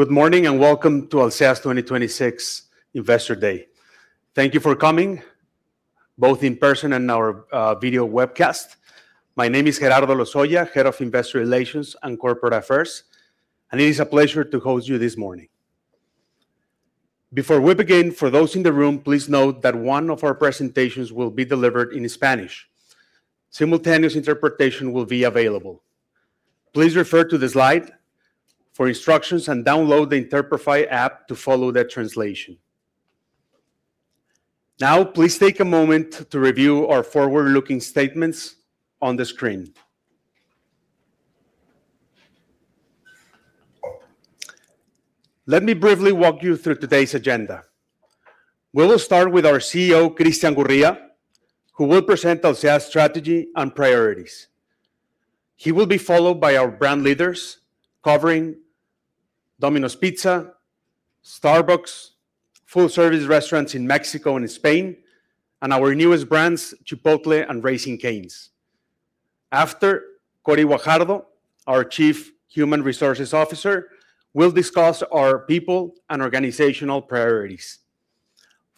Good morning, and welcome to Alsea's 2026 Investor Day. Thank you for coming, both in person and our video webcast. My name is Gerardo Lozoya, Head of Investor Relations and Corporate Affairs, and it is a pleasure to host you this morning. Before we begin, for those in the room, please note that one of our presentations will be delivered in Spanish. Simultaneous interpretation will be available. Please refer to the slide for instructions and download the Interprefy app to follow the translation. Now, please take a moment to review our forward-looking statements on the screen. Let me briefly walk you through today's agenda. We'll start with our CEO, Christian Gurría, who will present Alsea's strategy and priorities. He will be followed by our brand leaders covering Domino's Pizza, Starbucks, full-service restaurants in Mexico and Spain, and our newest brands, Chipotle and Raising Cane's. After, Cory Guajardo, our Chief Human Resources Officer, will discuss our people and organizational priorities,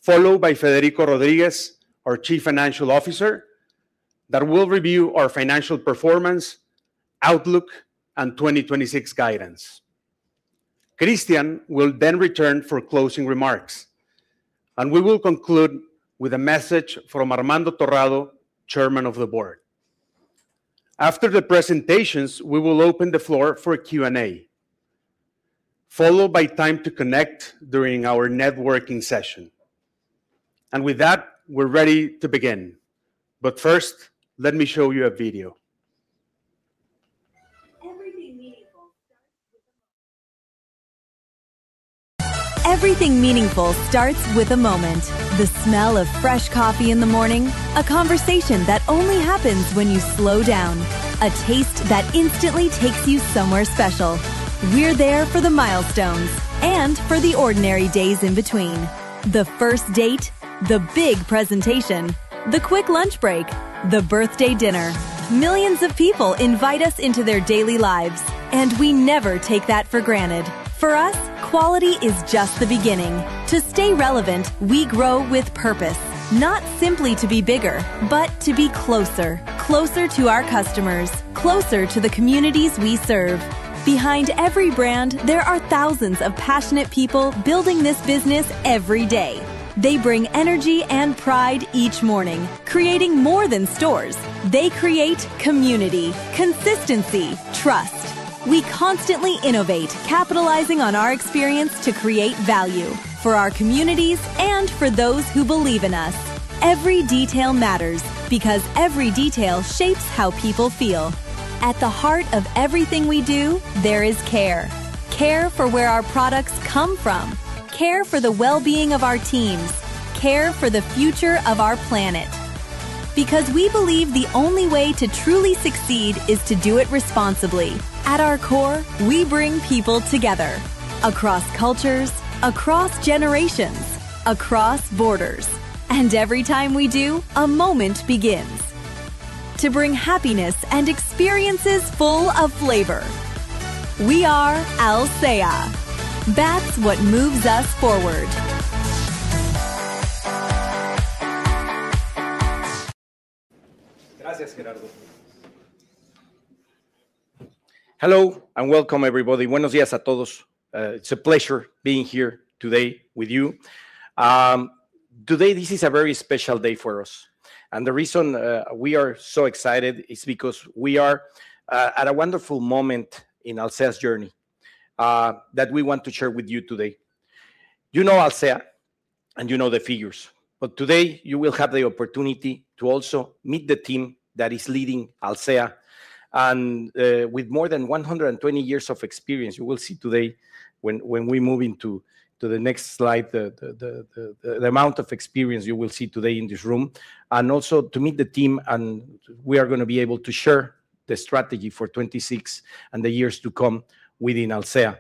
followed by Federico Rodríguez, our Chief Financial Officer, that will review our financial performance, outlook, and 2026 guidance. Christian will then return for closing remarks, and we will conclude with a message from Armando Torrado, Chairman of the Board. After the presentations, we will open the floor for Q&A, followed by time to connect during our networking session. With that, we're ready to begin. First, let me show you a video. Everything meaningful starts with a moment. The smell of fresh coffee in the morning, a conversation that only happens when you slow down, a taste that instantly takes you somewhere special. We're there for the milestones and for the ordinary days in between. The first date, the big presentation, the quick lunch break, the birthday dinner. Millions of people invite us into their daily lives, and we never take that for granted. For us, quality is just the beginning. To stay relevant, we grow with purpose. Not simply to be bigger, but to be closer to our customers, closer to the communities we serve. Behind every brand, there are thousands of passionate people building this business every day. They bring energy and pride each morning, creating more than stores. They create community, consistency, trust. We constantly innovate, capitalizing on our experience to create value for our communities and for those who believe in us. Every detail matters because every detail shapes how people feel. At the heart of everything we do, there is care. Care for where our products come from, care for the well-being of our teams, care for the future of our planet. Because we believe the only way to truly succeed is to do it responsibly. At our core, we bring people together across cultures, across generations, across borders, and every time we do, a moment begins to bring happiness and experiences full of flavor. We are Alsea. That's what moves us forward. Gracias, Gerardo. Hello and welcome, everybody. Buenos días a todos. It's a pleasure being here today with you. Today, this is a very special day for us, and the reason we are so excited is because we are at a wonderful moment in Alsea's journey that we want to share with you today. You know Alsea and you know the figures, but today you will have the opportunity to also meet the team that is leading Alsea and, with more than 120 years of experience, you will see today when we move to the next slide, the amount of experience you will see today in this room and also to meet the team and we are gonna be able to share the strategy for 2026 and the years to come within Alsea.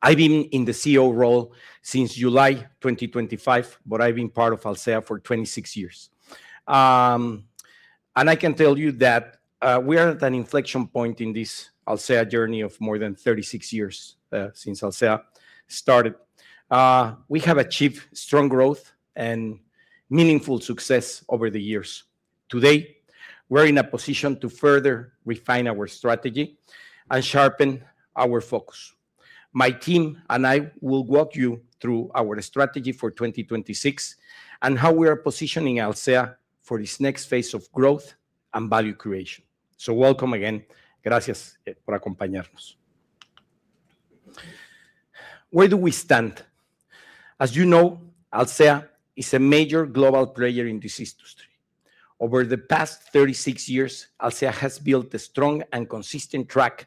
I've been in the CEO role since July 2025, but I've been part of Alsea for 26 years. I can tell you that we are at an inflection point in this Alsea journey of more than 36 years since Alsea started. We have achieved strong growth and meaningful success over the years. Today, we're in a position to further refine our strategy and sharpen our focus. My team and I will walk you through our strategy for 2026 and how we are positioning Alsea for this next phase of growth and value creation. Welcome again. Gracias por acompañarnos. Where do we stand? As you know, Alsea is a major global player in this industry. Over the past 36 years, Alsea has built a strong and consistent track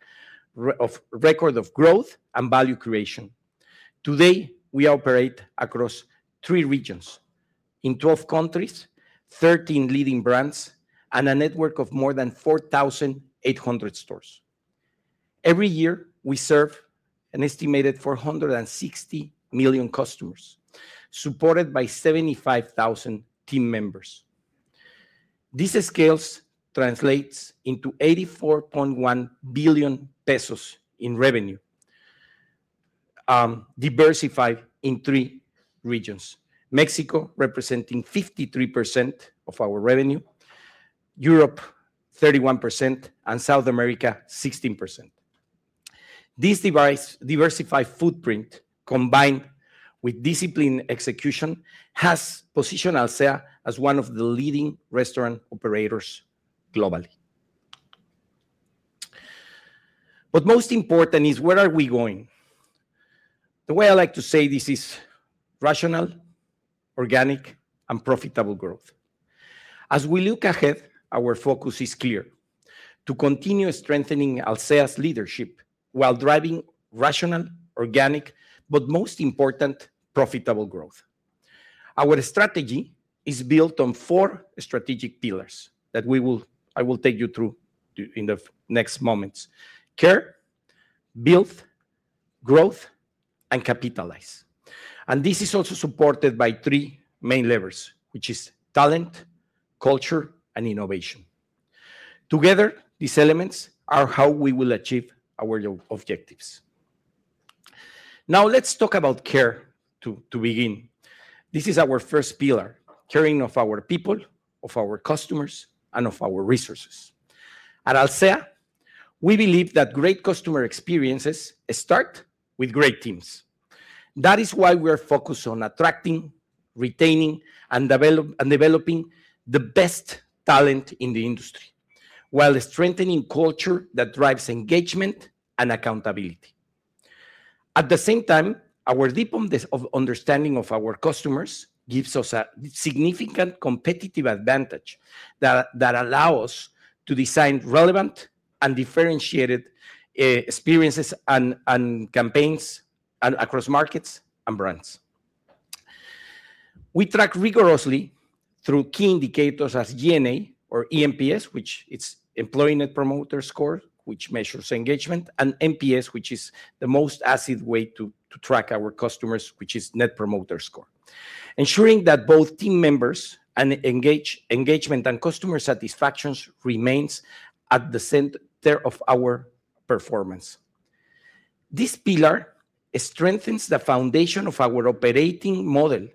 record of growth and value creation. Today, we operate across three regions in 12 countries, 13 leading brands and a network of more than 4,800 stores. Every year, we serve an estimated 460 million customers, supported by 75,000 team members. This scale translates into 84.1 billion pesos in revenue, diversified in three regions: Mexico representing 53% of our revenue, Europe 31%, and South America 16%. This diversified footprint, combined with disciplined execution, has positioned Alsea as one of the leading restaurant operators globally. Most important is where are we going? The way I like to say this is rational, organic, and profitable growth. As we look ahead, our focus is clear to continue strengthening Alsea's leadership while driving rational, organic, but most important, profitable growth. Our strategy is built on four strategic pillars that I will take you through in the next moments. Care, build, growth, and capitalize. This is also supported by three main levers, which is talent, culture, and innovation. Together, these elements are how we will achieve our objectives. Now let's talk about care, to begin. This is our first pillar, caring for our people, of our customers, and of our resources. At Alsea, we believe that great customer experiences start with great teams. That is why we are focused on attracting, retaining, and developing the best talent in the industry, while strengthening culture that drives engagement and accountability. At the same time, our deep understanding of our customers gives us a significant competitive advantage that allow us to design relevant and differentiated experiences and campaigns across markets and brands. We track rigorously through key indicators as eNPS, which is Employee Net Promoter Score, which measures engagement, and NPS, which is the most accurate way to track our customers, which is Net Promoter Score. Ensuring that both team members and engagement and customer satisfaction remains at the center of our performance. This pillar strengthens the foundation of our operating model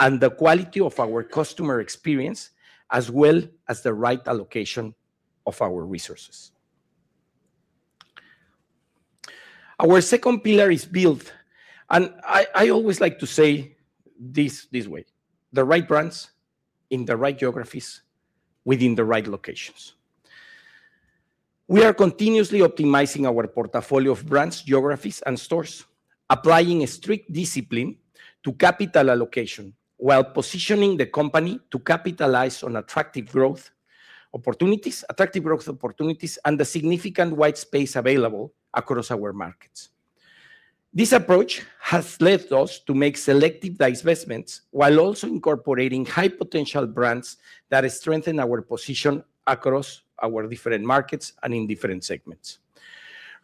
and the quality of our customer experience, as well as the right allocation of our resources. Our second pillar is build, and I always like to say this way, the right brands in the right geographies within the right locations. We are continuously optimizing our portfolio of brands, geographies, and stores, applying a strict discipline to capital allocation while positioning the company to capitalize on attractive growth opportunities and the significant white space available across our markets. This approach has led us to make selective divestments while also incorporating high-potential brands that strengthen our position across our different markets and in different segments.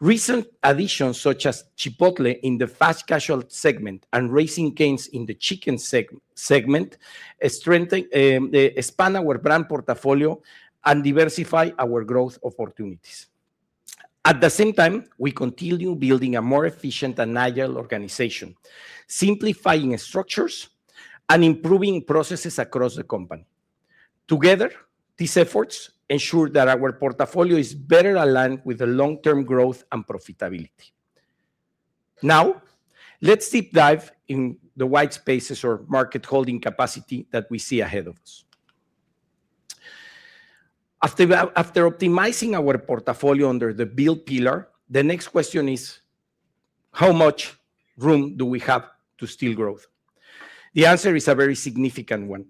Recent additions, such as Chipotle in the fast casual segment and Raising Cane's in the chicken segment, strengthen, expand our brand portfolio and diversify our growth opportunities. At the same time, we continue building a more efficient and agile organization, simplifying structures and improving processes across the company. Together, these efforts ensure that our portfolio is better aligned with the long-term growth and profitability. Now, let's deep dive in the white spaces or market holding capacity that we see ahead of us. After optimizing our portfolio under the build pillar, the next question is, how much room do we have to still growth? The answer is a very significant one.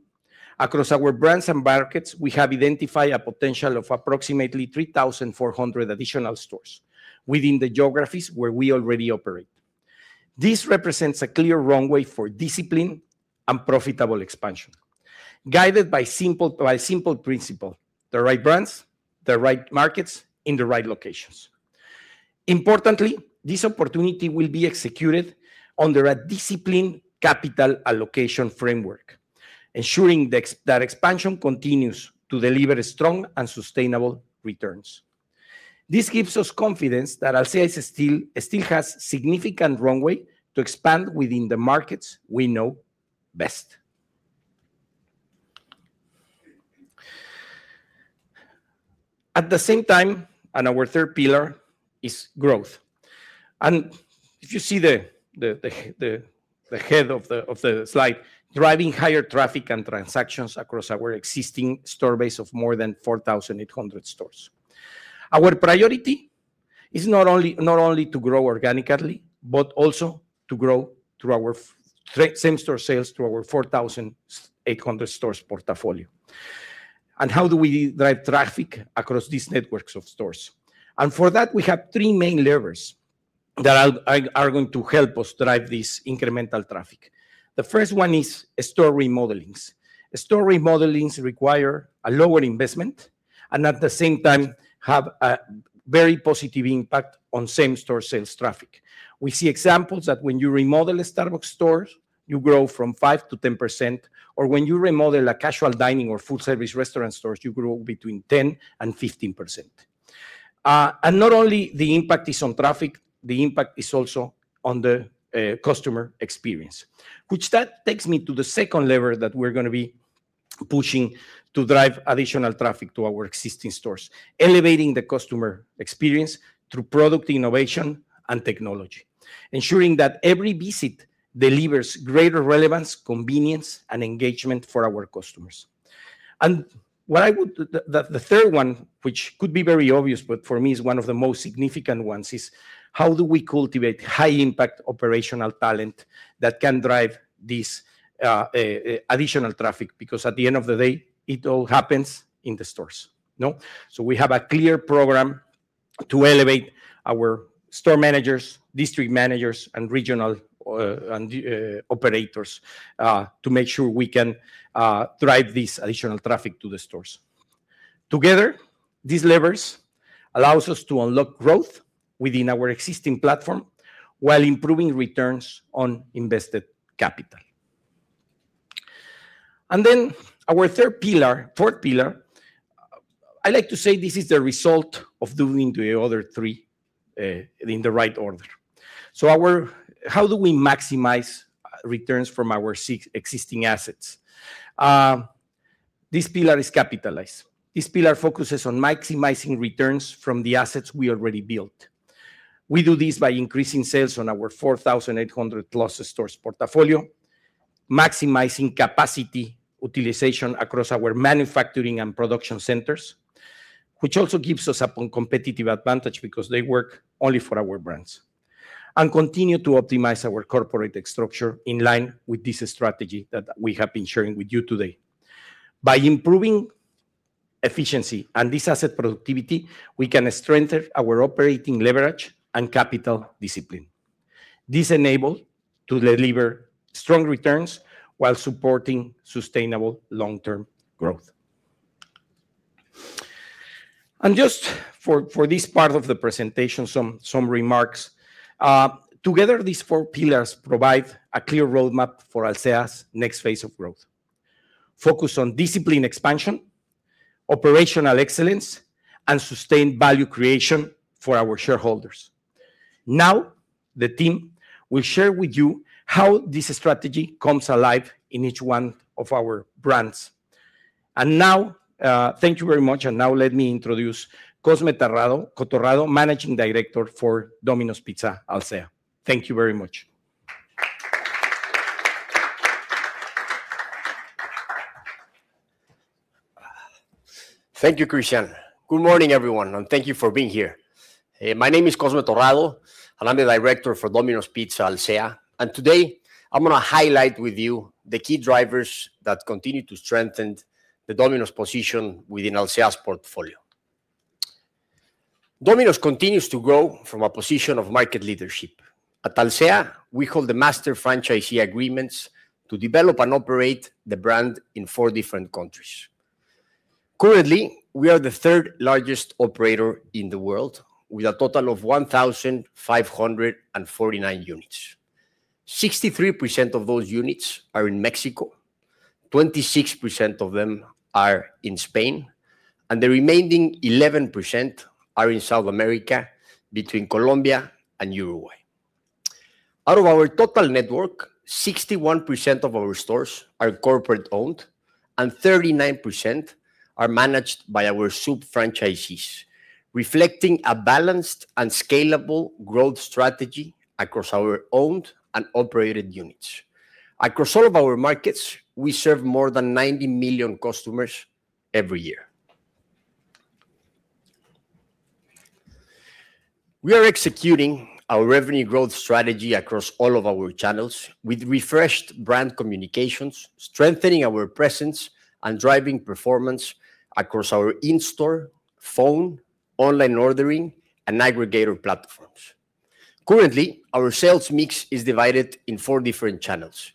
Across our brands and markets, we have identified a potential of approximately 3,400 additional stores within the geographies where we already operate. This represents a clear runway for discipline and profitable expansion, guided by simple principle, the right brands, the right markets, in the right locations. Importantly, this opportunity will be executed under a disciplined capital allocation framework, ensuring that expansion continues to deliver strong and sustainable returns. This gives us confidence that Alsea still has significant runway to expand within the markets we know best. At the same time, our third pillar is growth. If you see the head of the slide, driving higher traffic and transactions across our existing store base of more than 4,800 stores. Our priority is not only to grow organically, but also to grow through our same-store sales through our 4,800 stores portfolio. How do we drive traffic across these networks of stores? For that, we have three main levers that are going to help us drive this incremental traffic. The first one is store remodelings. Store remodelings require a lower investment, and at the same time have very positive impact on same-store sales traffic. We see examples that when you remodel a Starbucks stores, you grow from 5%-10%, or when you remodel a casual dining or food service restaurant stores, you grow between 10%-15%. Not only the impact is on traffic, the impact is also on the customer experience, which takes me to the second lever that we're gonna be pushing to drive additional traffic to our existing stores, elevating the customer experience through product innovation and technology, ensuring that every visit delivers greater relevance, convenience, and engagement for our customers. What I would... The third one, which could be very obvious, but for me is one of the most significant ones, is how do we cultivate high-impact operational talent that can drive this additional traffic? Because at the end of the day, it all happens in the stores. No? We have a clear program to elevate our store managers, district managers, and regional and operators to make sure we can drive this additional traffic to the stores. Together, these levers allows us to unlock growth within our existing platform while improving returns on invested capital. Then our third pillar, fourth pillar, I like to say this is the result of doing the other three in the right order. How do we maximize returns from our existing assets? This pillar is capitalize. This pillar focuses on maximizing returns from the assets we already built. We do this by increasing sales on our 4,800+ stores portfolio, maximizing capacity utilization across our manufacturing and production centers, which also gives us a competitive advantage because they work only for our brands, and continue to optimize our corporate structure in line with this strategy that we have been sharing with you today. By improving efficiency and this asset productivity, we can strengthen our operating leverage and capital discipline. This enable to deliver strong returns while supporting sustainable long-term growth. Just for this part of the presentation, some remarks. Together, these four pillars provide a clear roadmap for Alsea's next phase of growth. Focus on disciplined expansion, operational excellence, and sustained value creation for our shareholders. Now, the team will share with you how this strategy comes alive in each one of our brands. Now, thank you very much. Now let me introduce Cosme Torrado, Managing Director for Domino's Pizza Alsea. Thank you very much. Thank you, Christian. Good morning, everyone, and thank you for being here. My name is Cosme Torrado, and I'm the director for Domino's Pizza Alsea. Today, I'm gonna highlight with you the key drivers that continue to strengthen the Domino's position within Alsea's portfolio. Domino's continues to grow from a position of market leadership. At Alsea, we hold the master franchisee agreements to develop and operate the brand in four different countries. Currently, we are the third largest operator in the world with a total of 1,549 units. 63% of those units are in Mexico, 26% of them are in Spain, and the remaining 11% are in South America between Colombia and Uruguay. Out of our total network, 61% of our stores are corporate-owned, and 39% are managed by our sub-franchisees, reflecting a balanced and scalable growth strategy across our owned and operated units. Across all of our markets, we serve more than 90 million customers every year. We are executing our revenue growth strategy across all of our channels with refreshed brand communications, strengthening our presence and driving performance across our in-store, phone, online ordering, and aggregator platforms. Currently, our sales mix is divided in four different channels.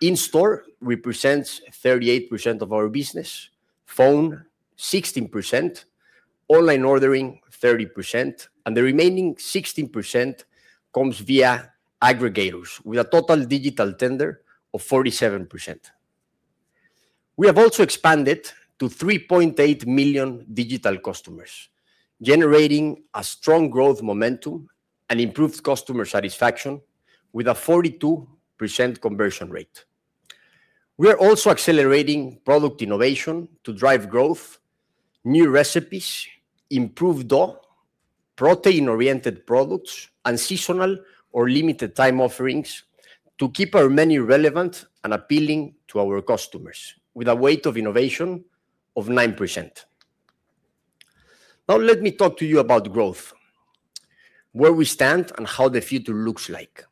In-store represents 38% of our business, phone 16%, online ordering 30%, and the remaining 16% comes via aggregators with a total digital tender of 47%. We have also expanded to 3.8 million digital customers, generating a strong growth momentum and improved customer satisfaction with a 42% conversion rate. We are also accelerating product innovation to drive growth, new recipes, improved dough, protein-oriented products, and seasonal or limited time offerings to keep our menu relevant and appealing to our customers with a wave of innovation of 9%. Now let me talk to you about growth, where we stand, and how the future looks like.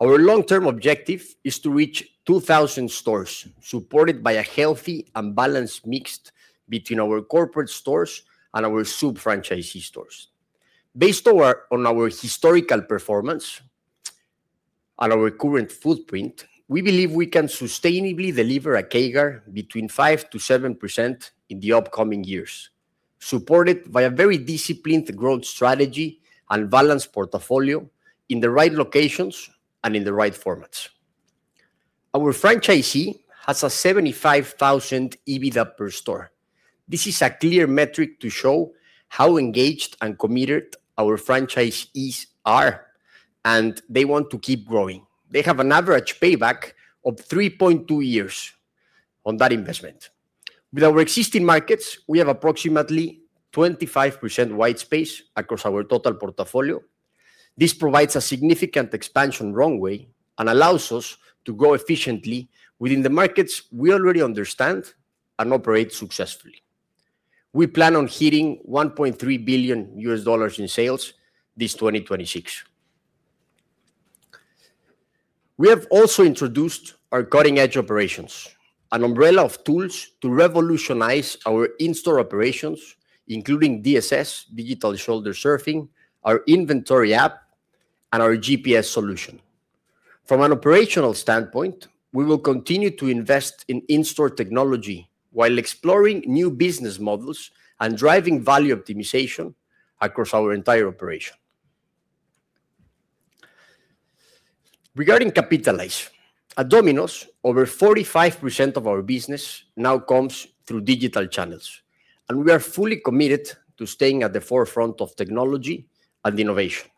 Our long-term objective is to reach 2,000 stores, supported by a healthy and balanced mix between our corporate stores and our sub-franchisee stores. Based on our historical performance on our current footprint, we believe we can sustainably deliver a CAGR between 5%-7% in the upcoming years, supported by a very disciplined growth strategy and balanced portfolio in the right locations and in the right formats. Our franchisee has a 75,000 EBITDA per store. This is a clear metric to show how engaged and committed our franchisees are, and they want to keep growing. They have an average payback of 3.2 years on that investment. With our existing markets, we have approximately 25% white space across our total portfolio. This provides a significant expansion runway and allows us to grow efficiently within the markets we already understand and operate successfully. We plan on hitting $1.3 billion in sales this 2026. We have also introduced our cutting-edge operations, an umbrella of tools to revolutionize our in-store operations, including DSS, Digital Shoulder Surfing, our inventory app, and our GPS solution. From an operational standpoint, we will continue to invest in in-store technology while exploring new business models and driving value optimization across our entire operation. Regarding capitalize. At Domino's, over 45% of our business now comes through digital channels, and we are fully committed to staying at the forefront of technology and innovation.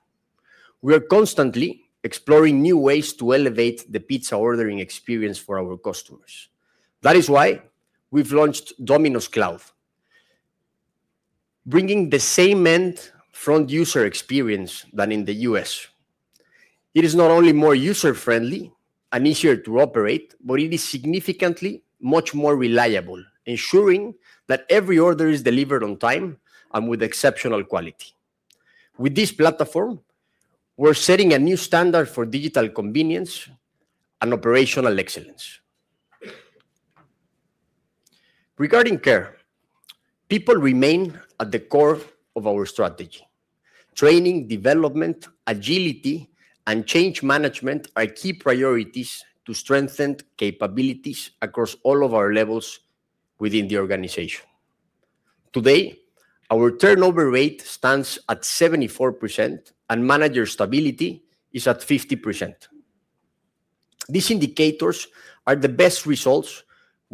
We are constantly exploring new ways to elevate the pizza ordering experience for our customers. That is why we've launched Domino's Cloud. Bringing the same end front user experience than in the US. It is not only more user-friendly and easier to operate, but it is significantly much more reliable, ensuring that every order is delivered on time and with exceptional quality. With this platform, we're setting a new standard for digital convenience and operational excellence. Regarding care. People remain at the core of our strategy. Training, development, agility, and change management are key priorities to strengthen capabilities across all of our levels within the organization. Today, our turnover rate stands at 74%, and manager stability is at 50%. These indicators are the best results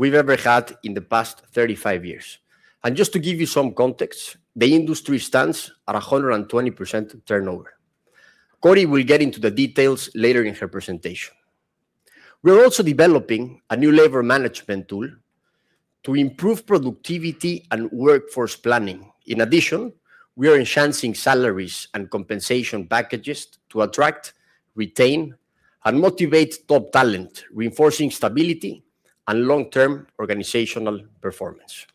we've ever had in the past 35 years. Just to give you some context, the industry stands at a 120% turnover. Cori will get into the details later in her presentation. We're also developing a new labor management tool to improve productivity and workforce planning. In addition, we are enhancing salaries and compensation packages to attract, retain, and motivate top talent, reinforcing stability and long-term organizational performance.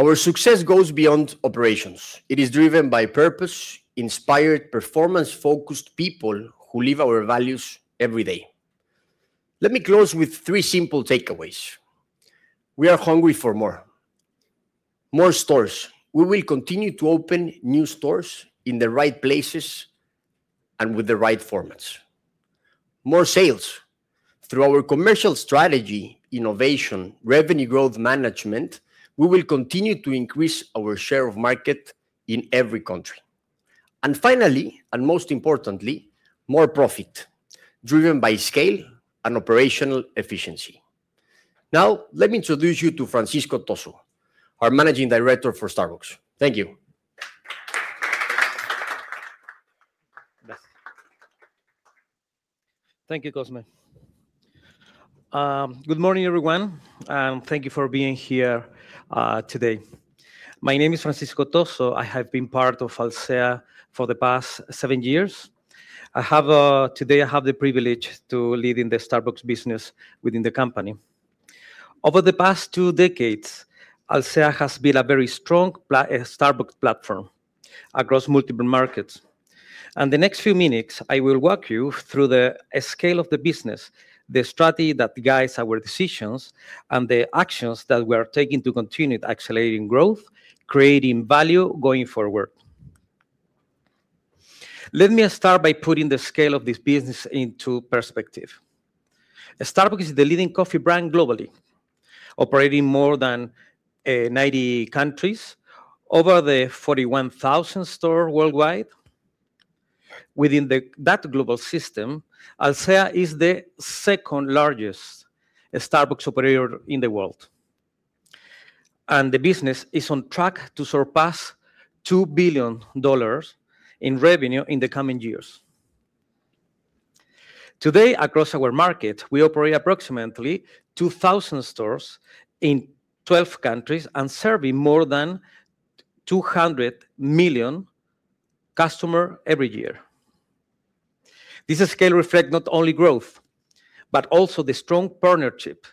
Our success goes beyond operations. It is driven by purpose, inspired, performance-focused people who live our values every day. Let me close with three simple takeaways. We are hungry for more. More stores. We will continue to open new stores in the right places and with the right formats. More sales. Through our commercial strategy, innovation, revenue growth management, we will continue to increase our share of market in every country. Finally, and most importantly, more profit driven by scale and operational efficiency. Now, let me introduce you to Francisco Toso, our Managing Director for Starbucks. Thank you. Thank you, Cosme. Good morning, everyone, and thank you for being here today. My name is Francisco Toso. I have been part of Alsea for the past seven years. Today, I have the privilege to lead in the Starbucks business within the company. Over the past two decades, Alsea has built a very strong Starbucks platform across multiple markets. The next few minutes, I will walk you through the scale of the business, the strategy that guides our decisions, and the actions that we are taking to continue accelerating growth, creating value going forward. Let me start by putting the scale of this business into perspective. Starbucks is the leading coffee brand globally, operating more than 90 countries, over the 41,000 stores worldwide. That global system, Alsea is the second-largest Starbucks operator in the world, and the business is on track to surpass $2 billion in revenue in the coming years. Today, across our markets, we operate approximately 2,000 stores in 12 countries and serving more than 200 million customers every year. This scale reflect not only growth, but also the strong partnership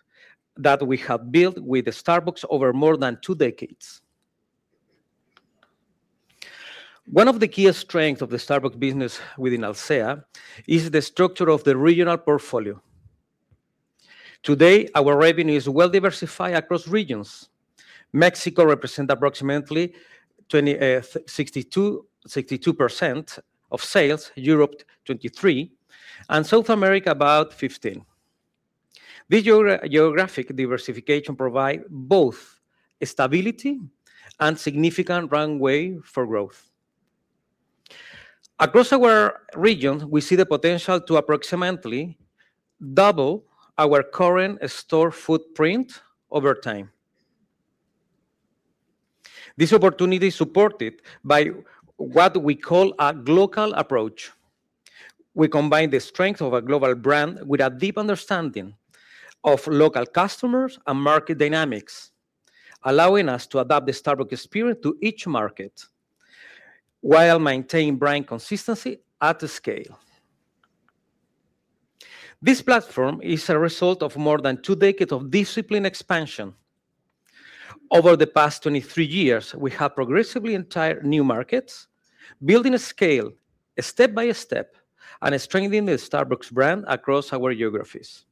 that we have built with Starbucks over more than two decades. One of the key strengths of the Starbucks business within Alsea is the structure of the regional portfolio. Today, our revenue is well diversified across regions. Mexico represent approximately 62%, Europe 23%, and South America about 15%. This geographic diversification provide both stability and significant runway for growth. Across our regions, we see the potential to approximately double our current store footprint over time. This opportunity is supported by what we call a local approach. We combine the strength of a global brand with a deep understanding of local customers and market dynamics, allowing us to adapt the Starbucks experience to each market while maintaining brand consistency at scale. This platform is a result of more than two decades of disciplined expansion. Over the past 23 years, we have progressively entered new markets, building scale step by step and strengthening the Starbucks brand across our geographies.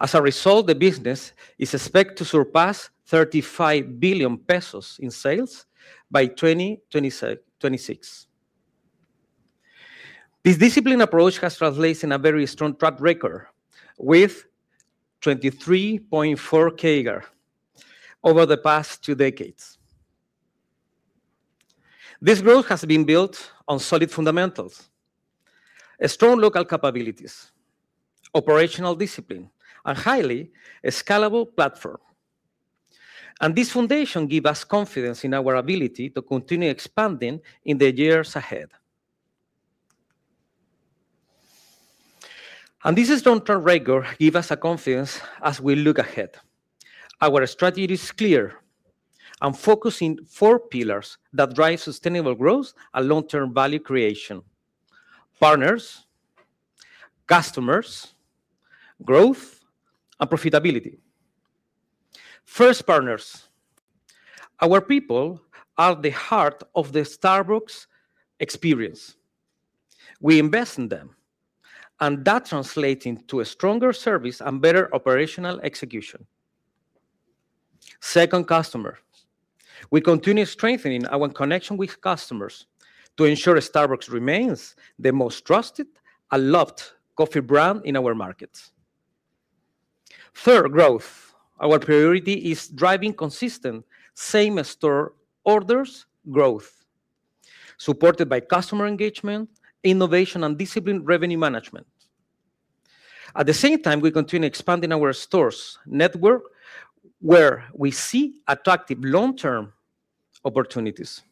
As a result, the business is expected to surpass 35 billion pesos in sales by 2026. This disciplined approach has translated into a very strong track record with 23.4% CAGR over the past two decades. This growth has been built on solid fundamentals, strong local capabilities, operational discipline, a highly scalable platform. This foundation give us confidence in our ability to continue expanding in the years ahead. This long-term record give us a confidence as we look ahead. Our strategy is clear and focusing four pillars that drive sustainable growth and long-term value creation. Partners, customers, growth, and profitability. First, partners. Our people are the heart of the Starbucks experience. We invest in them, and that translating to a stronger service and better operational execution. Second, customers. We continue strengthening our connection with customers to ensure Starbucks remains the most trusted and loved coffee brand in our markets. Third, growth. Our priority is driving consistent same-store sales growth, supported by customer engagement, innovation and disciplined revenue management. At the same time, we continue expanding our store network where we see attractive long-term opportunities.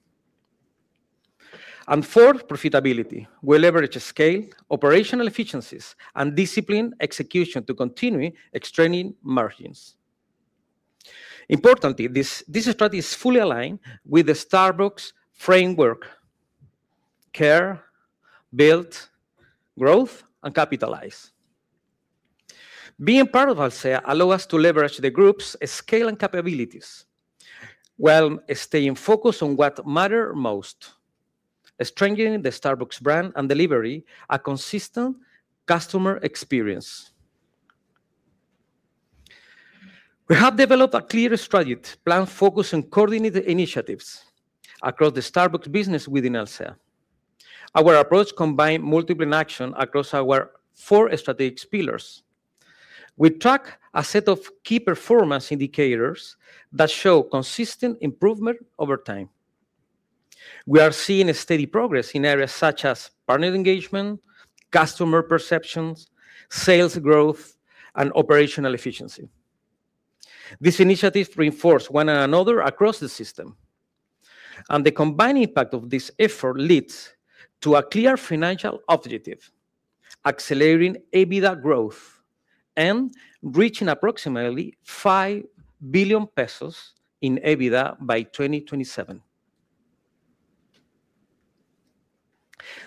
Fourth, profitability. We leverage scale, operational efficiencies and disciplined execution to continue extending margins. Importantly, this strategy is fully aligned with the Starbucks framework, care, build, growth and capitalize. Being part of Alsea allow us to leverage the group's scale and capabilities while staying focused on what matter most, strengthening the Starbucks brand and delivering a consistent customer experience. We have developed a clear strategy, plan, focus, and coordinate initiatives across the Starbucks business within Alsea. Our approach combine multiple action across our four strategic pillars. We track a set of key performance indicators that show consistent improvement over time. We are seeing a steady progress in areas such as partner engagement, customer perceptions, sales growth, and operational efficiency. These initiatives reinforce one another across the system. The combined impact of this effort leads to a clear financial objective, accelerating EBITDA growth and reaching approximately 5 billion pesos in EBITDA by 2027.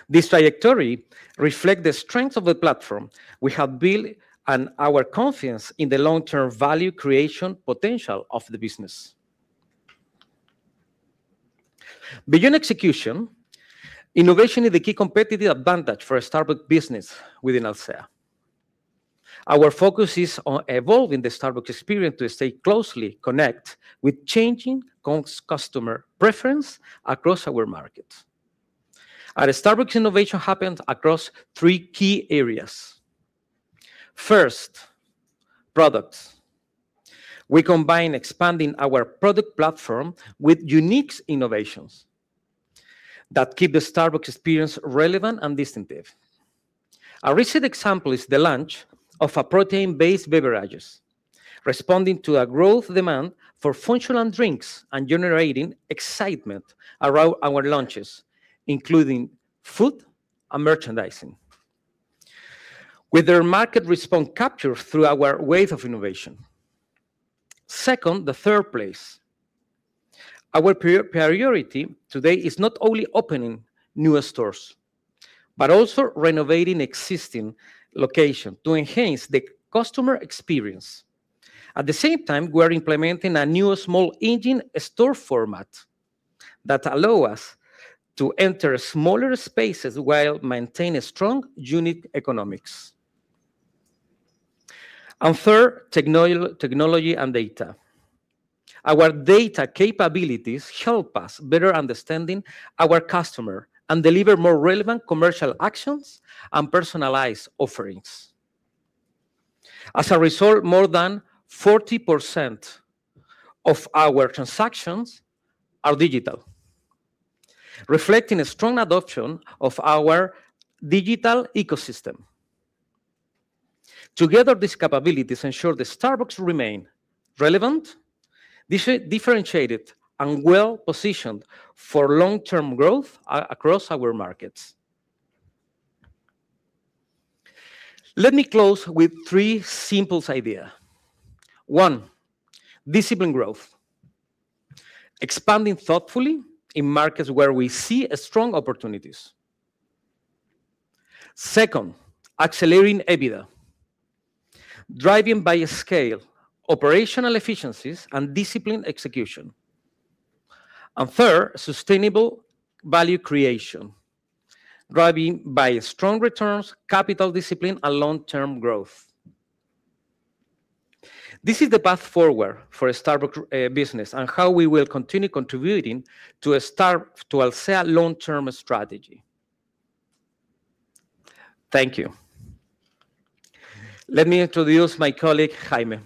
This trajectory reflect the strength of the platform we have built and our confidence in the long-term value creation potential of the business. Beyond execution, innovation is the key competitive advantage for a Starbucks business within Alsea. Our focus is on evolving the Starbucks experience to stay closely connect with changing customer preference across our markets. At Starbucks, innovation happens across three key areas. First, products. We combine expanding our product platform with unique innovations that keep the Starbucks experience relevant and distinctive. A recent example is the launch of a protein-based beverages, responding to a growth demand for functional drinks and generating excitement around our launches, including food and merchandising, with their market response captured through our wave of innovation. Second, the third place. Our priority today is not only opening new stores, but also renovating existing location to enhance the customer experience. At the same time, we are implementing a new small engine store format that allows us to enter smaller spaces while maintaining a strong unit economics. Third, technology and data. Our data capabilities help us better understand our customer and deliver more relevant commercial actions and personalized offerings. As a result, more than 40% of our transactions are digital, reflecting a strong adoption of our digital ecosystem. Together, these capabilities ensure that Starbucks remains relevant, differentiated, and well-positioned for long-term growth across our markets. Let me close with three simple ideas. One, disciplined growth. Expanding thoughtfully in markets where we see strong opportunities. Second, accelerating EBITDA. Driven by scale, operational efficiencies and disciplined execution. Third, sustainable value creation. Driven by strong returns, capital discipline, and long-term growth. This is the path forward for a Starbucks business and how we will continue contributing to Alsea long-term strategy. Thank you. Let me introduce my colleague, Jaime.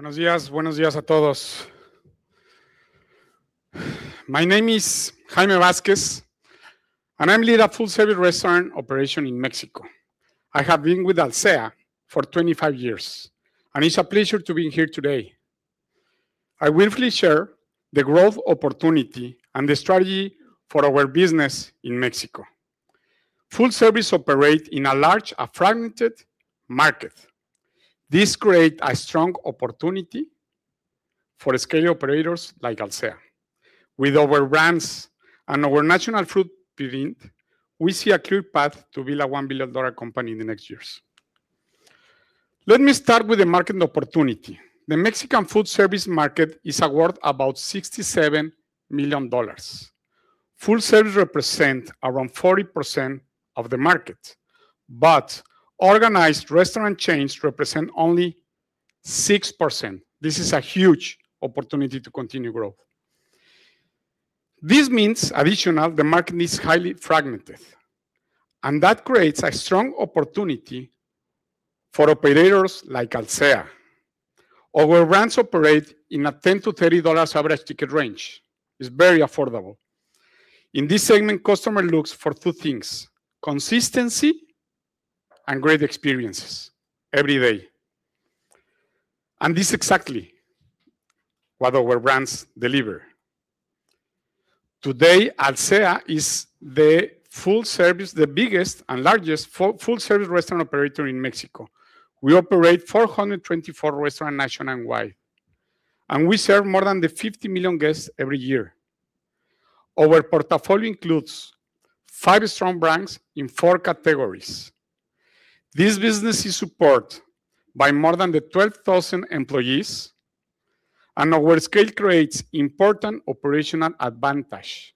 Buenos días. Buenos días a todos. My name is Jaime Vázquez, and I lead a full-service restaurant operation in Mexico. I have been with Alsea for 25 years, and it's a pleasure to be here today. I will share the growth opportunity and the strategy for our business in Mexico. Full service operate in a large and fragmented market. This create a strong opportunity for scale operators like Alsea. With our brands and our national footprint, we see a clear path to build a $1 billion company in the next years. Let me start with the market opportunity. The Mexican food service market is worth about $67 million. Full service represent around 40% of the market, but organized restaurant chains represent only 6%. This is a huge opportunity to continue growth. This means additionally, the market is highly fragmented, and that creates a strong opportunity for operators like Alsea. Our brands operate in a $10-$30 average ticket range. It's very affordable. In this segment, customers look for two things, consistency and great experiences every day. That's exactly what our brands deliver. Today, Alsea is the biggest and largest full-service restaurant operator in Mexico. We operate 424 restaurants nationwide, and we serve more than 50 million guests every year. Our portfolio includes five strong brands in four categories. This business is supported by more than 12,000 employees, and our scale creates important operational advantages.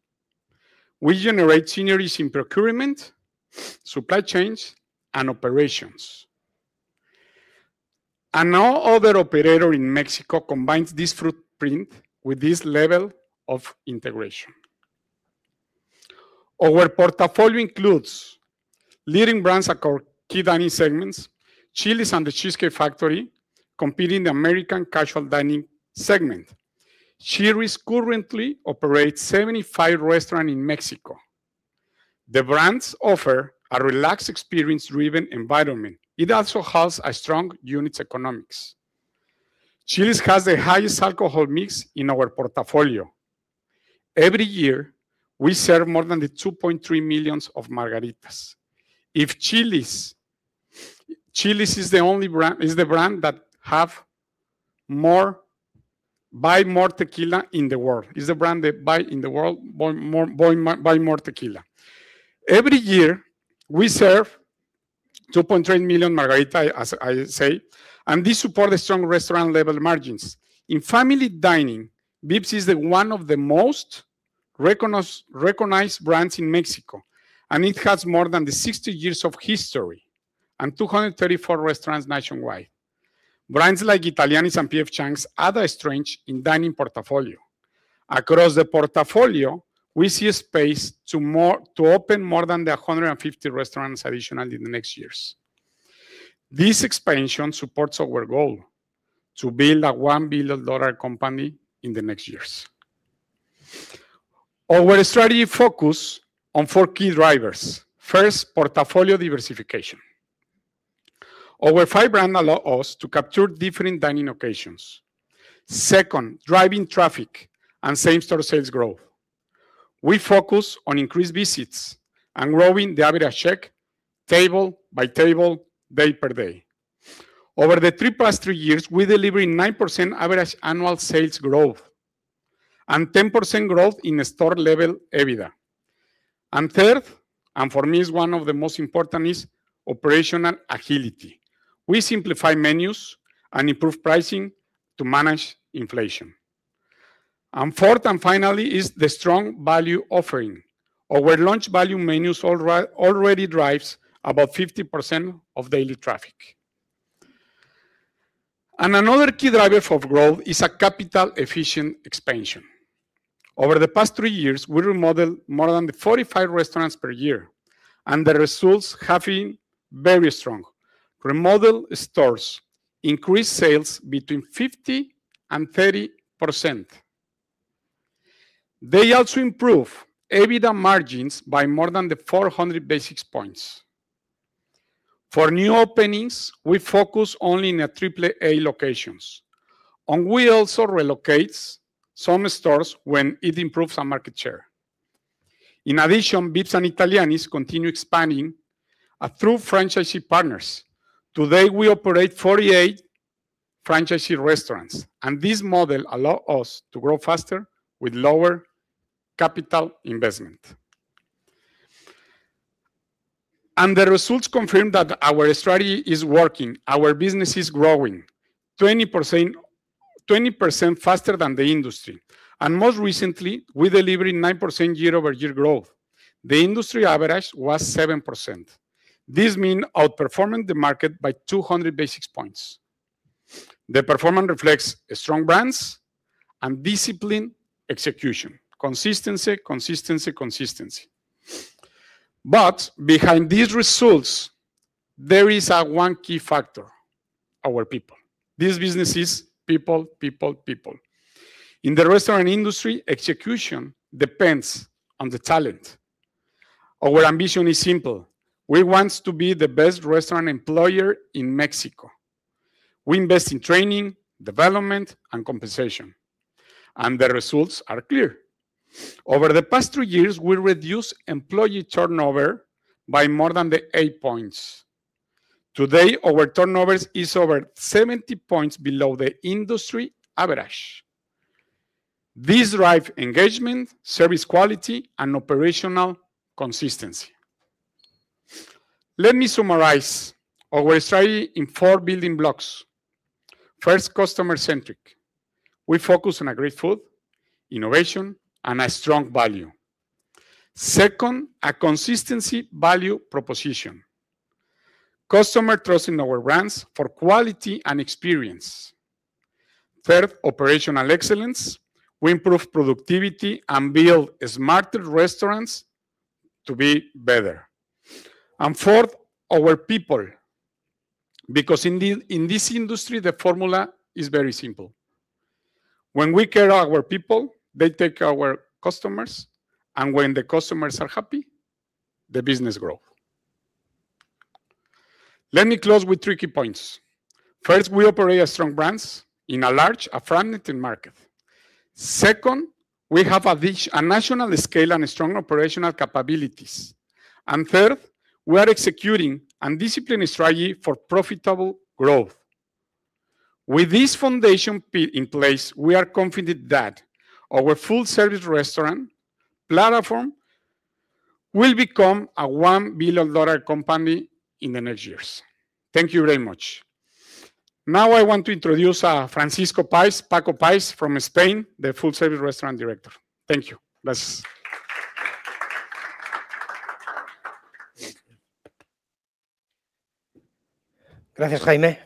We generate synergies in procurement, supply chains, and operations. No other operator in Mexico combines this footprint with this level of integration. Our portfolio includes leading brands across key dining segments, Chili's and The Cheesecake Factory, competing in the American casual dining segment. Chili's currently operates 75 restaurants in Mexico. The brands offer a relaxed, experience-driven environment. It also has a strong unit economics. Chili's has the highest alcohol mix in our portfolio. Every year, we serve more than 2.3 million margaritas. Chili's is the only brand that buys more tequila in the world. It's the brand that buys more tequila in the world. Every year, we serve 2.3 million margaritas, as I say, and this supports the strong restaurant-level margins. In family dining, Vips is one of the most recognized brands in Mexico, and it has more than 60 years of history and 234 restaurants nationwide. Brands like Italianni's and P.F. Chang's add strength in dining portfolio. Across the portfolio, we see a space to open more than 150 restaurants additionally in the next years. This expansion supports our goal to build a $1 billion company in the next years. Our strategy focus on four key drivers. First, portfolio diversification. Our five brand allow us to capture different dining occasions. Second, driving traffic and same-store sales growth. We focus on increased visits and growing the average check table by table, day per day. Over the 3+3 years, we delivering 9% average annual sales growth. 10% growth in store level EBITDA. Third, and for me is one of the most important, is operational agility. We simplify menus and improve pricing to manage inflation. Fourth and finally is the strong value offering. Our launch value menus already drives about 50% of daily traffic. Another key driver for growth is a capital-efficient expansion. Over the past 3 years, we remodeled more than 45 restaurants per year, and the results have been very strong. Remodeled stores increase sales between 50% and 30%. They also improve EBITDA margins by more than 400 basis points. For new openings, we focus only in the AAA locations, and we also relocates some stores when it improves our market share. In addition, Vips and Italianni's continue expanding through franchisee partners. Today, we operate 48 franchisee restaurants, and this model allow us to grow faster with lower capital investment. The results confirm that our strategy is working. Our business is growing 20%, 20% faster than the industry, and most recently, we delivering 9% year-over-year growth. The industry average was 7%. This means outperforming the market by 200 basis points. The performance reflects strong brands and disciplined execution. Consistency. Behind these results, there is one key factor, our people. This business is people. In the restaurant industry, execution depends on the talent. Our ambition is simple. We want to be the best restaurant employer in Mexico. We invest in training, development, and compensation, and the results are clear. Over the past three years, we reduced employee turnover by more than eight points. Today, our turnover is over 70 points below the industry average. These drive engagement, service quality, and operational consistency. Let me summarize our strategy in four building blocks. First, customer-centric. We focus on great food, innovation, and a strong value. Second, a consistency value proposition. Customers trust our brands for quality and experience. Third, operational excellence. We improve productivity and build smarter restaurants to be better. Fourth, our people, because in this industry, the formula is very simple. When we care our people, they take care our customers, and when the customers are happy, the business grow. Let me close with three key points. First, we operate a strong brands in a large, fragmented market. Second, we have a reach and national scale and strong operational capabilities. Third, we are executing a disciplined strategy for profitable growth. With this foundation in place, we are confident that our full-service restaurant platform will become a $1 billion company in the next years. Thank you very much. Now I want to introduce Francisco Páez, Paco Páez from Spain, the Full-Service Restaurant Director. Thank you. Paez. Gracias, Jaime.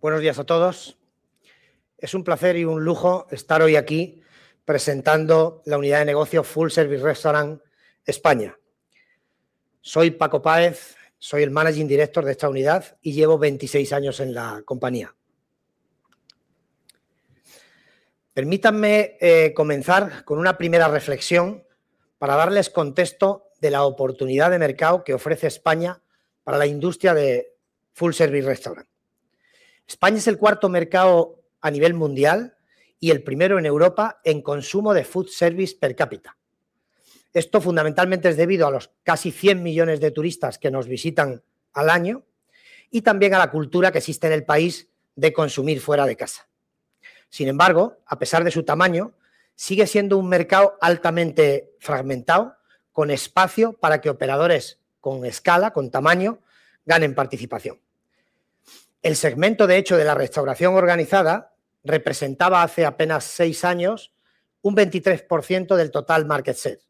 Buenos días a todos. Es un placer y un lujo estar hoy aquí presentando la unidad de negocio Full Service Restaurant España. Soy Paco Páez, soy el managing director de esta unidad y llevo 26 años en la compañía. Permítanme comenzar con una primera reflexión para darles contexto de la oportunidad de mercado que ofrece España para la industria de full service restaurant. España es el cuarto mercado a nivel mundial y el primero en Europa en consumo de food service per cápita. Esto fundamentalmente es debido a los casi 100 millones de turistas que nos visitan al año y también a la cultura que existe en el país de consumir fuera de casa. Sin embargo, a pesar de su tamaño, sigue siendo un mercado altamente fragmentado, con espacio para que operadores con escala, con tamaño, ganen participación. El segmento, de hecho, de la restauración organizada representaba hace apenas 6 años un 23% del total market share.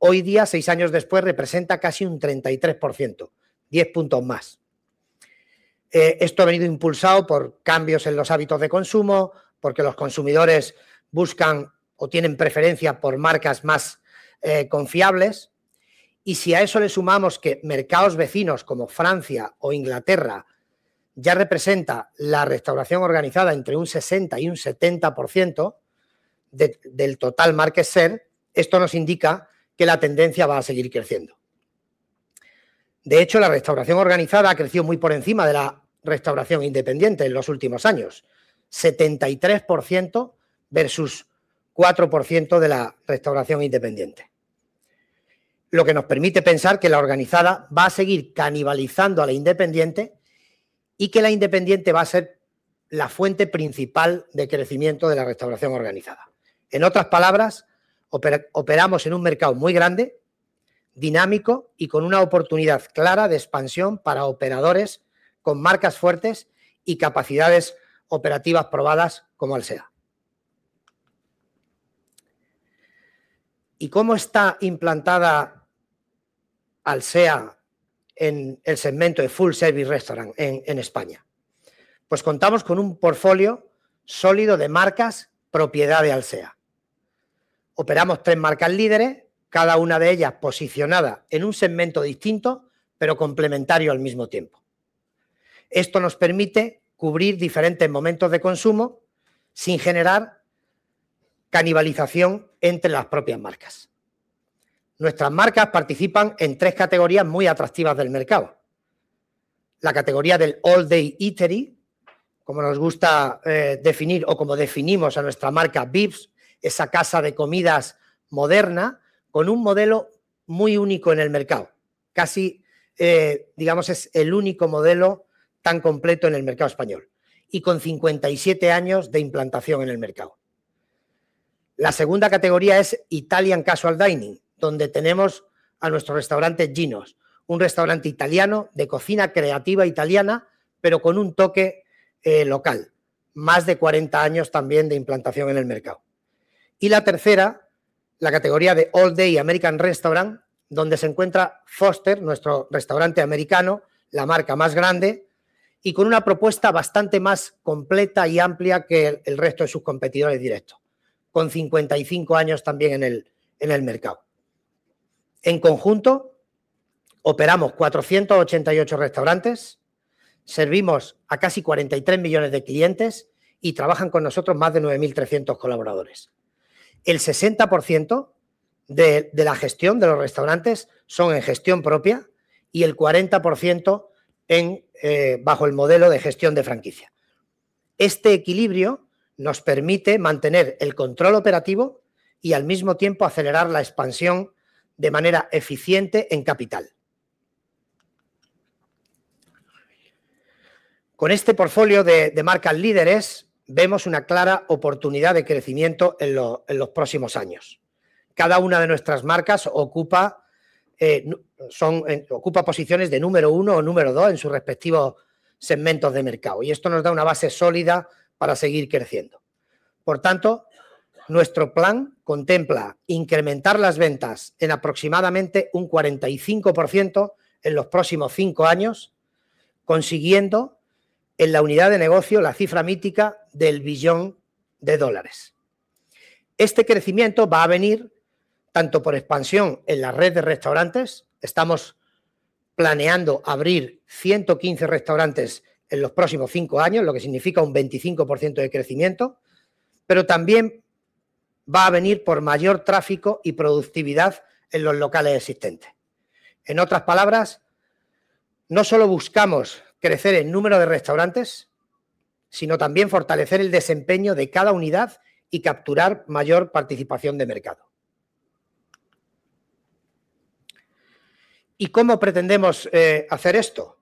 Hoy día, 6 años después, representa casi un 33%, 10 puntos más. Esto ha venido impulsado por cambios en los hábitos de consumo, porque los consumidores buscan o tienen preferencia por marcas más confiables. Si a eso le sumamos que mercados vecinos como Francia o Inglaterra ya representa la restauración organizada entre un 60% y un 70% del total market share, esto nos indica que la tendencia va a seguir creciendo. De hecho, la restauración organizada ha crecido muy por encima de la restauración independiente en los últimos años, 73% versus 4% de la restauración independiente. Lo que nos permite pensar que la organizada va a seguir canibalizando a la independiente y que la independiente va a ser la fuente principal de crecimiento de la restauración organizada. En otras palabras, operamos en un mercado muy grande, dinámico y con una oportunidad clara de expansión para operadores con marcas fuertes y capacidades operativas probadas, como Alsea. ¿Y cómo está implantada Alsea en el segmento de full service restaurant en España? Pues contamos con un portfolio sólido de marcas propiedad de Alsea. Operamos tres marcas líderes, cada una de ellas posicionada en un segmento distinto, pero complementario al mismo tiempo. Esto nos permite cubrir diferentes momentos de consumo sin generar canibalización entre las propias marcas. Nuestras marcas participan en tres categorías muy atractivas del mercado. La categoría del all-day eatery, como nos gusta, definir o como definimos a nuestra marca Vips, esa casa de comidas moderna con un modelo muy único en el mercado. Es el único modelo tan completo en el mercado español y con 57 años de implantación en el mercado. La segunda categoría es Italian Casual Dining, donde tenemos a nuestro restaurante Ginos, un restaurante italiano de cocina creativa italiana, pero con un toque, local. Más de 40 años también de implantación en el mercado. La tercera, la categoría de all-day American Restaurant, donde se encuentra Foster's, nuestro restaurante americano, la marca más grande y con una propuesta bastante más completa y amplia que el resto de sus competidores directos, con 55 años también en el mercado. En conjunto, operamos 488 restaurantes, servimos a casi 43 millones de clientes y trabajan con nosotros más de 9,300 colaboradores. El 60% de la gestión de los restaurantes son en gestión propia y el 40% en bajo el modelo de gestión de franquicia. Este equilibrio nos permite mantener el control operativo y al mismo tiempo acelerar la expansión de manera eficiente en capital. Con este portfolio de marcas líderes, vemos una clara oportunidad de crecimiento en los próximos años. Cada una de nuestras marcas ocupa posiciones de número uno o número dos en sus respectivos segmentos de mercado, y esto nos da una base sólida para seguir creciendo. Por tanto, nuestro plan contempla incrementar las ventas en aproximadamente 45% en los próximos cinco años, consiguiendo en la unidad de negocio la cifra mítica del $1 billón. Este crecimiento va a venir tanto por expansión en la red de restaurantes, estamos planeando abrir 115 restaurantes en los próximos cinco años, lo que significa un 25% de crecimiento, pero también va a venir por mayor tráfico y productividad en los locales existentes. En otras palabras, no solo buscamos crecer en número de restaurantes, sino también fortalecer el desempeño de cada unidad y capturar mayor participación de mercado. ¿Y cómo pretendemos hacer esto?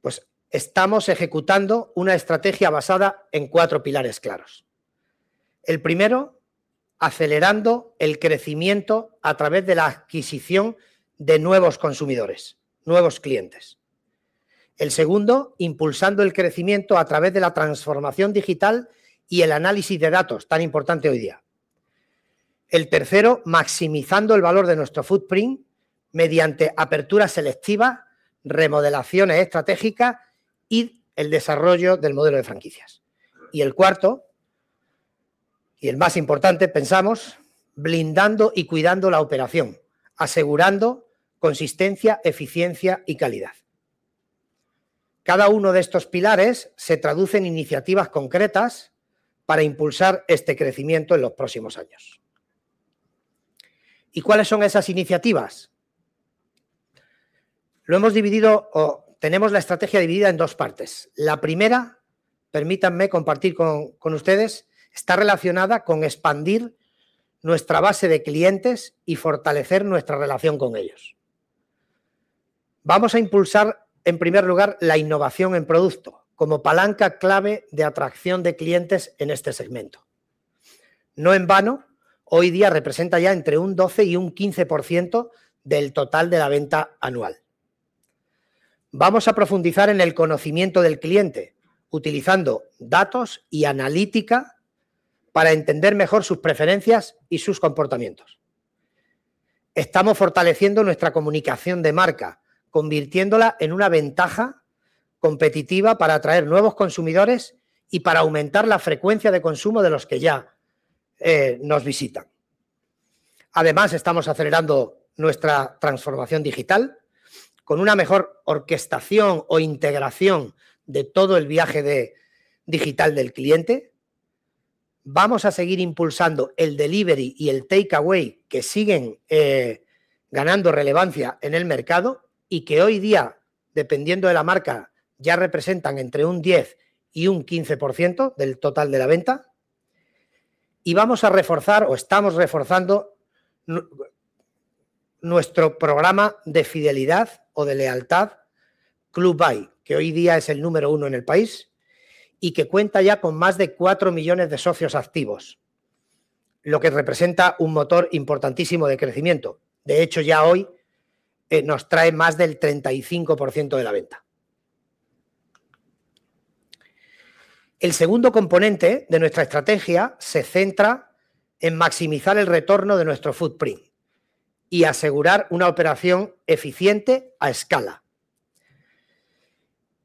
Pues estamos ejecutando una estrategia basada en cuatro pilares claros. El primero, acelerando el crecimiento a través de la adquisición de nuevos consumidores, nuevos clientes. El segundo, impulsando el crecimiento a través de la transformación digital y el análisis de datos, tan importante hoy día. El tercero, maximizando el valor de nuestro footprint mediante apertura selectiva, remodelaciones estratégicas y el desarrollo del modelo de franquicias. El cuarto, y el más importante, pensamos, blindando y cuidando la operación, asegurando consistencia, eficiencia y calidad. Cada uno de estos pilares se traduce en iniciativas concretas para impulsar este crecimiento en los próximos años. ¿Cuáles son esas iniciativas? Lo hemos dividido o tenemos la estrategia dividida en dos partes. La primera, permítanme compartir con ustedes, está relacionada con expandir nuestra base de clientes y fortalecer nuestra relación con ellos. Vamos a impulsar, en primer lugar, la innovación en producto como palanca clave de atracción de clientes en este segmento. No en vano, hoy día representa ya entre un 12%-15% del total de la venta anual. Vamos a profundizar en el conocimiento del cliente utilizando datos y analítica para entender mejor sus preferencias y sus comportamientos. Estamos fortaleciendo nuestra comunicación de marca, convirtiéndola en una ventaja competitiva para atraer nuevos consumidores y para aumentar la frecuencia de consumo de los que ya nos visitan. Además, estamos acelerando nuestra transformación digital con una mejor orquestación o integración de todo el viaje digital del cliente. Vamos a seguir impulsando el delivery y el takeaway, que siguen ganando relevancia en el mercado y que hoy día, dependiendo de la marca, ya representan entre 10% y 15% del total de la venta. Vamos a reforzar o estamos reforzando nuestro programa de fidelidad o de lealtad Club VIPS, que hoy día es el número uno en el país y que cuenta ya con más de 4 millones de socios activos, lo que representa un motor importantísimo de crecimiento. De hecho, ya hoy nos trae más del 35% de la venta. El segundo componente de nuestra estrategia se centra en maximizar el retorno de nuestro footprint y asegurar una operación eficiente a escala.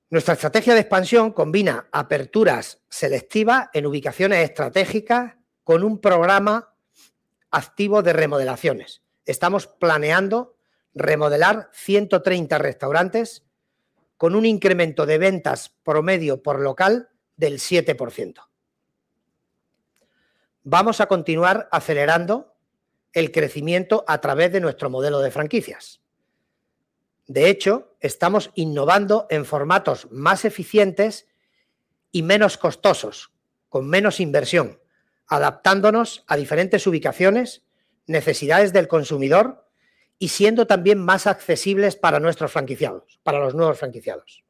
Nuestra estrategia de expansión combina aperturas selectivas en ubicaciones estratégicas con un programa activo de remodelaciones. Estamos planeando remodelar 130 restaurantes con un incremento de ventas promedio por local del 7%. Vamos a continuar acelerando el crecimiento a través de nuestro modelo de franquicias. De hecho, estamos innovando en formatos más eficientes y menos costosos, con menos inversión, adaptándonos a diferentes ubicaciones, necesidades del consumidor y siendo también más accesibles para nuestros franquiciados, para los nuevos franquiciados.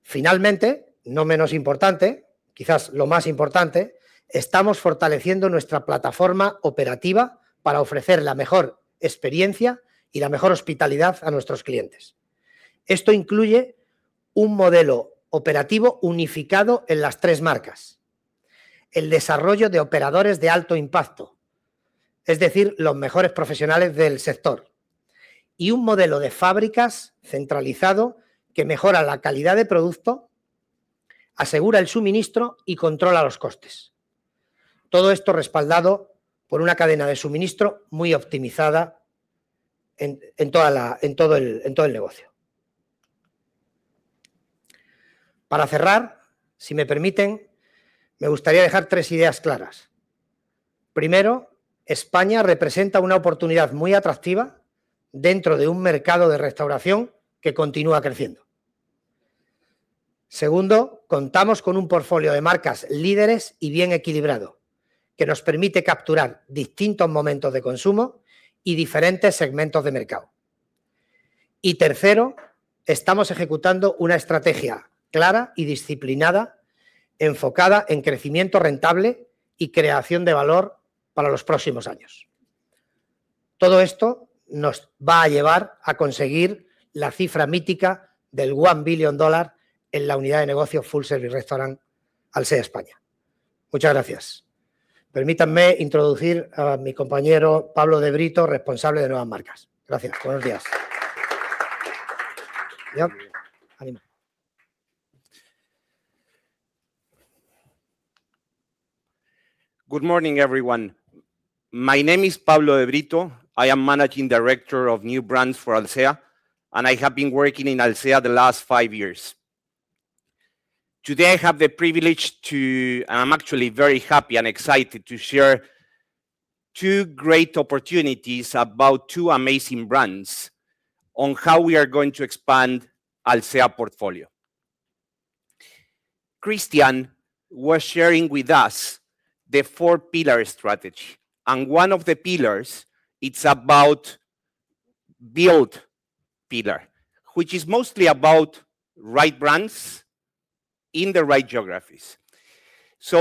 Finalmente, no menos importante, quizás lo más importante, estamos fortaleciendo nuestra plataforma operativa para ofrecer la mejor experiencia y la mejor hospitalidad a nuestros clientes. Esto incluye un modelo operativo unificado en las tres marcas, el desarrollo de operadores de alto impacto, es decir, los mejores profesionales del sector y un modelo de fábricas centralizado que mejora la calidad de producto, asegura el suministro y controla los costes. Todo esto respaldado por una cadena de suministro muy optimizada en todo el negocio. Para cerrar, si me permiten, me gustaría dejar tres ideas claras. Primero, España representa una oportunidad muy atractiva dentro de un mercado de restauración que continúa creciendo. Segundo, contamos con un portfolio de marcas líderes y bien equilibrado, que nos permite capturar distintos momentos de consumo y diferentes segmentos de mercado. Tercero, estamos ejecutando una estrategia clara y disciplinada, enfocada en crecimiento rentable y creación de valor para los próximos años. Todo esto nos va a llevar a conseguir la cifra mítica del $1 billion en la unidad de negocio Full Service Restaurant Alsea España. Muchas gracias. Permítanme introducir a mi compañero Pablo de Brito, responsable de nuevas marcas. Gracias. Buenos días. Good morning, everyone. My name is Pablo de Brito. I am managing director of New Brands for Alsea, and I have been working in Alsea the last five years. Today, I have the privilege. I'm actually very happy and excited to share two great opportunities about two amazing brands on how we are going to expand Alsea portfolio. Cristian was sharing with us the four pillar strategy, and one of the pillars, it's about build pillar, which is mostly about right brands in the right geographies.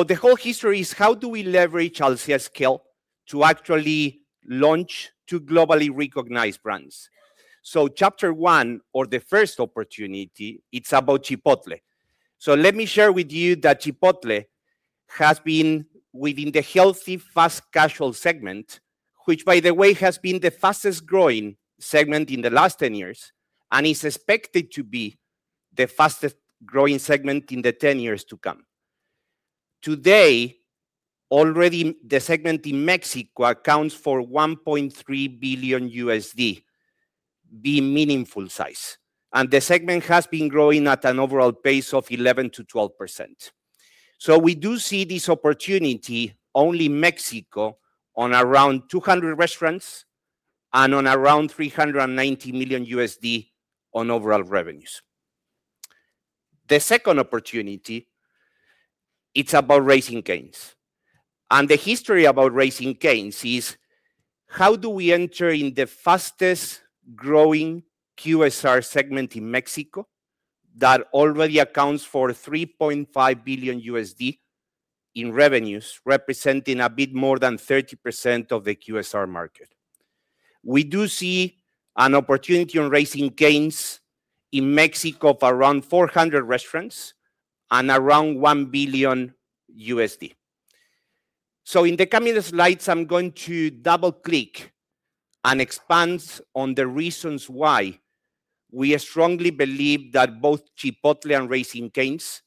The whole history is how do we leverage Alsea scale to actually launch two globally recognized brands. Chapter one or the first opportunity, it's about Chipotle. Let me share with you that Chipotle has been within the healthy fast-casual segment, which, by the way, has been the fastest-growing segment in the last 10 years and is expected to be the fastest-growing segment in the 10 years to come. Today, already, the segment in Mexico accounts for $1.3 billion, a meaningful size, and the segment has been growing at an overall pace of 11%-12%. We do see this opportunity in Mexico on around 200 restaurants and around $390 million on overall revenues. The second opportunity, it's about Raising Cane's. The history about Raising Cane's is how do we enter in the fastest-growing QSR segment in Mexico that already accounts for $3.5 billion in revenues, representing a bit more than 30% of the QSR market. We do see an opportunity on Raising Cane's in Mexico of around 400 restaurants and around $1 billion. In the coming slides, I'm going to double-click and expand on the reasons why we strongly believe that both Chipotle and Raising Cane's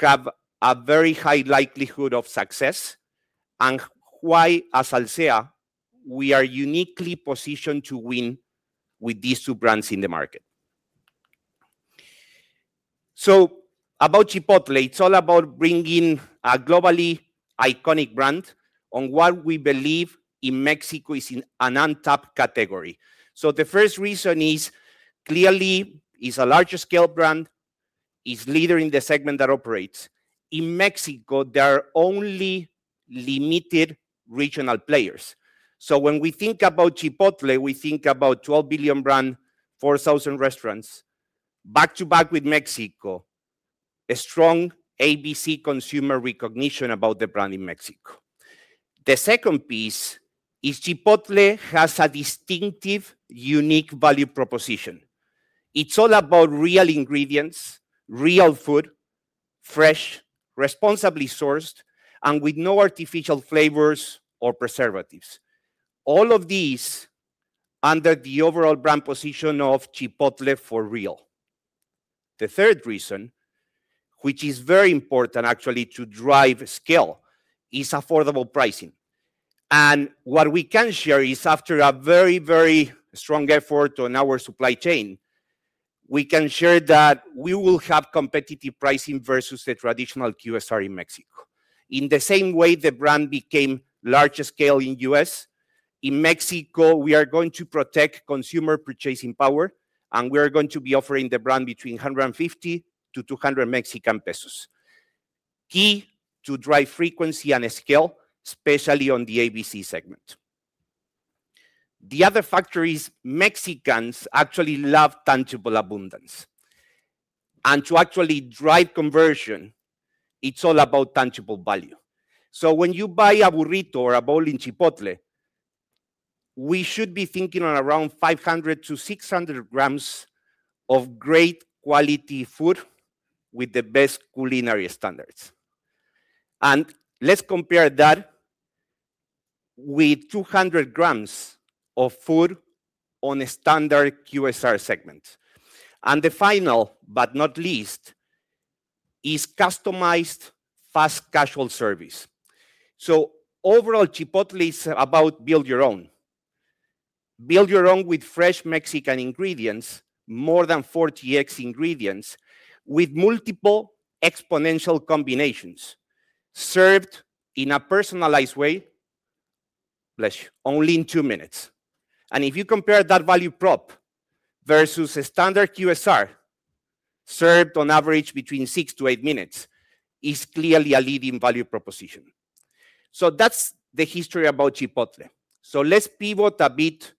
have a very high likelihood of success and why, as Alsea, we are uniquely positioned to win with these two brands in the market. About Chipotle, it's all about bringing a globally iconic brand on what we believe in Mexico is in an untapped category. The first reason is clearly a larger scale brand. It's leader in the segment that operates. In Mexico, there are only limited regional players. When we think about Chipotle, we think about $12 billion brand, 4,000 restaurants back-to-back with Mexico, a strong ABC consumer recognition about the brand in Mexico. The second piece is Chipotle has a distinctive unique value proposition. It's all about real ingredients, real food, fresh, responsibly sourced, and with no artificial flavors or preservatives. All of these under the overall brand position of Chipotle For Real. The third reason, which is very important actually to drive scale, is affordable pricing. What we can share is after a very, very strong effort on our supply chain, we can share that we will have competitive pricing versus the traditional QSR in Mexico. In the same way the brand became large scale in U.S., in Mexico, we are going to protect consumer purchasing power, and we are going to be offering the brand between 150-200 Mexican pesos. Key to drive frequency and scale, especially on the ABC segment. The other factor is Mexicans actually love tangible abundance. To actually drive conversion, it's all about tangible value. When you buy a burrito or a bowl in Chipotle, we should be thinking on around 500-600 grams of great quality food with the best culinary standards. Let's compare that with 200 grams of food on a standard QSR segment. The final but not least is customized fast casual service. Overall, Chipotle is about build your own. Build your own with fresh Mexican ingredients, more than 40 X ingredients with multiple exponential combinations served in a personalized way, bless you, only in two minutes. If you compare that value prop versus a standard QSR served on average between 6-8 minutes, is clearly a leading value proposition. That's the history about Chipotle. Let's pivot a bit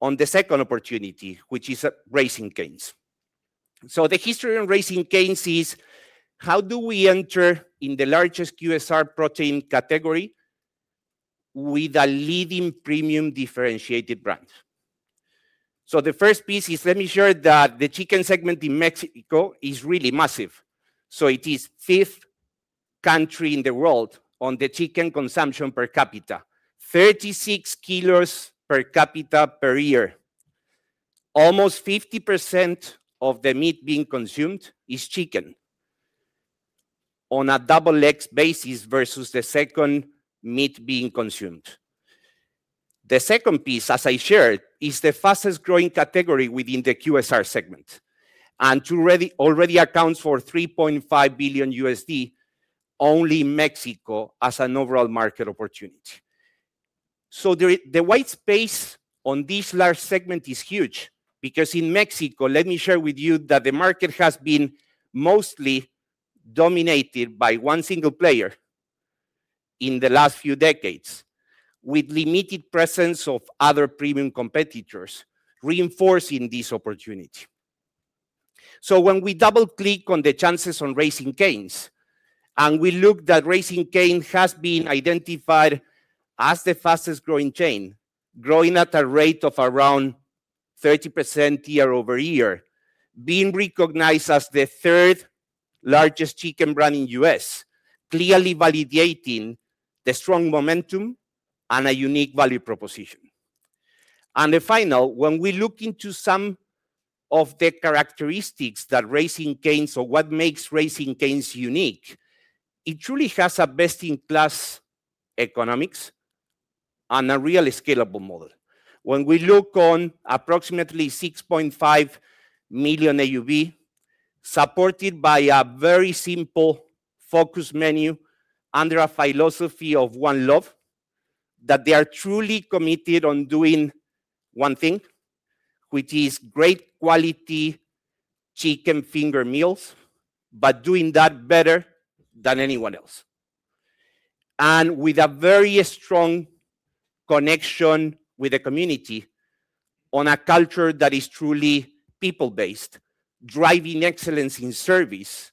on the second opportunity, which is Raising Cane's. The history on Raising Cane's is how do we enter in the largest QSR protein category with a leading premium differentiated brand. The first piece is let me share that the chicken segment in Mexico is really massive. It is 5th country in the world on the chicken consumption per capita. 36 kilos per capita per year. Almost 50% of the meat being consumed is chicken on a per capita basis versus the second meat being consumed. The second piece, as I shared, is the fastest growing category within the QSR segment, and already accounts for $3.5 billion in Mexico as an overall market opportunity. The white space on this large segment is huge because in Mexico, let me share with you that the market has been mostly dominated by one single player in the last few decades, with limited presence of other premium competitors reinforcing this opportunity. When we double-click on the chances on Raising Cane's, and we look that Raising Cane's has been identified as the fastest growing chain, growing at a rate of around 30% year-over-year, being recognized as the third largest chicken brand in the U.S., clearly validating the strong momentum and a unique value proposition. When we look into some of the characteristics that Raising Cane's or what makes Raising Cane's unique, it truly has best-in-class economics and a really scalable model. When we look on approximately $6.5 million AUV, supported by a very simple focus menu under a philosophy of ONE LOVE®, that they are truly committed on doing one thing, which is great quality chicken finger meals, but doing that better than anyone else. With a very strong connection with the community on a culture that is truly people-based, driving excellence in service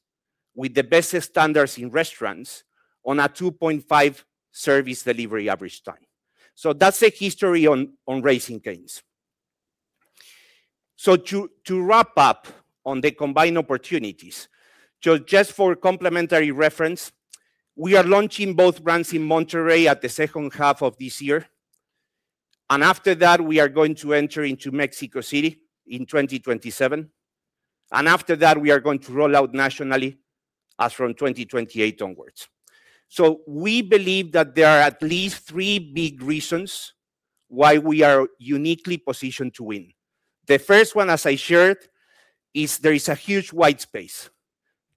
with the best standards in restaurants on a 2.5 service delivery average time. That's a history on Raising Cane's. To wrap up on the combined opportunities. Just for complementary reference, we are launching both brands in Monterrey at the second half of this year. After that, we are going to enter into Mexico City in 2027. After that, we are going to roll out nationally as from 2028 onwards. We believe that there are at least three big reasons why we are uniquely positioned to win. The first one, as I shared, is there is a huge white space,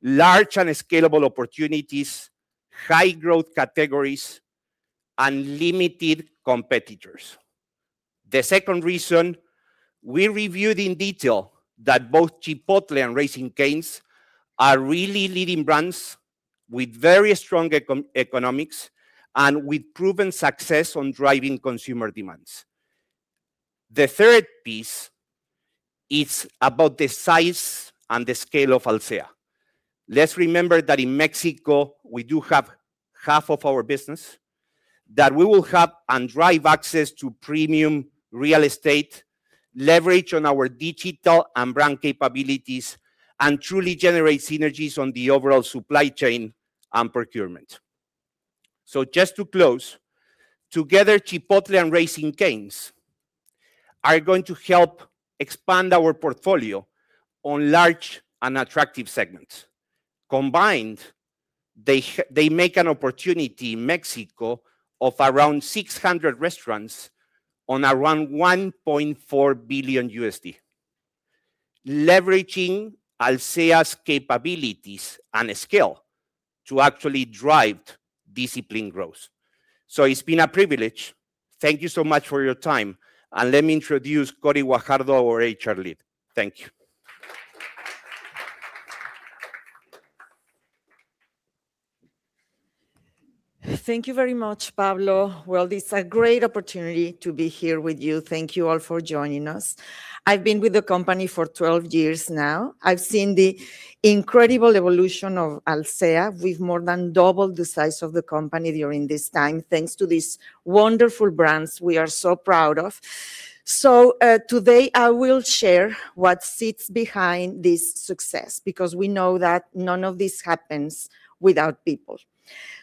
large and scalable opportunities, high growth categories, and limited competitors. The second reason, we reviewed in detail that both Chipotle and Raising Cane's are really leading brands with very strong economics and with proven success on driving consumer demands. The third piece is about the size and the scale of Alsea. Let's remember that in Mexico, we do have half of our business that we will have and drive access to premium real estate, leverage on our digital and brand capabilities, and truly generate synergies on the overall supply chain and procurement. Just to close, together, Chipotle and Raising Cane's are going to help expand our portfolio on large and attractive segments. Combined, they make an opportunity in Mexico of around 600 restaurants on around $1.4 billion, leveraging Alsea's capabilities and scale to actually drive disciplined growth. It's been a privilege. Thank you so much for your time, and let me introduce Cory Guajardo, our HR lead. Thank you. Thank you very much, Pablo. Well, it's a great opportunity to be here with you. Thank you all for joining us. I've been with the company for 12 years now. I've seen the incredible evolution of Alsea. We've more than doubled the size of the company during this time, thanks to these wonderful brands we are so proud of. Today I will share what sits behind this success because we know that none of this happens without people.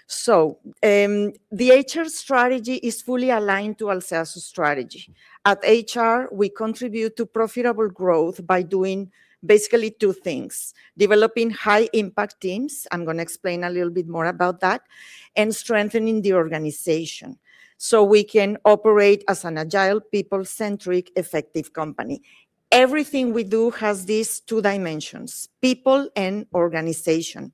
The HR strategy is fully aligned to Alsea's strategy. At HR, we contribute to profitable growth by doing basically two things, developing high-impact teams. I'm gonna explain a little bit more about that, and strengthening the organization, so we can operate as an agile, people-centric, effective company. Everything we do has these two dimensions, people and organization.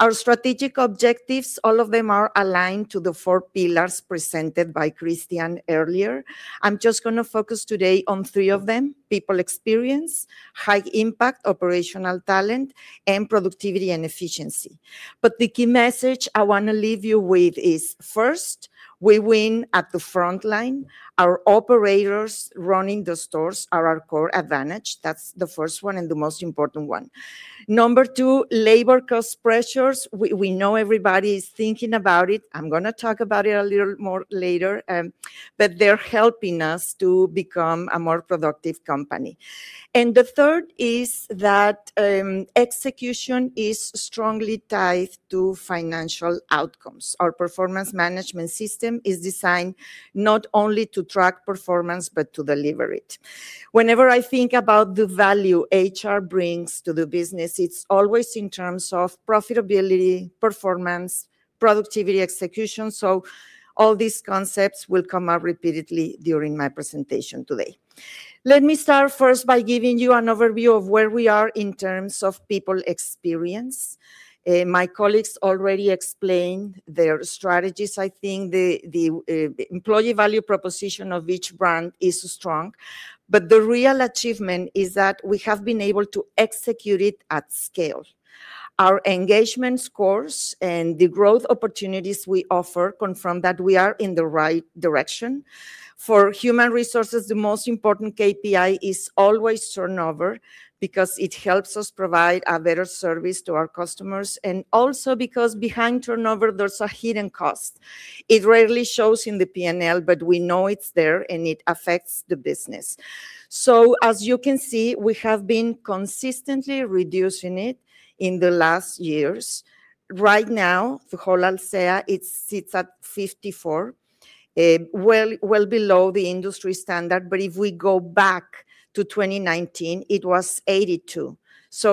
Our strategic objectives, all of them are aligned to the four pillars presented by Christian earlier. I'm just gonna focus today on three of them, people experience, high-impact operational talent, and productivity and efficiency. The key message I wanna leave you with is, first, we win at the frontline. Our operators running the stores are our core advantage. That's the first one and the most important one. Number two, labor cost pressures. We know everybody's thinking about it. I'm gonna talk about it a little more later, but they're helping us to become a more productive company. The third is that, execution is strongly tied to financial outcomes. Our performance management system is designed not only to track performance but to deliver it. Whenever I think about the value HR brings to the business, it's always in terms of profitability, performance, productivity, execution, so all these concepts will come up repeatedly during my presentation today. Let me start first by giving you an overview of where we are in terms of people experience. My colleagues already explained their strategies. I think the employee value proposition of each brand is strong, but the real achievement is that we have been able to execute it at scale. Our engagement scores and the growth opportunities we offer confirm that we are in the right direction. For human resources, the most important KPI is always turnover because it helps us provide a better service to our customers and also because behind turnover there's a hidden cost. It rarely shows in the P&L, but we know it's there, and it affects the business. As you can see, we have been consistently reducing it in the last years. Right now, the whole Alsea, it sits at 54, well below the industry standard, but if we go back to 2019, it was 82.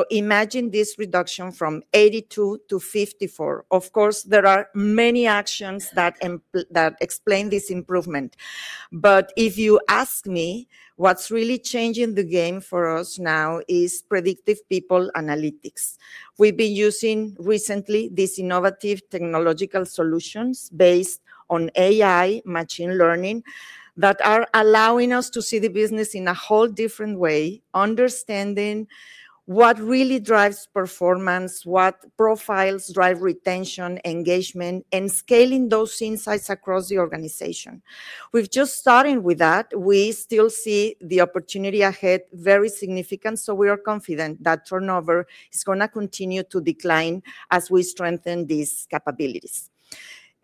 Imagine this reduction from 82 to 54. Of course, there are many actions that explain this improvement. If you ask me, what's really changing the game for us now is predictive people analytics. We've been using recently these innovative technological solutions based on AI machine learning that are allowing us to see the business in a whole different way, understanding what really drives performance, what profiles drive retention, engagement, and scaling those insights across the organization. We've just started with that. We still see the opportunity ahead very significant, so we are confident that turnover is gonna continue to decline as we strengthen these capabilities.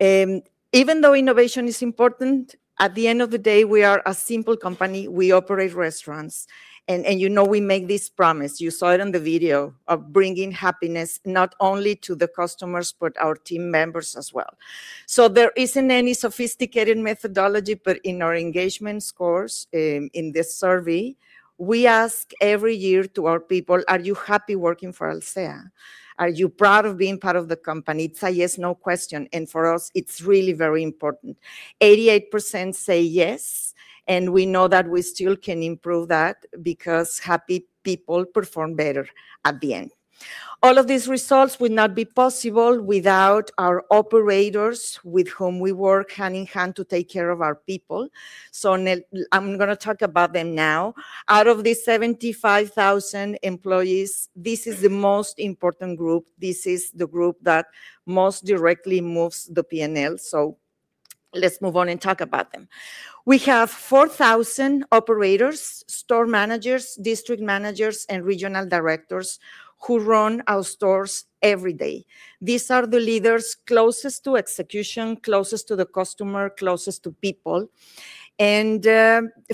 Even though innovation is important, at the end of the day, we are a simple company. We operate restaurants, and you know we make this promise, you saw it on the video, of bringing happiness not only to the customers, but our team members as well. There isn't any sophisticated methodology, but in our engagement scores, in this survey, we ask every year to our people, "Are you happy working for Alsea? Are you proud of being part of the company?" It's a yes/no question, and for us, it's really very important. 88% say yes, and we know that we still can improve that because happy people perform better at the end. All of these results would not be possible without our operators with whom we work hand in hand to take care of our people. I'm gonna talk about them now. Out of the 75,000 employees, this is the most important group. This is the group that most directly moves the P&L, so let's move on and talk about them. We have 4,000 operators, store managers, district managers, and regional directors who run our stores every day. These are the leaders closest to execution, closest to the customer, closest to people, and,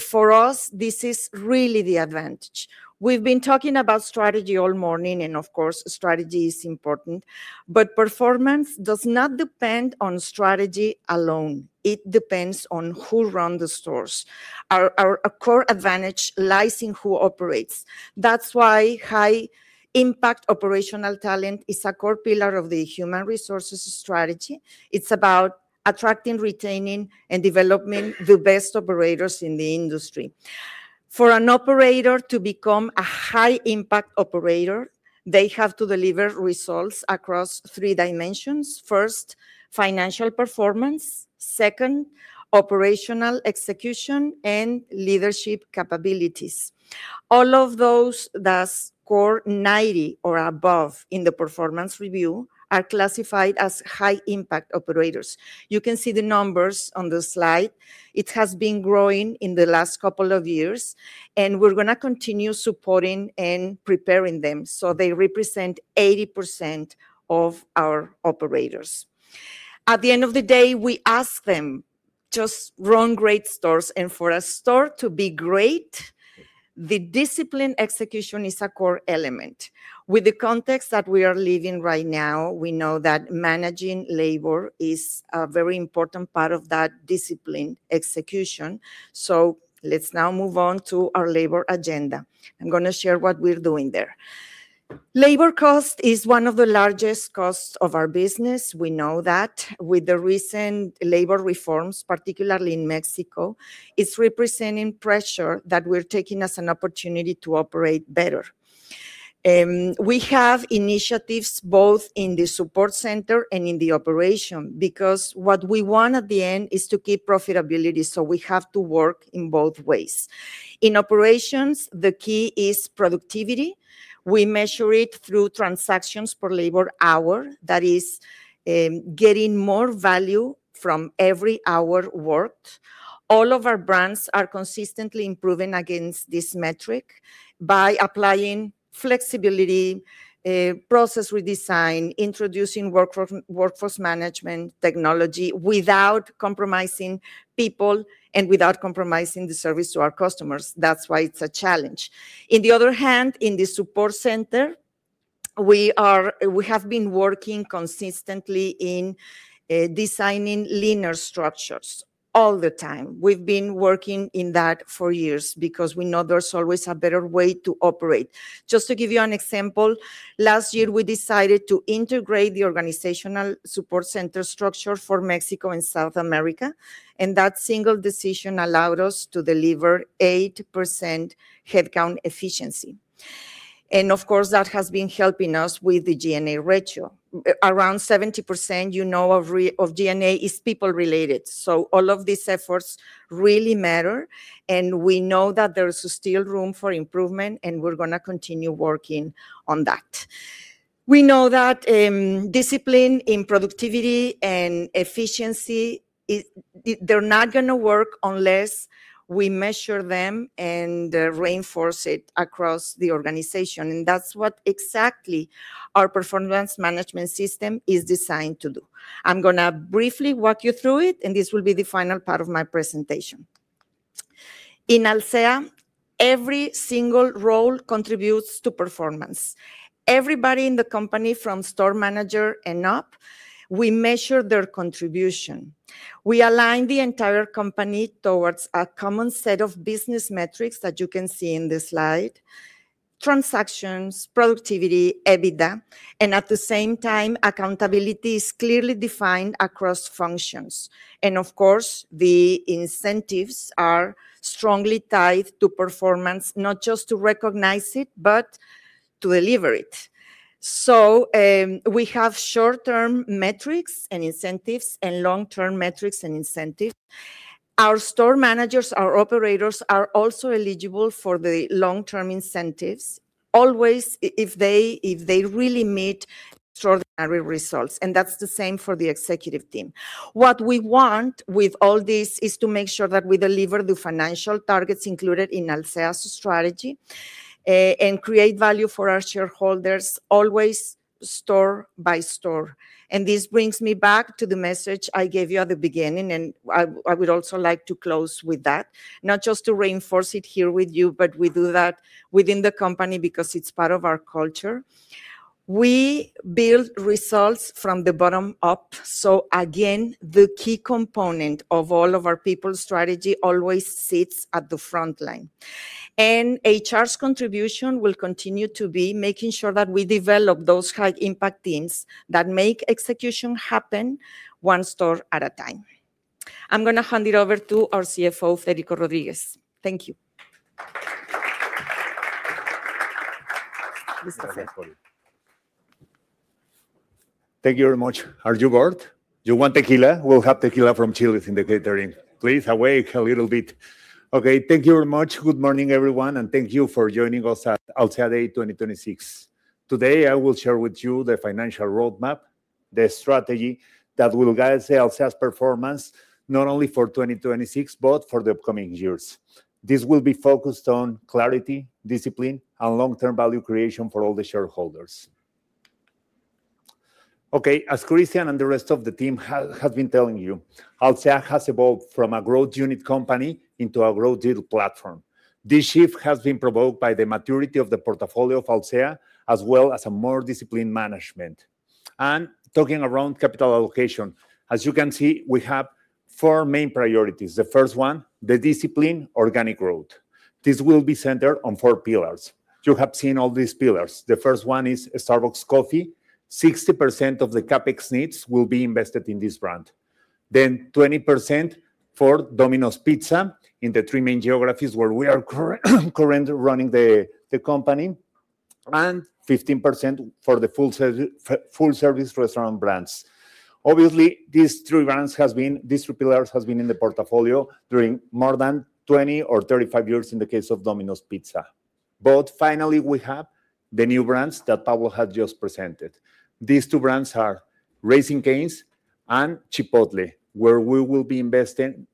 for us, this is really the advantage. We've been talking about strategy all morning, and of course, strategy is important, but performance does not depend on strategy alone. It depends on who run the stores. Our core advantage lies in who operates. That's why high-impact operational talent is a core pillar of the human resources strategy. It's about attracting, retaining, and developing the best operators in the industry. For an operator to become a high-impact operator, they have to deliver results across three dimensions, first, financial performance, second, operational execution, and leadership capabilities. All of those that score 90 or above in the performance review are classified as high-impact operators. You can see the numbers on the slide. It has been growing in the last couple of years, and we're gonna continue supporting and preparing them, so they represent 80% of our operators. At the end of the day, we ask them, "Just run great stores." For a store to be great, the discipline execution is a core element. With the context that we are living right now, we know that managing labor is a very important part of that discipline execution. Let's now move on to our labor agenda. I'm gonna share what we're doing there. Labor cost is one of the largest costs of our business. We know that with the recent labor reforms, particularly in Mexico, it's representing pressure that we're taking as an opportunity to operate better. We have initiatives both in the support center and in the operation because what we want at the end is to keep profitability, so we have to work in both ways. In operations, the key is productivity. We measure it through transactions per labor hour. That is, getting more value from every hour worked. All of our brands are consistently improving against this metric by applying flexibility, process redesign, introducing workforce management technology without compromising people and without compromising the service to our customers. That's why it's a challenge. On the other hand, in the support center, we have been working consistently in designing leaner structures all the time. We've been working in that for years because we know there's always a better way to operate. Just to give you an example, last year, we decided to integrate the organizational support center structure for Mexico and South America, and that single decision allowed us to deliver 8% headcount efficiency. Of course, that has been helping us with the G&A ratio. Around 70%, you know, of G&A is people-related. All of these efforts really matter, and we know that there is still room for improvement, and we're gonna continue working on that. We know that discipline in productivity and efficiency. They're not gonna work unless we measure them and reinforce it across the organization, and that's what exactly our performance management system is designed to do. I'm gonna briefly walk you through it, and this will be the final part of my presentation. In Alsea, every single role contributes to performance. Everybody in the company from store manager and up, we measure their contribution. We align the entire company towards a common set of business metrics that you can see in the slide: transactions, productivity, EBITDA, and at the same time, accountability is clearly defined across functions. Of course, the incentives are strongly tied to performance, not just to recognize it, but to deliver it. We have short-term metrics and incentives and long-term metrics and incentives. Our store managers, our operators are also eligible for the long-term incentives, always if they really meet extraordinary results, and that's the same for the executive team. What we want with all this is to make sure that we deliver the financial targets included in Alsea's strategy, and create value for our shareholders, always store by store. This brings me back to the message I gave you at the beginning, and I would also like to close with that. Not just to reinforce it here with you, but we do that within the company because it's part of our culture. We build results from the bottom up. Again, the key component of all of our people strategy always sits at the front line. HR's contribution will continue to be making sure that we develop those high-impact teams that make execution happen one store at a time. I'm gonna hand it over to our CFO, Federico Rodríguez. Thank you. This is it. Thank you very much. Are you bored? You want tequila? We'll have tequila from Chile in the catering. Please awake a little bit. Okay, thank you very much. Good morning, everyone, and thank you for joining us at Alsea Day 2026. Today, I will share with you the financial roadmap, the strategy that will guide Alsea's performance not only for 2026, but for the upcoming years. This will be focused on clarity, discipline, and long-term value creation for all the shareholders. Okay, as Christian and the rest of the team has been telling you, Alsea has evolved from a growth unit company into a growth unit platform. This shift has been provoked by the maturity of the portfolio of Alsea, as well as a more disciplined management. Talking around capital allocation, as you can see, we have four main priorities. The first one, the disciplined organic growth. This will be centered on four pillars. You have seen all these pillars. The first one is Starbucks. 60% of the CapEx needs will be invested in this brand. Twenty percent for Domino's Pizza in the three main geographies where we are currently running the company, and 15% for the full service restaurant brands. Obviously, these three pillars has been in the portfolio during more than 20 or 35 years in the case of Domino's Pizza. Finally, we have the new brands that Pablo had just presented. These two brands are Raising Cane's and Chipotle, where we will be investing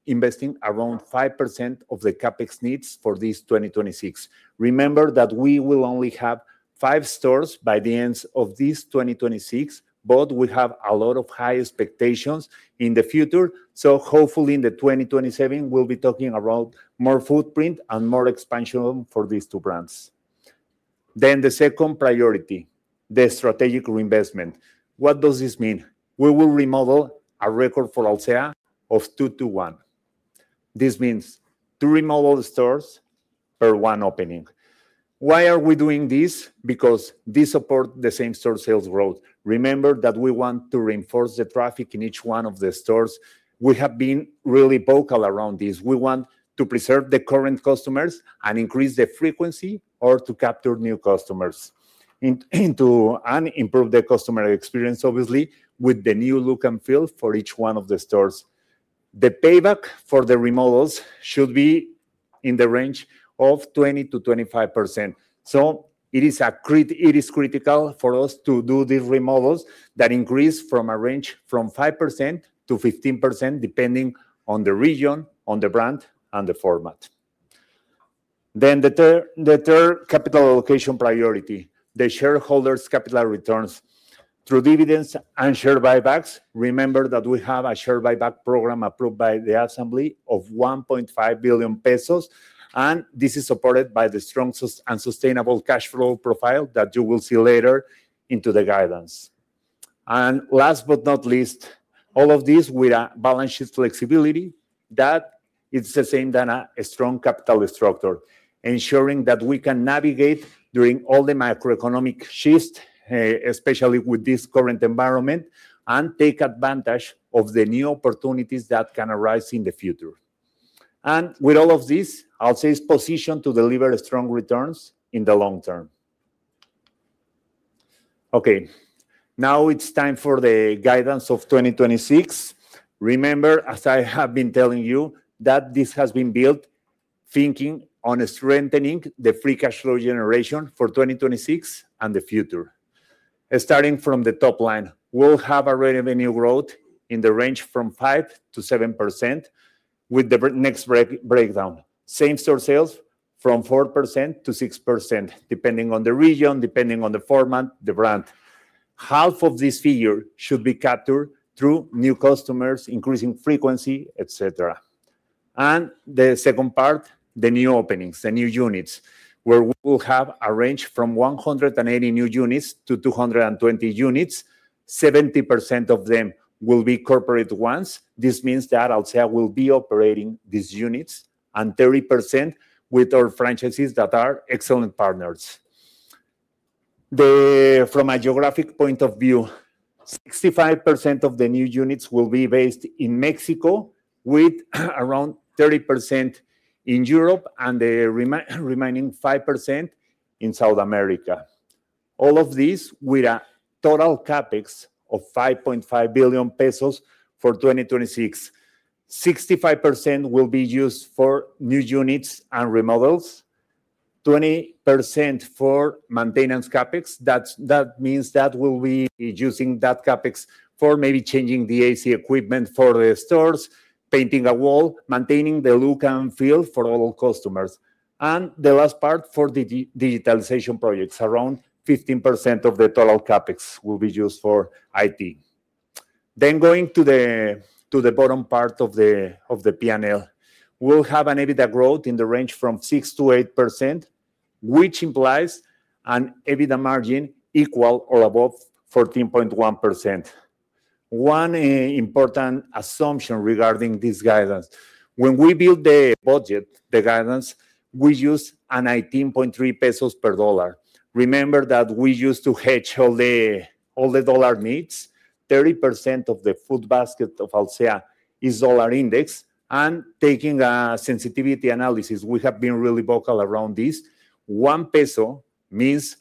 around 5% of the CapEx needs for this 2026. Remember that we will only have five stores by the end of this 2026, but we have a lot of high expectations in the future. Hopefully in the 2027, we'll be talking about more footprint and more expansion for these two brands. The second priority, the strategic reinvestment. What does this mean? We will remodel a record for Alsea of 2-to-1. This means 2 remodel stores per 1 opening. Why are we doing this? Because this support the same-store sales growth. Remember that we want to reinforce the traffic in each one of the stores. We have been really vocal around this. We want to preserve the current customers and increase the frequency or to capture new customers and to improve the customer experience, obviously, with the new look and feel for each one of the stores. The payback for the remodels should be in the range of 20-25%. It is critical for us to do these remodels that increase from a range from 5%-15% depending on the region, on the brand, and the format. The third capital allocation priority, the shareholders capital returns through dividends and share buybacks. Remember that we have a share buyback program approved by the assembly of 1.5 billion pesos, and this is supported by the strong and sustainable cash flow profile that you will see later into the guidance. Last but not least, all of this with a balance sheet flexibility, that is the same as a strong capital structure, ensuring that we can navigate during all the macroeconomic shifts, especially with this current environment, and take advantage of the new opportunities that can arise in the future. With all of this, Alsea is positioned to deliver strong returns in the long term. Okay. Now it's time for the guidance of 2026. Remember, as I have been telling you, that this has been built thinking on strengthening the Free Cash Flow generation for 2026 and the future. Starting from the top line, we'll have a revenue growth in the range from 5%-7% with the next breakdown. Same-store sales from 4%-6%, depending on the region, depending on the format, the brand. Half of this figure should be captured through new customers, increasing frequency, et cetera. The second part, the new openings, the new units, where we will have a range from 180 new units to 220 units. 70% of them will be corporate ones. This means that Alsea will be operating these units and 30% with our franchisees that are excellent partners. From a geographic point of view, 65% of the new units will be based in Mexico with around 30% in Europe and the remaining 5% in South America. All of this with a total CapEx of 5.5 billion pesos for 2026. 65% will be used for new units and remodels, 20% for maintenance CapEx. That means that we'll be using that CapEx for maybe changing the AC equipment for the stores, painting a wall, maintaining the look and feel for all customers. The last part for digitalization projects, around 15% of the total CapEx will be used for IT. Going to the bottom part of the P&L, we'll have an EBITDA growth in the range from 6%-8%, which implies an EBITDA margin equal or above 14.1%. One important assumption regarding this guidance. When we build the budget, the guidance, we use an 18.3 pesos per dollar. Remember that we used to hedge all the dollar needs. 30% of the food basket of Alsea is dollar index. Taking a sensitivity analysis, we have been really vocal around this. One peso means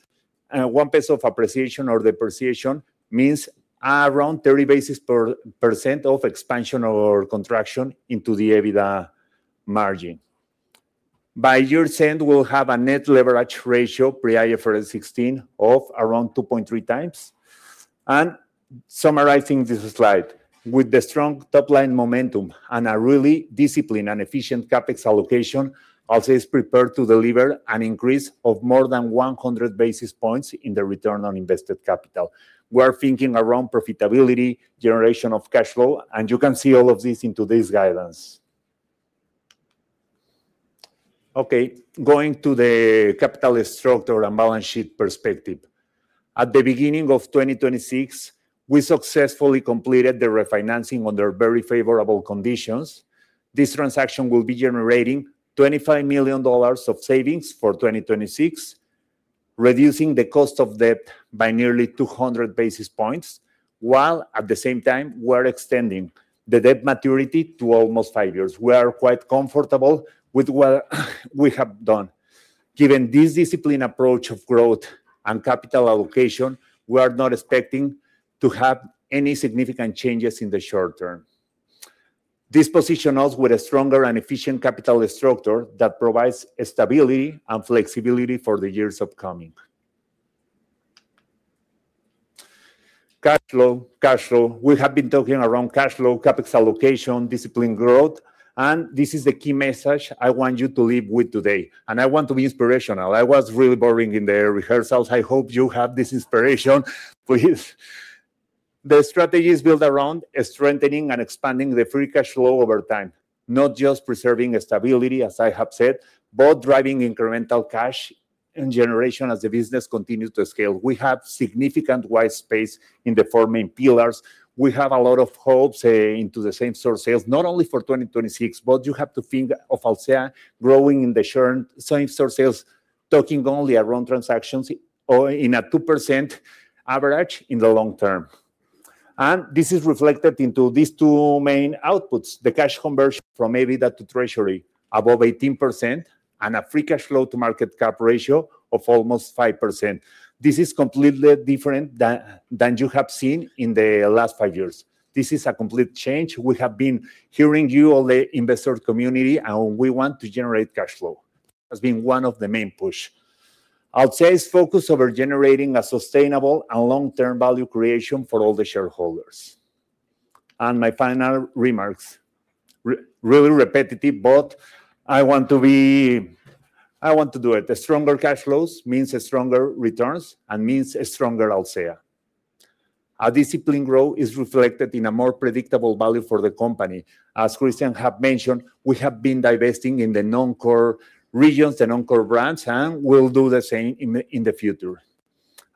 one peso of appreciation or depreciation means around 30 basis points per percent of expansion or contraction into the EBITDA margin. By year's end, we'll have a net leverage ratio pre IFRS 16 of around 2.3 times. Summarizing this slide, with the strong top-line momentum and a really disciplined and efficient CapEx allocation, Alsea is prepared to deliver an increase of more than 100 basis points in the return on invested capital. We are thinking around profitability, generation of cash flow, and you can see all of this into this guidance. Okay, going to the capital structure and balance sheet perspective. At the beginning of 2026, we successfully completed the refinancing under very favorable conditions. This transaction will be generating $25 million of savings for 2026, reducing the cost of debt by nearly 200 basis points, while at the same time we're extending the debt maturity to almost 5 years. We are quite comfortable with what we have done. Given this disciplined approach of growth and capital allocation, we are not expecting to have any significant changes in the short term. This position us with a stronger and efficient capital structure that provides stability and flexibility for the years upcoming. Cash flow, cash flow. We have been talking around cash flow, CapEx allocation, disciplined growth, and this is the key message I want you to leave with today, and I want to be inspirational. I was really boring in the rehearsals. I hope you have this inspiration with the strategies built around strengthening and expanding the free cash flow over time, not just preserving stability, as I have said, but driving incremental cash and generation as the business continues to scale. We have significant white space in the four main pillars. We have a lot of hopes into the same-store sales, not only for 2026, but you have to think of Alsea growing in the current same-store sales, talking only around transactions or in a 2% average in the long term. This is reflected into these two main outputs, the cash conversion from EBITDA to treasury above 18% and a free cash flow to market cap ratio of almost 5%. This is completely different than you have seen in the last five years. This is a complete change. We have been hearing you, all the investor community, and we want to generate cash flow. It has been one of the main push. Alsea is focused over generating a sustainable and long-term value creation for all the shareholders. My final remarks, really repetitive, but I want to be, I want to do it. Stronger cash flows means stronger returns and means a stronger Alsea. A disciplined growth is reflected in a more predictable value for the company. As Christian has mentioned, we have been divesting in the non-core regions and non-core brands, and we'll do the same in the future.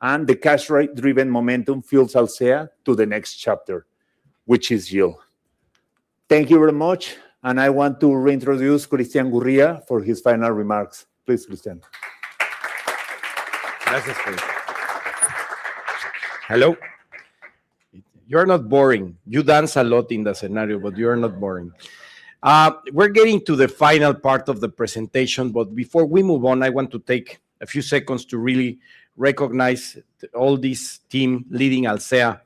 The cash-driven momentum fuels Alsea to the next chapter, which is you. Thank you very much, and I want to reintroduce Christian Gurría for his final remarks. Please, Christian. Gracias, Federico. Hello. You're not boring. You dance a lot in the scenario, but you're not boring. We're getting to the final part of the presentation, but before we move on, I want to take a few seconds to really recognize all this team leading Alsea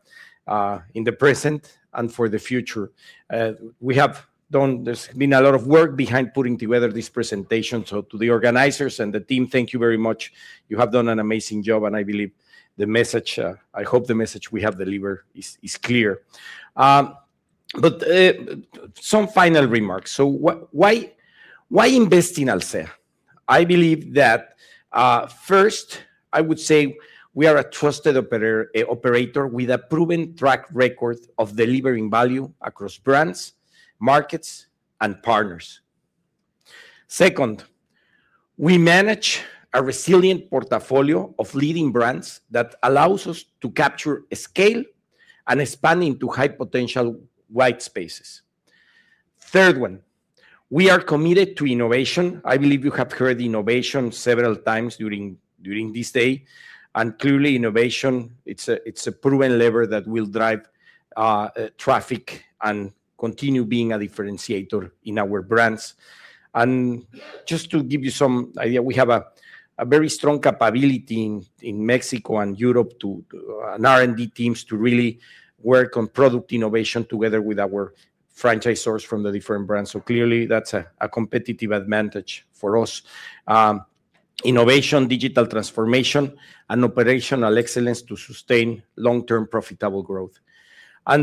in the present and for the future. There's been a lot of work behind putting together this presentation. To the organizers and the team, thank you very much. You have done an amazing job, and I believe the message, I hope the message we have delivered is clear. Some final remarks. Why invest in Alsea? I believe that, first, I would say we are a trusted operator, an operator with a proven track record of delivering value across brands, markets, and partners. Second, we manage a resilient portfolio of leading brands that allows us to capture scale and expand into high-potential white spaces. Third one, we are committed to innovation. I believe you have heard innovation several times during this day. Clearly innovation, it's a proven lever that will drive traffic and continue being a differentiator in our brands. Just to give you some idea, we have a very strong capability in Mexico and Europe and R&D teams to really work on product innovation together with our franchisors from the different brands. Clearly that's a competitive advantage for us. Innovation, digital transformation, and operational excellence to sustain long-term profitable growth.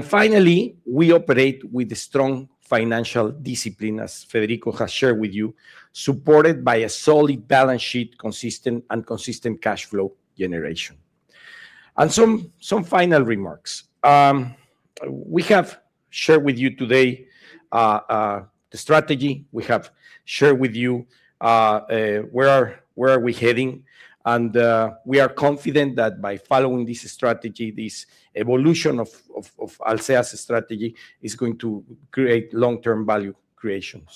Finally, we operate with a strong financial discipline, as Federico has shared with you, supported by a solid balance sheet, consistent cash flow generation. Some final remarks. We have shared with you today the strategy. We have shared with you where we are heading. We are confident that by following this strategy, this evolution of Alsea's strategy is going to create long-term value creation.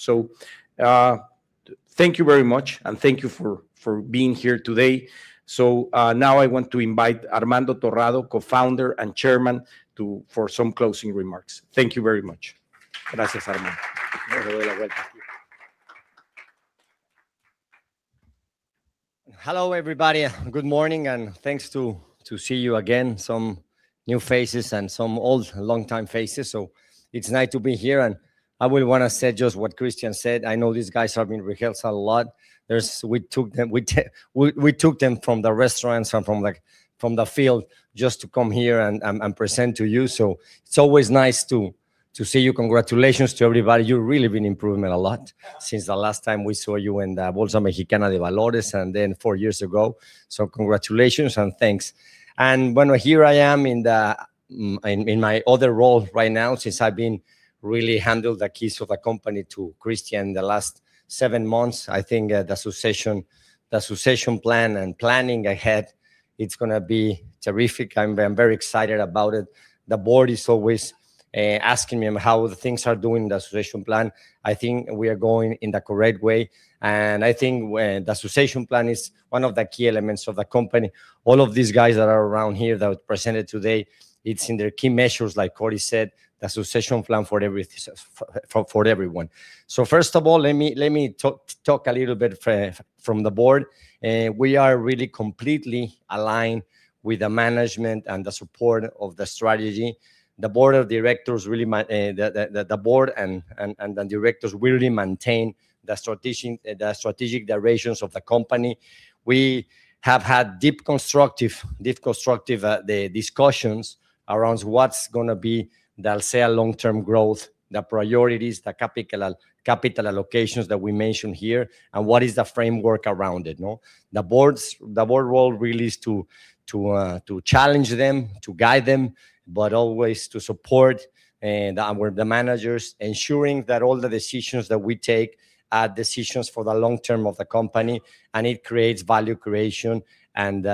Thank you very much, and thank you for being here today. Now I want to invite Armando Torrado, Co-founder and Chairman, for some closing remarks. Thank you very much. Gracias, Armando. You're very welcome. Hello, everybody. Good morning, and good to see you again. Some new faces and some old longtime faces, so it's nice to be here. I would wanna say just what Christian said. I know these guys have been rehearsed a lot. We took them from the restaurants and from the field just to come here and present to you, so it's always nice to see you. Congratulations to everybody. You've really been improving a lot since the last time we saw you in the Bolsa Mexicana de Valores and then four years ago. Congratulations and thanks. Bueno here I am in my other role right now. Since I've really handed the keys of the company to Cristian the last seven months, I think, the succession plan and planning ahead, it's gonna be terrific. I'm very excited about it. The board is always asking me how things are doing in the succession plan. I think we are going in the correct way, and I think when the succession plan is one of the key elements of the company, all of these guys that are around here that presented today, it's in their key measures, like Cory said, the succession plan for for everyone. First of all, let me talk a little bit from the board. We are really completely aligned with the management and the support of the strategy. The board of directors will maintain the strategic directions of the company. We have had deep constructive discussions around what's gonna be the Alsea long-term growth, the priorities, the capital allocations that we mentioned here, and what is the framework around it, no? The board's role really is to challenge them, to guide them, but always to support. The managers ensuring that all the decisions that we take are decisions for the long term of the company, and it creates value creation in the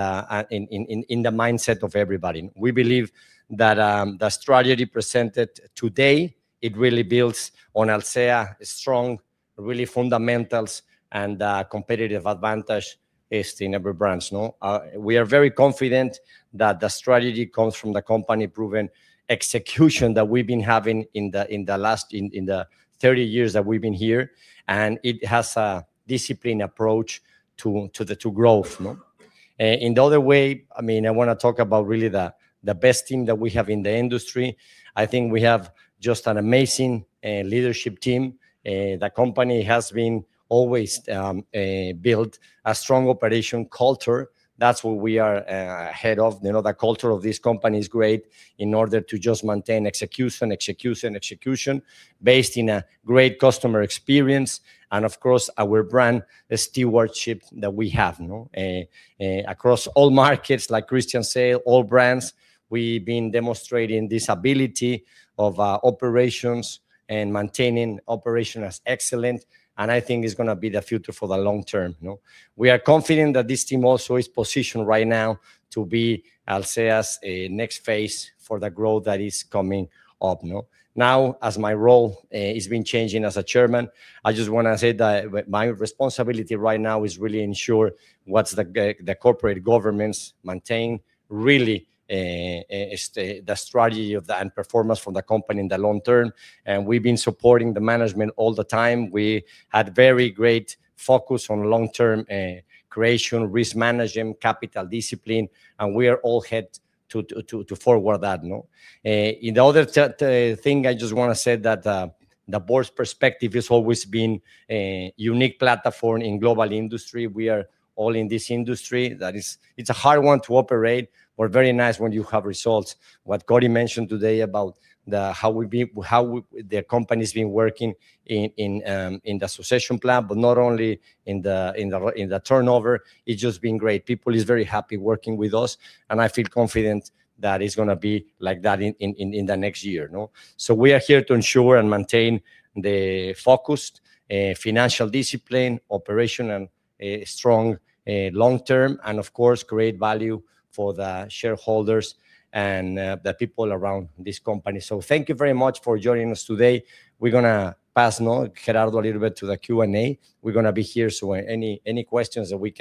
mindset of everybody. We believe that the strategy presented today, it really builds on Alsea's strong fundamentals, and competitive advantage is in every brand, no? We are very confident that the strategy comes from the company-proven execution that we've been having in the last 30 years that we've been here, and it has a disciplined approach to growth, no? In the other way, I mean, I wanna talk about really the best team that we have in the industry. I think we have just an amazing leadership team. The company has been always built a strong operation culture. That's where we are ahead of. You know, the culture of this company is great in order to just maintain execution based on a great customer experience and of course our brand, the stewardship that we have, no? Across all markets, like Christian said, all brands, we've been demonstrating this ability of operations and maintaining operation as excellent, and I think it's gonna be the future for the long term, no? We are confident that this team also is positioned right now to be Alsea's next phase for the growth that is coming up, no? Now, as my role has been changing as a chairman, I just wanna say that my responsibility right now is really to ensure that the corporate governance maintains really the strategy of the company and performance from the company in the long term. We've been supporting the management all the time. We had very great focus on long-term creation, risk management, capital discipline, and we are all heading forward that, no? The other thing I just wanna say that the board's perspective has always been a unique platform in global industry. We are all in this industry. That is, it's a hard one to operate, but very nice when you have results. What Cory mentioned today about how the company's been working in the succession plan, but not only in the turnover, it's just been great. People is very happy working with us, and I feel confident that it's gonna be like that in the next year, no? We are here to ensure and maintain the focused financial discipline, operation, and a strong long term, and of course, create value for the shareholders and the people around this company. Thank you very much for joining us today. We're gonna pass now Gerardo a little bit to the Q&A. We're gonna be here, so any questions that we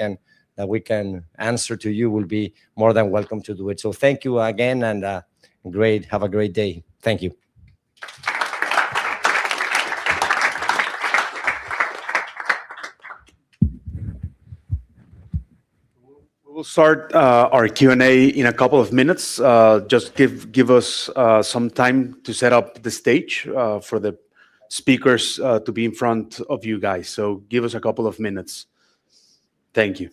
can answer to you, we'll be more than welcome to do it. Thank you again, and great. Have a great day. Thank you. We will start our Q&A in a couple of minutes. Just give us some time to set up the stage for the speakers to be in front of you guys. Give us a couple of minutes. Thank you.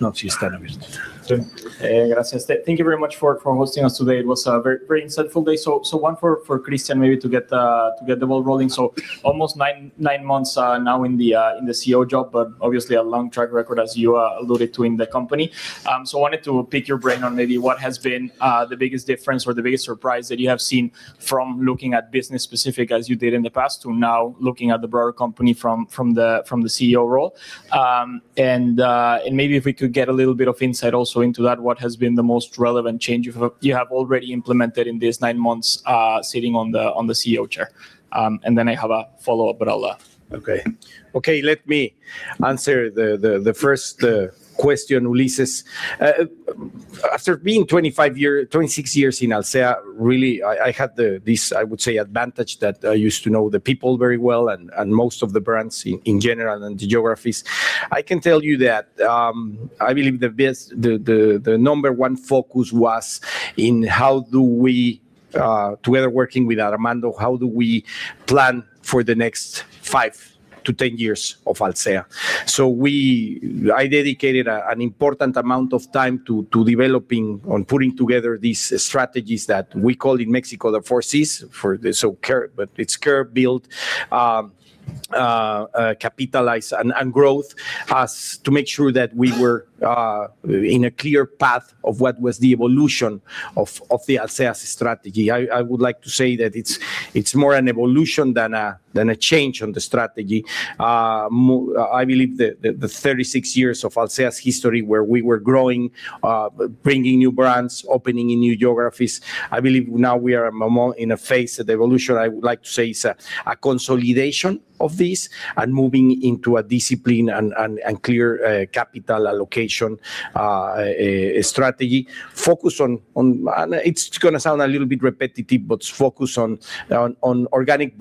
Thank you very much for hosting us today. It was a very insightful day. One for Cristian maybe to get the ball rolling. Almost nine months now in the CEO job, but obviously a long track record as you alluded to in the company. I wanted to pick your brain on maybe what has been the biggest difference or the biggest surprise that you have seen from looking at the business, specifically, as you did in the past to now looking at the broader company from the CEO role. Maybe if we could get a little bit of insight also into that, what has been the most relevant change you have already implemented in these nine months, sitting on the CEO chair. I have a follow-up, but I'll... Let me answer the first question, Ulises. After being 26 years in Alsea, I had this, I would say, advantage that I used to know the people very well and most of the brands in general and the geographies. I can tell you that I believe the best, the number one focus was in how we, together working with Armando, plan for the next 5-10 years of Alsea. I dedicated an important amount of time to developing and putting together these strategies that we call in Mexico the four Cs for the Core, but it's core, build, capitalize and growth as to make sure that we were in a clear path of what was the evolution of Alsea's strategy. I would like to say that it's more an evolution than a change in the strategy. I believe the 36 years of Alsea's history where we were growing, bringing new brands, opening in new geographies. I believe now we are more in a phase of evolution. I would like to say it's a consolidation of this and moving into a discipline and clear capital allocation strategy. Focus on and it's gonna sound a little bit repetitive, but focus on organic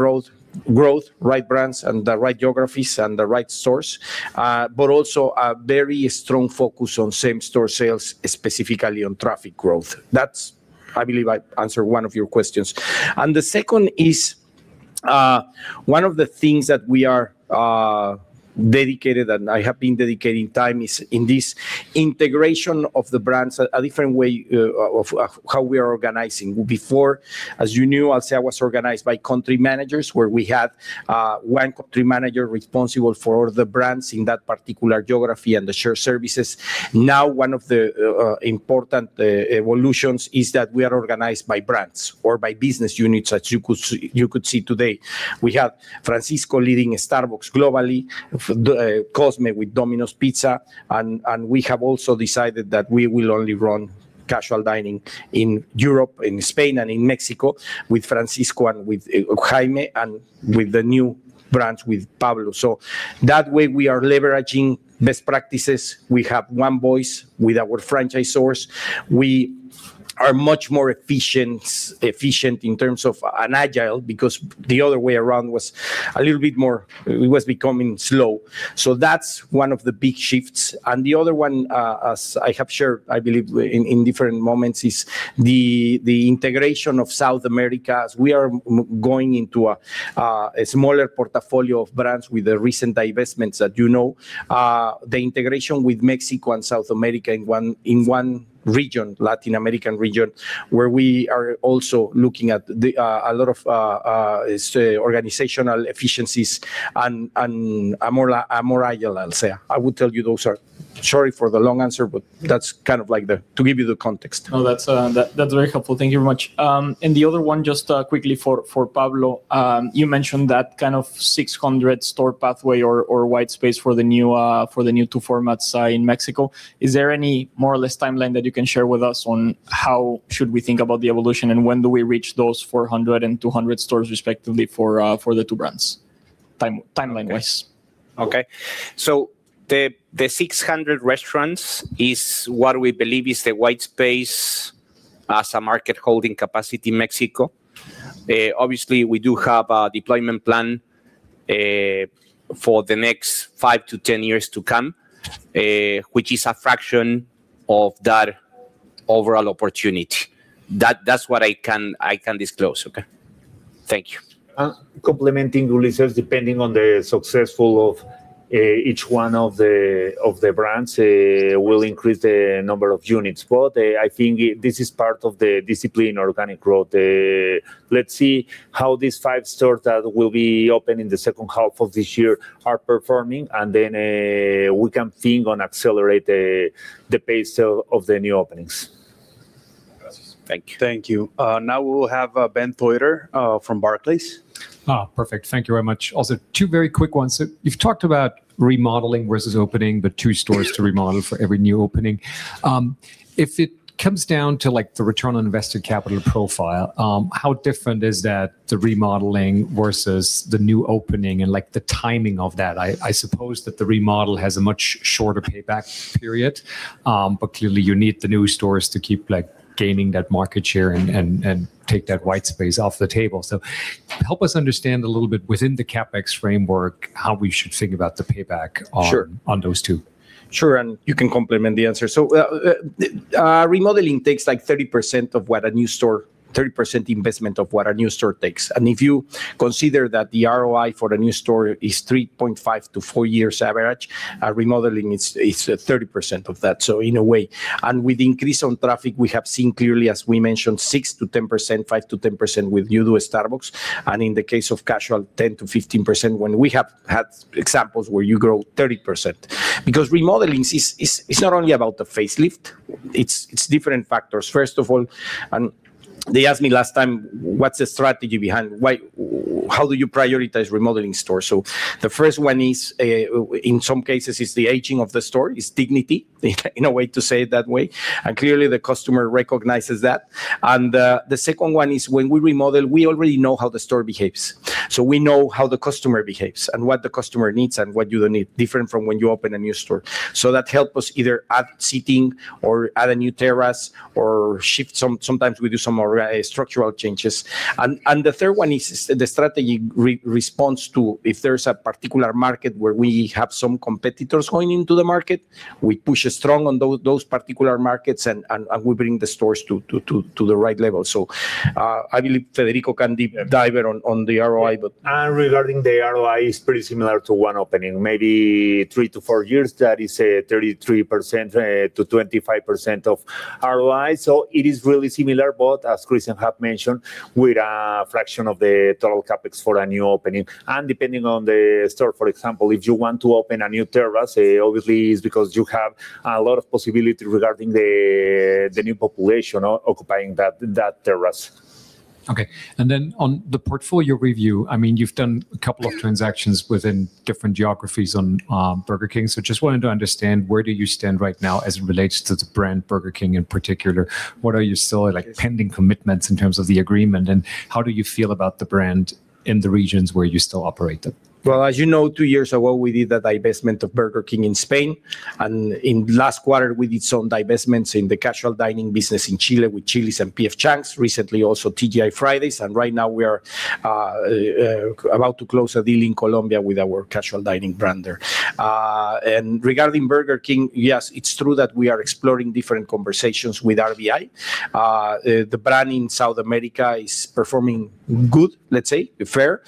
growth, right brands and the right geographies and the right stores. Also a very strong focus on same-store sales, specifically on traffic growth. That's. I believe I answered one of your questions. The second is, one of the things that we are dedicated and I have been dedicating time is in this integration of the brands, a different way of how we are organizing. Before, as you knew, Alsea was organized by country managers, where we had one country manager responsible for the brands in that particular geography and the shared services. Now, one of the important evolutions is that we are organized by brands or by business units that you could see today. We have Francisco leading Starbucks globally, Cosme with Domino's Pizza, and we have also decided that we will only run casual dining in Europe, in Spain and in Mexico with Francisco and with Jaime and with the new brands with Pablo. That way we are leveraging best practices. We have one voice with our franchisor. We are much more efficient in terms of and agile, because the other way around was a little bit more. It was becoming slow. That's one of the big shifts. The other one, as I have shared, I believe in different moments, is the integration of South America as we are going into a smaller portfolio of brands with the recent divestments that you know. The integration with Mexico and South America in one region, Latin American region, where we are also looking at a lot of, say, organizational efficiencies and a more agile Alsea. I would tell you those are. Sorry for the long answer, but that's kind of like the to give you the context. No, that's very helpful. Thank you very much. The other one just quickly for Pablo de Brito, you mentioned that kind of 600 store pathway or white space for the new two formats in Mexico. Is there any more or less timeline that you can share with us on how should we think about the evolution and when do we reach those 400 and 200 stores respectively for the two brands? Timeline wise. Okay. The 600 restaurants is what we believe is the white space as a market holding capacity in Mexico. Obviously we do have a deployment plan for the next 5-10 years to come, which is a fraction of that overall opportunity. That's what I can disclose. Okay. Thank you. Complementing Ulises, depending on the success of each one of the brands, we'll increase the number of units. I think this is part of the disciplined organic growth. Let's see how these five stores that will be open in the second half of this year are performing and then we can think about accelerating the pace of the new openings. Gracias. Thank you. Thank you. Now we will have, Ben Theurer, from Barclays. Perfect. Thank you very much. Also two very quick ones. You've talked about remodeling versus opening, the two stores to remodel for every new opening. If it comes down to like the Return on Invested Capital profile, how different is that, the remodeling versus the new opening and like the timing of that? I suppose that the remodel has a much shorter payback period, but clearly you need the new stores to keep like gaining that market share and take that white space off the table. Help us understand a little bit within the CapEx framework, how we should think about the payback on- Sure on those two. Sure. You can complement the answer. Remodeling takes like 30% investment of what a new store takes. If you consider that the ROI for the new store is 3.5-4 years average, remodeling is 30% of that. In a way. With increase in traffic, we have seen clearly, as we mentioned, 6%-10%, 5%-10% with new Starbucks. In the case of casual, 10%-15% when we have had examples where you grow 30%. Because remodeling is not only about the facelift, it's different factors. First of all, they asked me last time, "What's the strategy behind? Why, how do you prioritize remodeling stores?" The first one is, in some cases, it's the aging of the store. It's dignity, in a way to say it that way. The second one is when we remodel, we already know how the store behaves. So we know how the customer behaves and what the customer needs and what you'll need different from when you open a new store. So that help us either add seating or add a new terrace or shift some, sometimes we do some structural changes. The third one is the strategy responds to if there's a particular market where we have some competitors going into the market, we push strong on those particular markets and we bring the stores to the right level. I believe Federico can dive in on the ROI, but. Regarding the ROI, it's pretty similar to one opening, maybe 3-4 years. That is a 33% to 25% of ROI. It is really similar. As Christian have mentioned, with a fraction of the total CapEx for a new opening, and depending on the store, for example, if you want to open a new terrace, obviously it's because you have a lot of possibility regarding the new population occupying that terrace. Okay. Then on the portfolio review, I mean, you've done a couple of transactions within different geographies on Burger King. Just wanted to understand where do you stand right now as it relates to the brand Burger King in particular? What are your still pending commitments in terms of the agreement, and how do you feel about the brand in the regions where you still operate them? Well, as you know, two years ago, we did the divestment of Burger King in Spain, and in last quarter we did some divestments in the casual dining business in Chile with Chili's and P.F. Chang's, recently also TGI Fridays. Right now we are about to close a deal in Colombia with our casual dining brand there. Regarding Burger King, yes, it's true that we are exploring different conversations with RBI. The brand in South America is performing good, let's say, fair,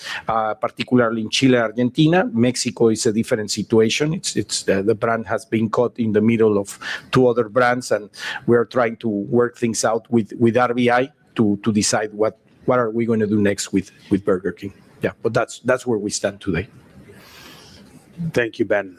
particularly in Chile, Argentina. Mexico is a different situation. It's the brand has been caught in the middle of two other brands, and we are trying to work things out with RBI to decide what are we gonna do next with Burger King. Yeah. That's where we stand today. Thank you, Ben.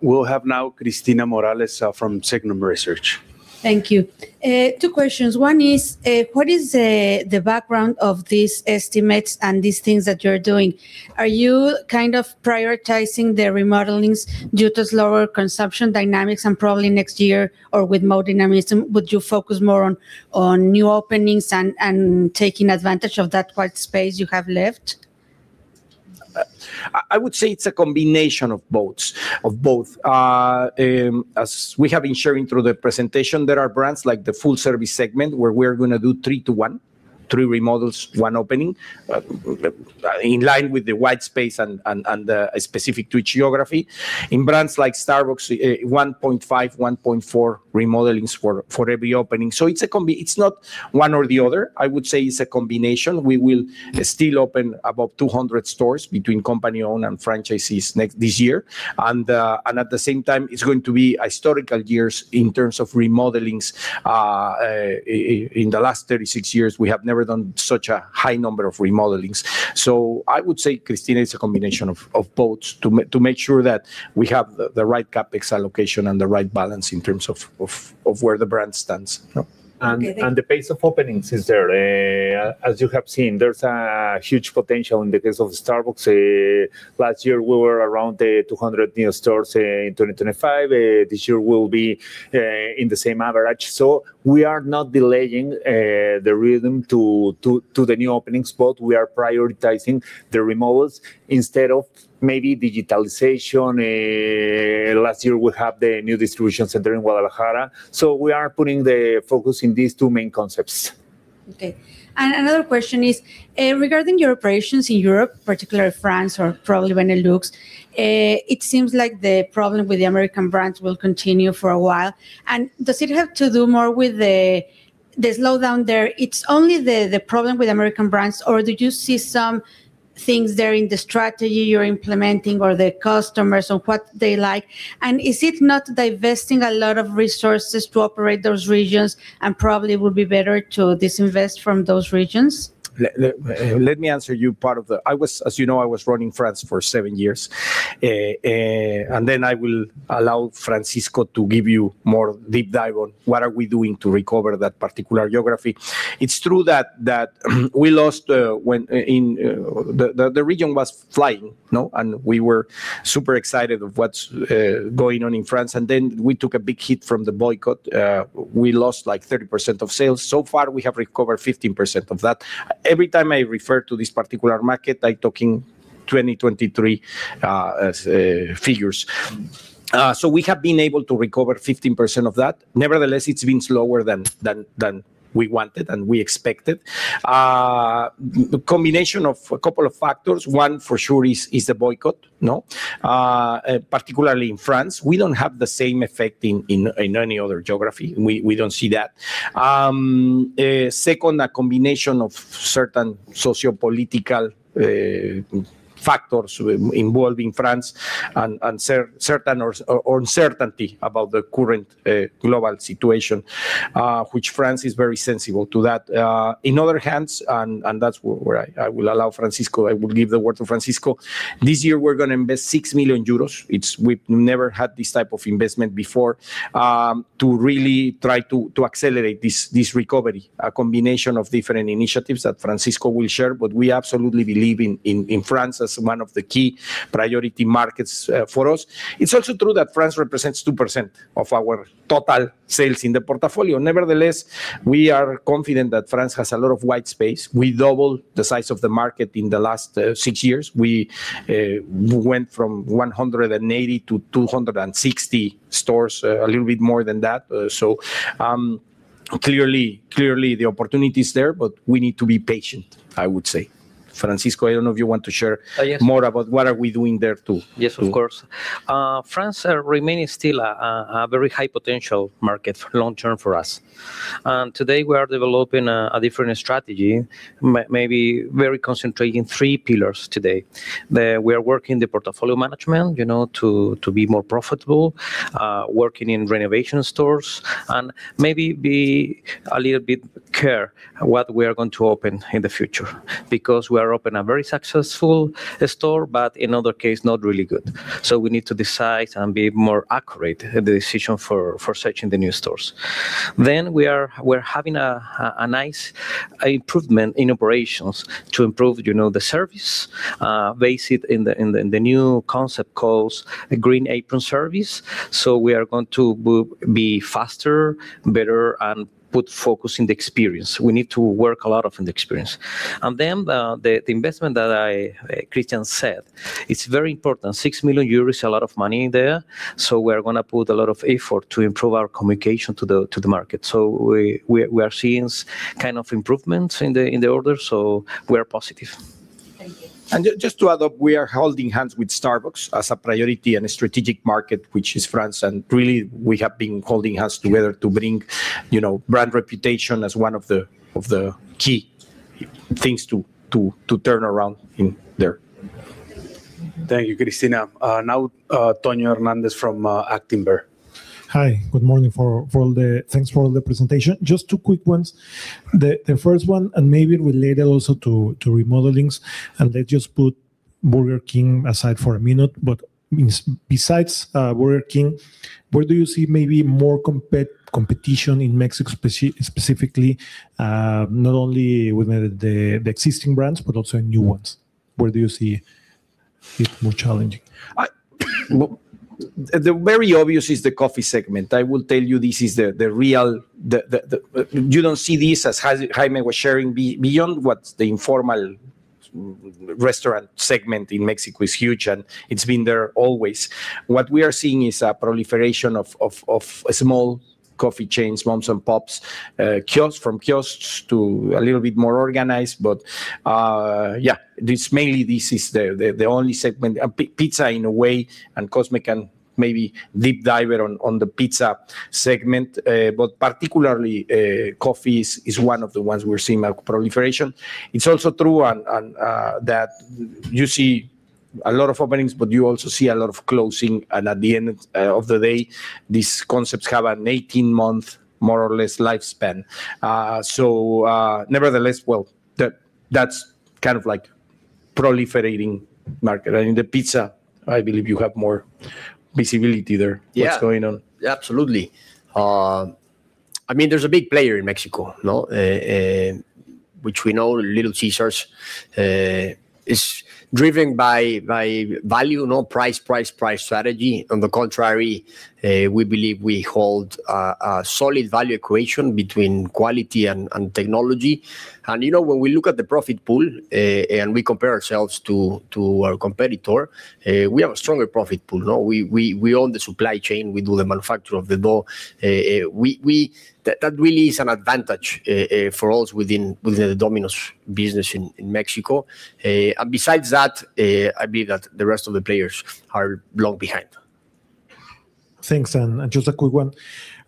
We'll have now Cristina Morales from Signum Research. Thank you. Two questions. One is, what is the background of these estimates and these things that you're doing? Are you kind of prioritizing the remodelings due to slower consumption dynamics and probably next year or with more dynamism, would you focus more on new openings and taking advantage of that white space you have left? I would say it's a combination of both. As we have been sharing through the presentation, there are brands like the full service segment where we're gonna do 3 to 1, three remodels to one opening, in line with the white space and specific to geography. In brands like Starbucks, 1.5, 1.4 remodelings for every opening. It's not one or the other. I would say it's a combination. We will still open about 200 stores between company owned and franchisees this year. At the same time, it's going to be historical years in terms of remodelings. In the last 36 years, we have never done such a high number of remodelings. I would say, Cristina, it's a combination of both to make sure that we have the right CapEx allocation and the right balance in terms of where the brand stands. The pace of openings is there. As you have seen, there's a huge potential in the case of Starbucks. Last year we were around 200 new stores in 2025. This year we'll be in the same average. We are not delaying the rhythm to the new openings, but we are prioritizing the remodels instead of maybe digitalization. Last year we have the new distribution center in Guadalajara. We are putting the focus in these two main concepts. Okay. Another question is regarding your operations in Europe, particularly France or probably Benelux. It seems like the problem with the American brands will continue for a while. Does it have to do more with the slowdown there? It's only the problem with American brands, or did you see some things there in the strategy you're implementing or the customers or what they like? Is it not diverting a lot of resources to operate those regions, and probably it would be better to disinvest from those regions? Let me answer you. Part of the, I was, as you know, I was running France for seven years. I will allow Francisco to give you more deep dive on what we are doing to recover that particular geography. It's true that we lost when the region was flying, no? We were super excited about what's going on in France, and then we took a big hit from the boycott. We lost, like, 30% of sales. So far, we have recovered 15% of that. Every time I refer to this particular market, I'm talking 2023 figures. We have been able to recover 15% of that. Nevertheless, it's been slower than we wanted and we expected. Combination of a couple of factors. One for sure is the boycott, no? Particularly in France. We don't have the same effect in any other geography. We don't see that. Second, a combination of certain sociopolitical factors involving France and certain uncertainty about the current global situation, which France is very sensitive to that. On the other hand, and that's where I will allow Francisco. I will give the word to Francisco. This year we're gonna invest 6 million euros. We've never had this type of investment before, to really try to accelerate this recovery. A combination of different initiatives that Francisco will share, but we absolutely believe in France as one of the key priority markets for us. It's also true that France represents 2% of our total sales in the portfolio. Nevertheless, we are confident that France has a lot of white space. We double the size of the market in the last six years. We went from 180 to 260 stores, a little bit more than that. Clearly the opportunity is there, but we need to be patient, I would say. Francisco, I don't know if you want to share. Oh, yes. --more about what are we doing there too. Yes, of course. France are remaining still a very high potential market long term for us. Today we are developing a different strategy maybe very concentrating three pillars today. We are working the portfolio management, you know, to be more profitable, working in renovation stores and maybe be a little bit care what we are going to open in the future. Because we are open a very successful store, but in other case not really good. We need to decide and be more accurate in the decision for searching the new stores. We are having a nice improvement in operations to improve, you know, the service, based in the new concept calls the Green Apron Service. We are going to be faster, better, and put focus on the experience. We need to work a lot on the experience. Then, the investment that Cristian said is very important. 6 million euros is a lot of money there, so we're gonna put a lot of effort to improve our communication to the market. We are seeing kind of improvements in the order, so we are positive. Thank you. Just to add up, we are holding hands with Starbucks as a priority and a strategic market, which is France, and really we have been holding hands together to bring, you know, brand reputation as one of the key things to turn around in there. Thank you, Cristina. Now, Antonio Hernández from Actinver. Hi. Good morning to all. Thanks for the presentation. Just two quick ones. The first one, and maybe related also to remodelings, and let's just put Burger King aside for a minute, but besides Burger King, where do you see maybe more competition in Mexico specifically, not only with the existing brands, but also in new ones? Where do you see it more challenging? The very obvious is the coffee segment. I will tell you this is the real. You don't see this, as Jaime was sharing, beyond what the informal restaurant segment in Mexico is huge, and it's been there always. What we are seeing is a proliferation of small coffee chains, moms and pops, kiosks, from kiosks to a little bit more organized. Yeah, this mainly, this is the only segment. Pizza in a way, and Cosme can maybe deep dive it on the pizza segment. Particularly, coffee is one of the ones we're seeing a proliferation. It's also true and that you see a lot of openings, but you also see a lot of closing, and at the end of the day, these concepts have an 18-month, more or less, lifespan. So, nevertheless, well, that's kind of like proliferating market. I mean, the pizza, I believe you have more visibility there. Yeah. Yeah, absolutely. I mean, there's a big player in Mexico, no? Which we know, Little Caesars, is driven by value, no? Price, price strategy. On the contrary, we believe we hold a solid value equation between quality and technology. You know, when we look at the profit pool, and we compare ourselves to our competitor, we have a stronger profit pool. No, we own the supply chain. We do the manufacture of the dough. That really is an advantage for us within the Domino's business in Mexico. Besides that, I believe that the rest of the players are long behind. Thanks. Just a quick one.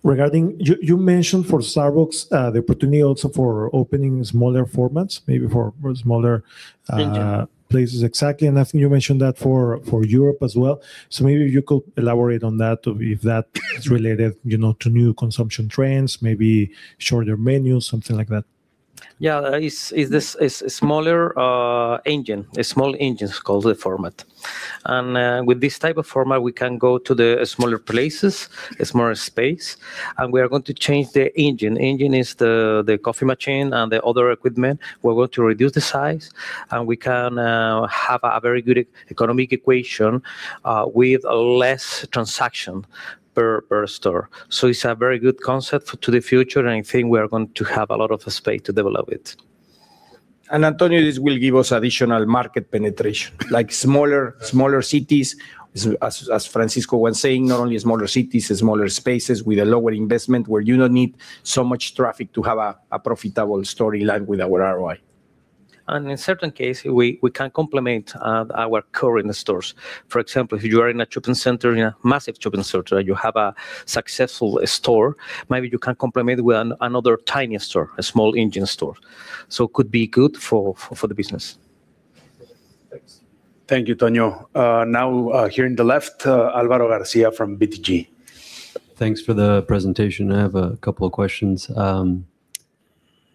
Regarding, you mentioned for Starbucks the opportunity also for opening smaller formats, maybe for smaller. Engine... places. Exactly. I think you mentioned that for Europe as well. Maybe you could elaborate on that, or if that is related, you know, to new consumption trends, maybe shorter menus, something like that. It's a smaller engine. A small engine is called the format. With this type of format, we can go to the smaller places, a smaller space, and we are going to change the engine. Engine is the coffee machine and the other equipment. We're going to reduce the size, and we can have a very good economic equation with less transaction per store. It's a very good concept for to the future, and I think we are going to have a lot of space to develop it. Antonio, this will give us additional market penetration. Like smaller cities as Francisco was saying, not only smaller cities and smaller spaces with a lower investment where you don't need so much traffic to have a profitable store in line with our ROI. In certain case, we can complement our current stores. For example, if you are in a shopping center, in a massive shopping center, you have a successful store, maybe you can complement with another tiny store, a small engine store. Could be good for the business. Thanks. Thank you, Antonio. Now, here in the left, Álvaro García from BTG. Thanks for the presentation. I have a couple of questions.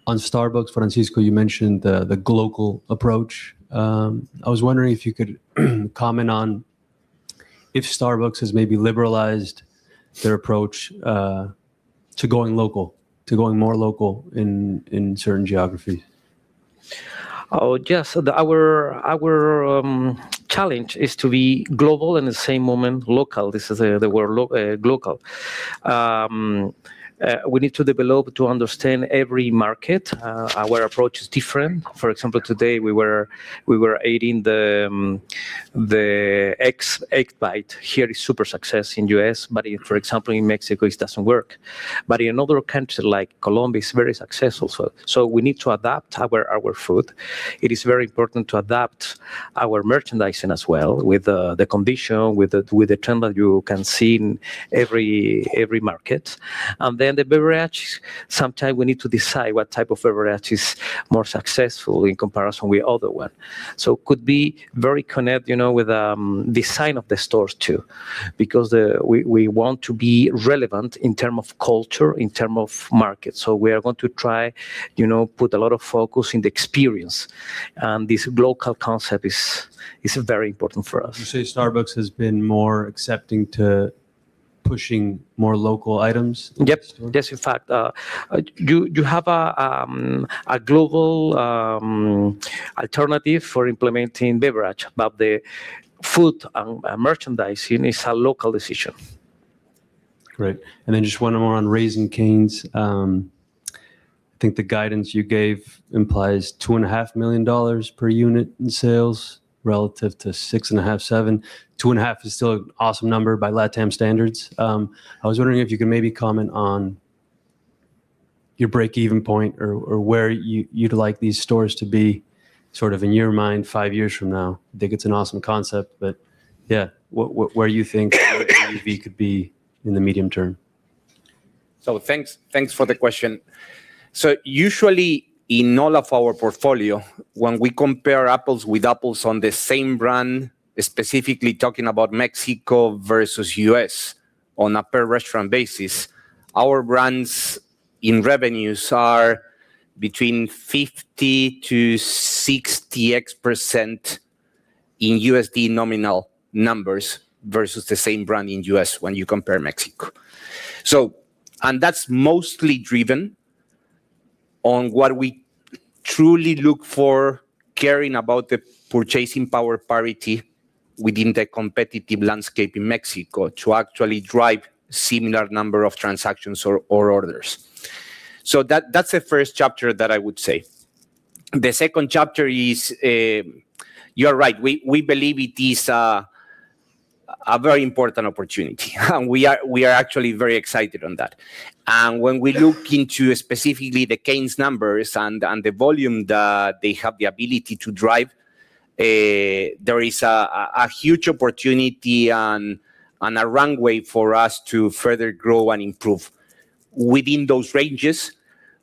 On Starbucks, Francisco, you mentioned the local approach. I was wondering if you could comment on if Starbucks has maybe liberalized their approach to going local, to going more local in certain geographies. Oh, yes. Our challenge is to be global, in the same moment, local. This is the word local. We need to develop to understand every market. Our approach is different. For example, today we were adding the Egg Bites. Here it's super successful in the U.S., but for example, in Mexico, it doesn't work. But in another country like Colombia, it's very successful. So we need to adapt our food. It is very important to adapt our merchandising as well with the trend that you can see in every market. Then the beverage, sometimes we need to decide what type of beverage is more successful in comparison with other one. So it could be very connected, you know, with design of the stores too, because the We want to be relevant in terms of culture, in terms of market. We are going to try, you know, put a lot of focus in the experience. This local concept is very important for us. You say Starbucks has been more accepting to pushing more local items into the store? Yep. Yes. In fact, you have a global alternative for implementing beverage, but the food and merchandising is a local decision. Great. Then just one more on Raising Cane's. I think the guidance you gave implies $2.5 million per unit in sales relative to $6.5-$7. 2.5 is still an awesome number by LatAm standards. I was wondering if you could maybe comment on your break-even point or where you'd like these stores to be sort of in your mind five years from now. I think it's an awesome concept, but yeah, where you think maybe it could be in the medium term. Thanks for the question. Usually in all of our portfolio, when we compare apples with apples on the same brand, specifically talking about Mexico versus U.S. on a per restaurant basis, our brands in revenues are between 50%-60% in USD nominal numbers versus the same brand in U.S. when you compare Mexico. That's mostly driven on what we truly look for caring about the purchasing power parity within the competitive landscape in Mexico to actually drive similar number of transactions or orders. That's the first chapter that I would say. The second chapter is, you are right. We believe it is a very important opportunity and we are actually very excited on that. When we look into specifically the Raising Cane's numbers and the volume that they have the ability to drive, there is a huge opportunity on a runway for us to further grow and improve within those ranges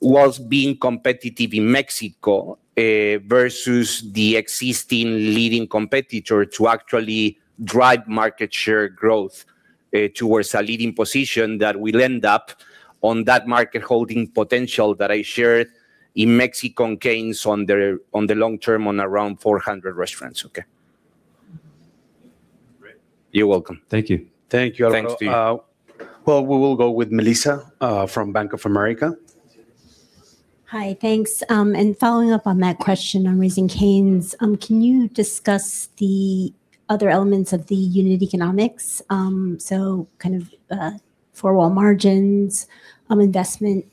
whilst being competitive in Mexico versus the existing leading competitor to actually drive market share growth towards a leading position that will end up on that market holding potential that I shared in Mexican Raising Cane's on the long term on around 400 restaurants. Okay. Great. You're welcome. Thank you. Thank you, Alvaro. Thanks to you. Well, we will go with Melissa from Bank of America. Hi. Thanks. Following up on that question on Raising Cane's, can you discuss the other elements of the unit economics? For all margins, investment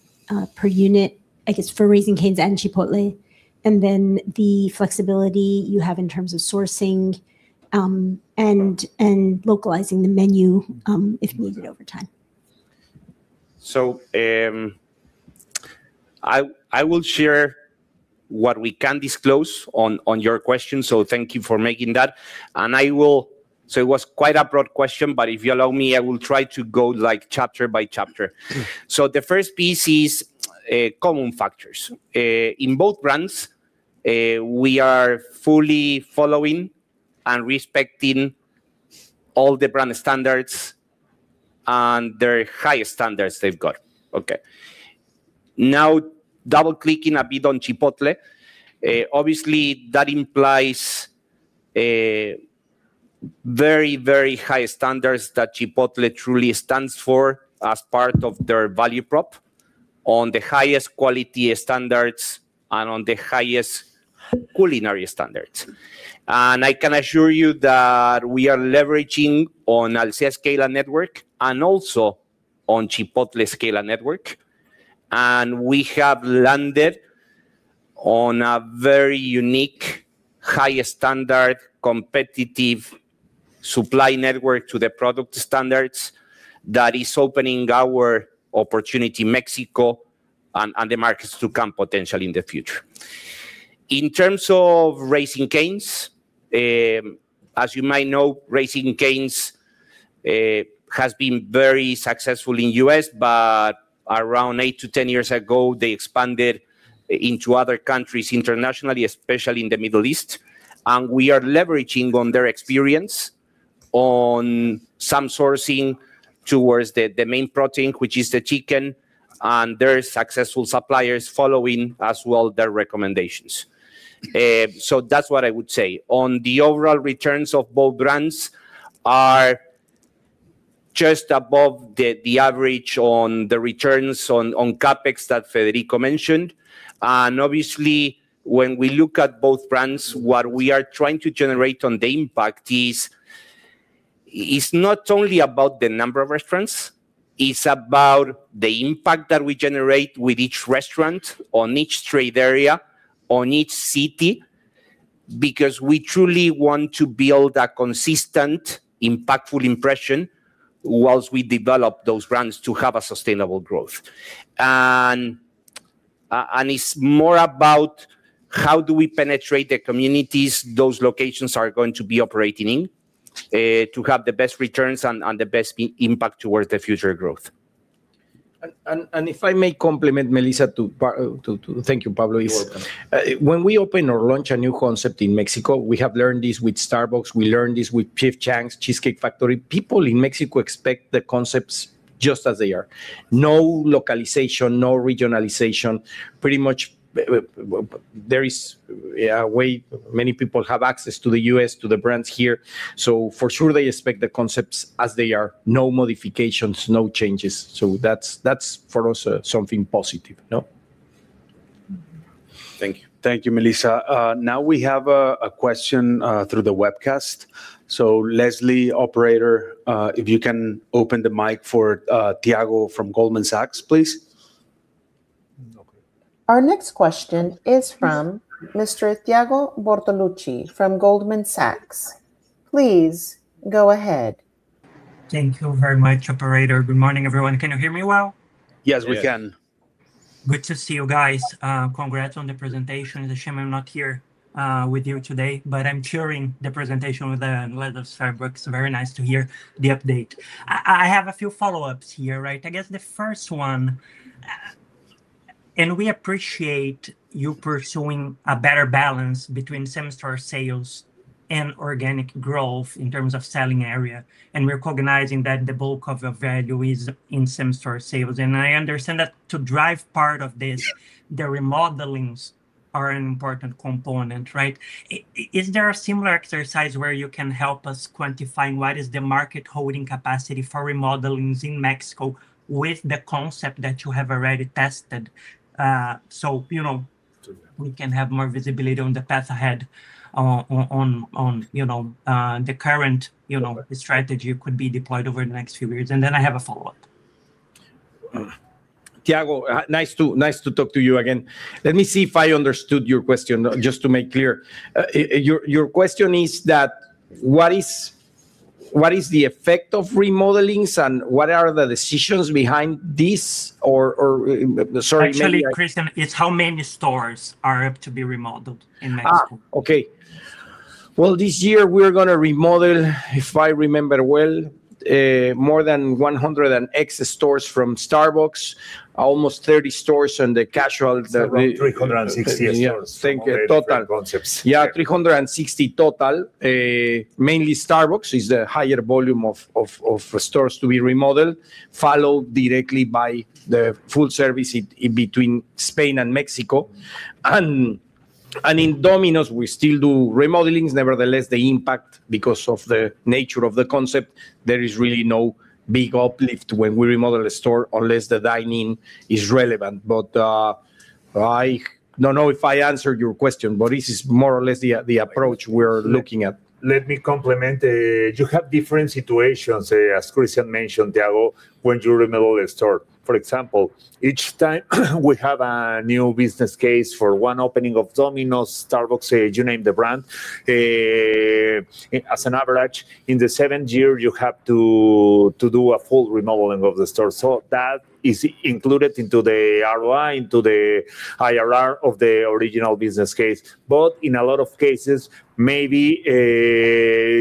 per unit, I guess, for Raising Cane's and Chipotle, and then the flexibility you have in terms of sourcing and localizing the menu, if needed over time. I will share what we can disclose on your question, thank you for making that. It was quite a broad question, but if you allow me, I will try to go like chapter by chapter. The first piece is common factors. In both brands, we are fully following and respecting all the brand standards and the highest standards they've got. Okay. Now double-clicking a bit on Chipotle, obviously that implies a very, very high standards that Chipotle truly stands for as part of their value prop on the highest quality standards and on the highest culinary standards. I can assure you that we are leveraging on Alsea's scale and network and also on Chipotle's scale and network, and we have landed on a very unique, high standard, competitive supply network to the product standards that is opening our opportunities in Mexico and the markets to come potentially in the future. In terms of Raising Cane's, as you might know, Raising Cane's has been very successful in U.S., but around 8-10 years ago, they expanded into other countries internationally, especially in the Middle East. We are leveraging on their experience on some sourcing towards the main protein, which is the chicken, and their successful suppliers following as well their recommendations. So that's what I would say. On the overall returns of both brands are just above the average on the returns on CapEx that Federico mentioned. Obviously, when we look at both brands, what we are trying to generate on the impact is not only about the number of restaurants, it's about the impact that we generate with each restaurant on each trade area, on each city, because we truly want to build a consistent, impactful impression while we develop those brands to have a sustainable growth. It's more about how do we penetrate the communities those locations are going to be operating in, to have the best returns and the best impact towards the future growth. If I may compliment Melissa to Pablo. Thank you, Pablo. It's You're welcome. When we open or launch a new concept in Mexico, we have learned this with Starbucks, we learned this with P.F. Chang's, The Cheesecake Factory. People in Mexico expect the concepts just as they are. No localization, no regionalization. Pretty much there is a way many people have access to the U.S., to the brands here, so for sure they expect the concepts as they are. No modifications, no changes. That's, for us, something positive. No? Thank you. Thank you, Melissa. Now we have a question through the webcast. Leslie, operator, if you can open the mic for Thiago from Goldman Sachs, please. Our next question is from Mr. Thiago Bortoluci from Goldman Sachs. Please go ahead. Thank you very much, operator. Good morning, everyone. Can you hear me well? Yes, we can. Yes. Good to see you guys. Congrats on the presentation. It's a shame I'm not here with you today, but I'm sharing the presentation with the analysts at Starbucks. Very nice to hear the update. I have a few follow-ups here, right? I guess the first one. We appreciate you pursuing a better balance between same-store sales and organic growth in terms of selling area, and we're recognizing that the bulk of your value is in same-store sales. I understand that to drive part of this, the remodelings are an important component, right? Is there a similar exercise where you can help us quantifying what is the market holding capacity for remodelings in Mexico with the concept that you have already tested, so you know, we can have more visibility on the path ahead on you know, the current strategy could be deployed over the next few years? Then I have a follow-up. Thiago, nice to talk to you again. Let me see if I understood your question, just to make clear. Your question is that what is the effect of remodelings and what are the decisions behind this or sorry. Actually, Cristian, it's how many stores are up to be remodeled in Mexico? Okay. Well, this year we're gonna remodel, if I remember well, more than 100 and X stores from Starbucks, almost 30 stores on the casual. Around 360 stores from all the different concepts. Yeah. Thank you. Total. Yeah, 360 total. Mainly Starbucks is the higher volume of stores to be remodeled, followed directly by the full service in between Spain and Mexico. In Domino's, we still do remodelings. Nevertheless, they impact because of the nature of the concept, there is really no big uplift when we remodel a store unless the dining is relevant. I don't know if I answered your question, but this is more or less the approach we're looking at. Let me complement. You have different situations, say, as Christian mentioned, Tiago, when you remodel a store. For example, each time we have a new business case for one opening of Domino's, Starbucks, you name the brand, as an average, in the seventh year you have to do a full remodeling of the store. That is included into the ROI, into the IRR of the original business case. But in a lot of cases, maybe,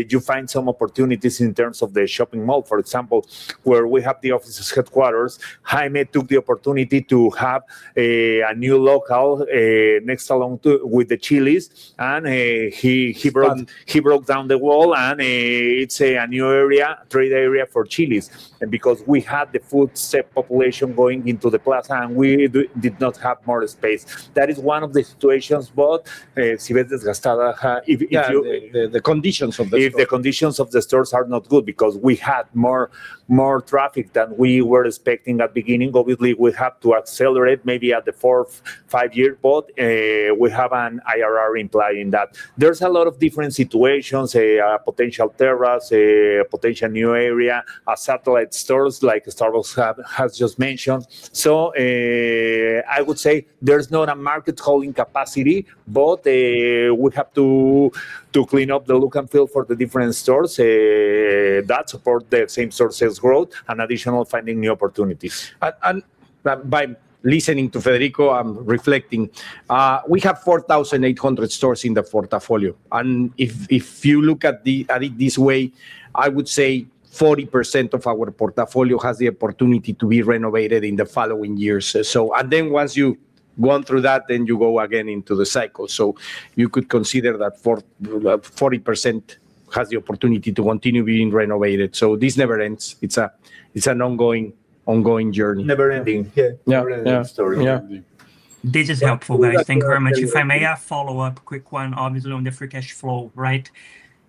you find some opportunities in terms of the shopping mall, for example, where we have the offices headquarters. Jaime took the opportunity to have a new local, next along to with the Chili's, and he broke. He broke down the wall and it's a new area, trade area for Chili's. Because we had the food set population going into the plaza and we did not have more space. That is one of the situations, but. Yeah. The conditions of the store. If the conditions of the stores are not good because we had more traffic than we were expecting at the beginning, obviously we have to accelerate maybe at the fourth or fifth year. We have an IRR implying that there's a lot of different situations, a potential terrace, a potential new area, a satellite stores like Starbucks has just mentioned. I would say there's not a market holding capacity, but we have to clean up the look and feel for the different stores that support the same-store sales growth and additional finding new opportunities. By listening to Federico, I'm reflecting, we have 4,800 stores in the portfolio, and if you look at it this way, I would say 40% of our portfolio has the opportunity to be renovated in the following years. Once you've gone through that, you go again into the cycle. You could consider that 40% has the opportunity to continue being renovated, this never ends. It's an ongoing journey. Never ending. Yeah. Never ending story. Yeah. Yeah. This is helpful, guys. Thank you very much. If I may, a follow-up quick one, obviously on the Free Cash Flow, right?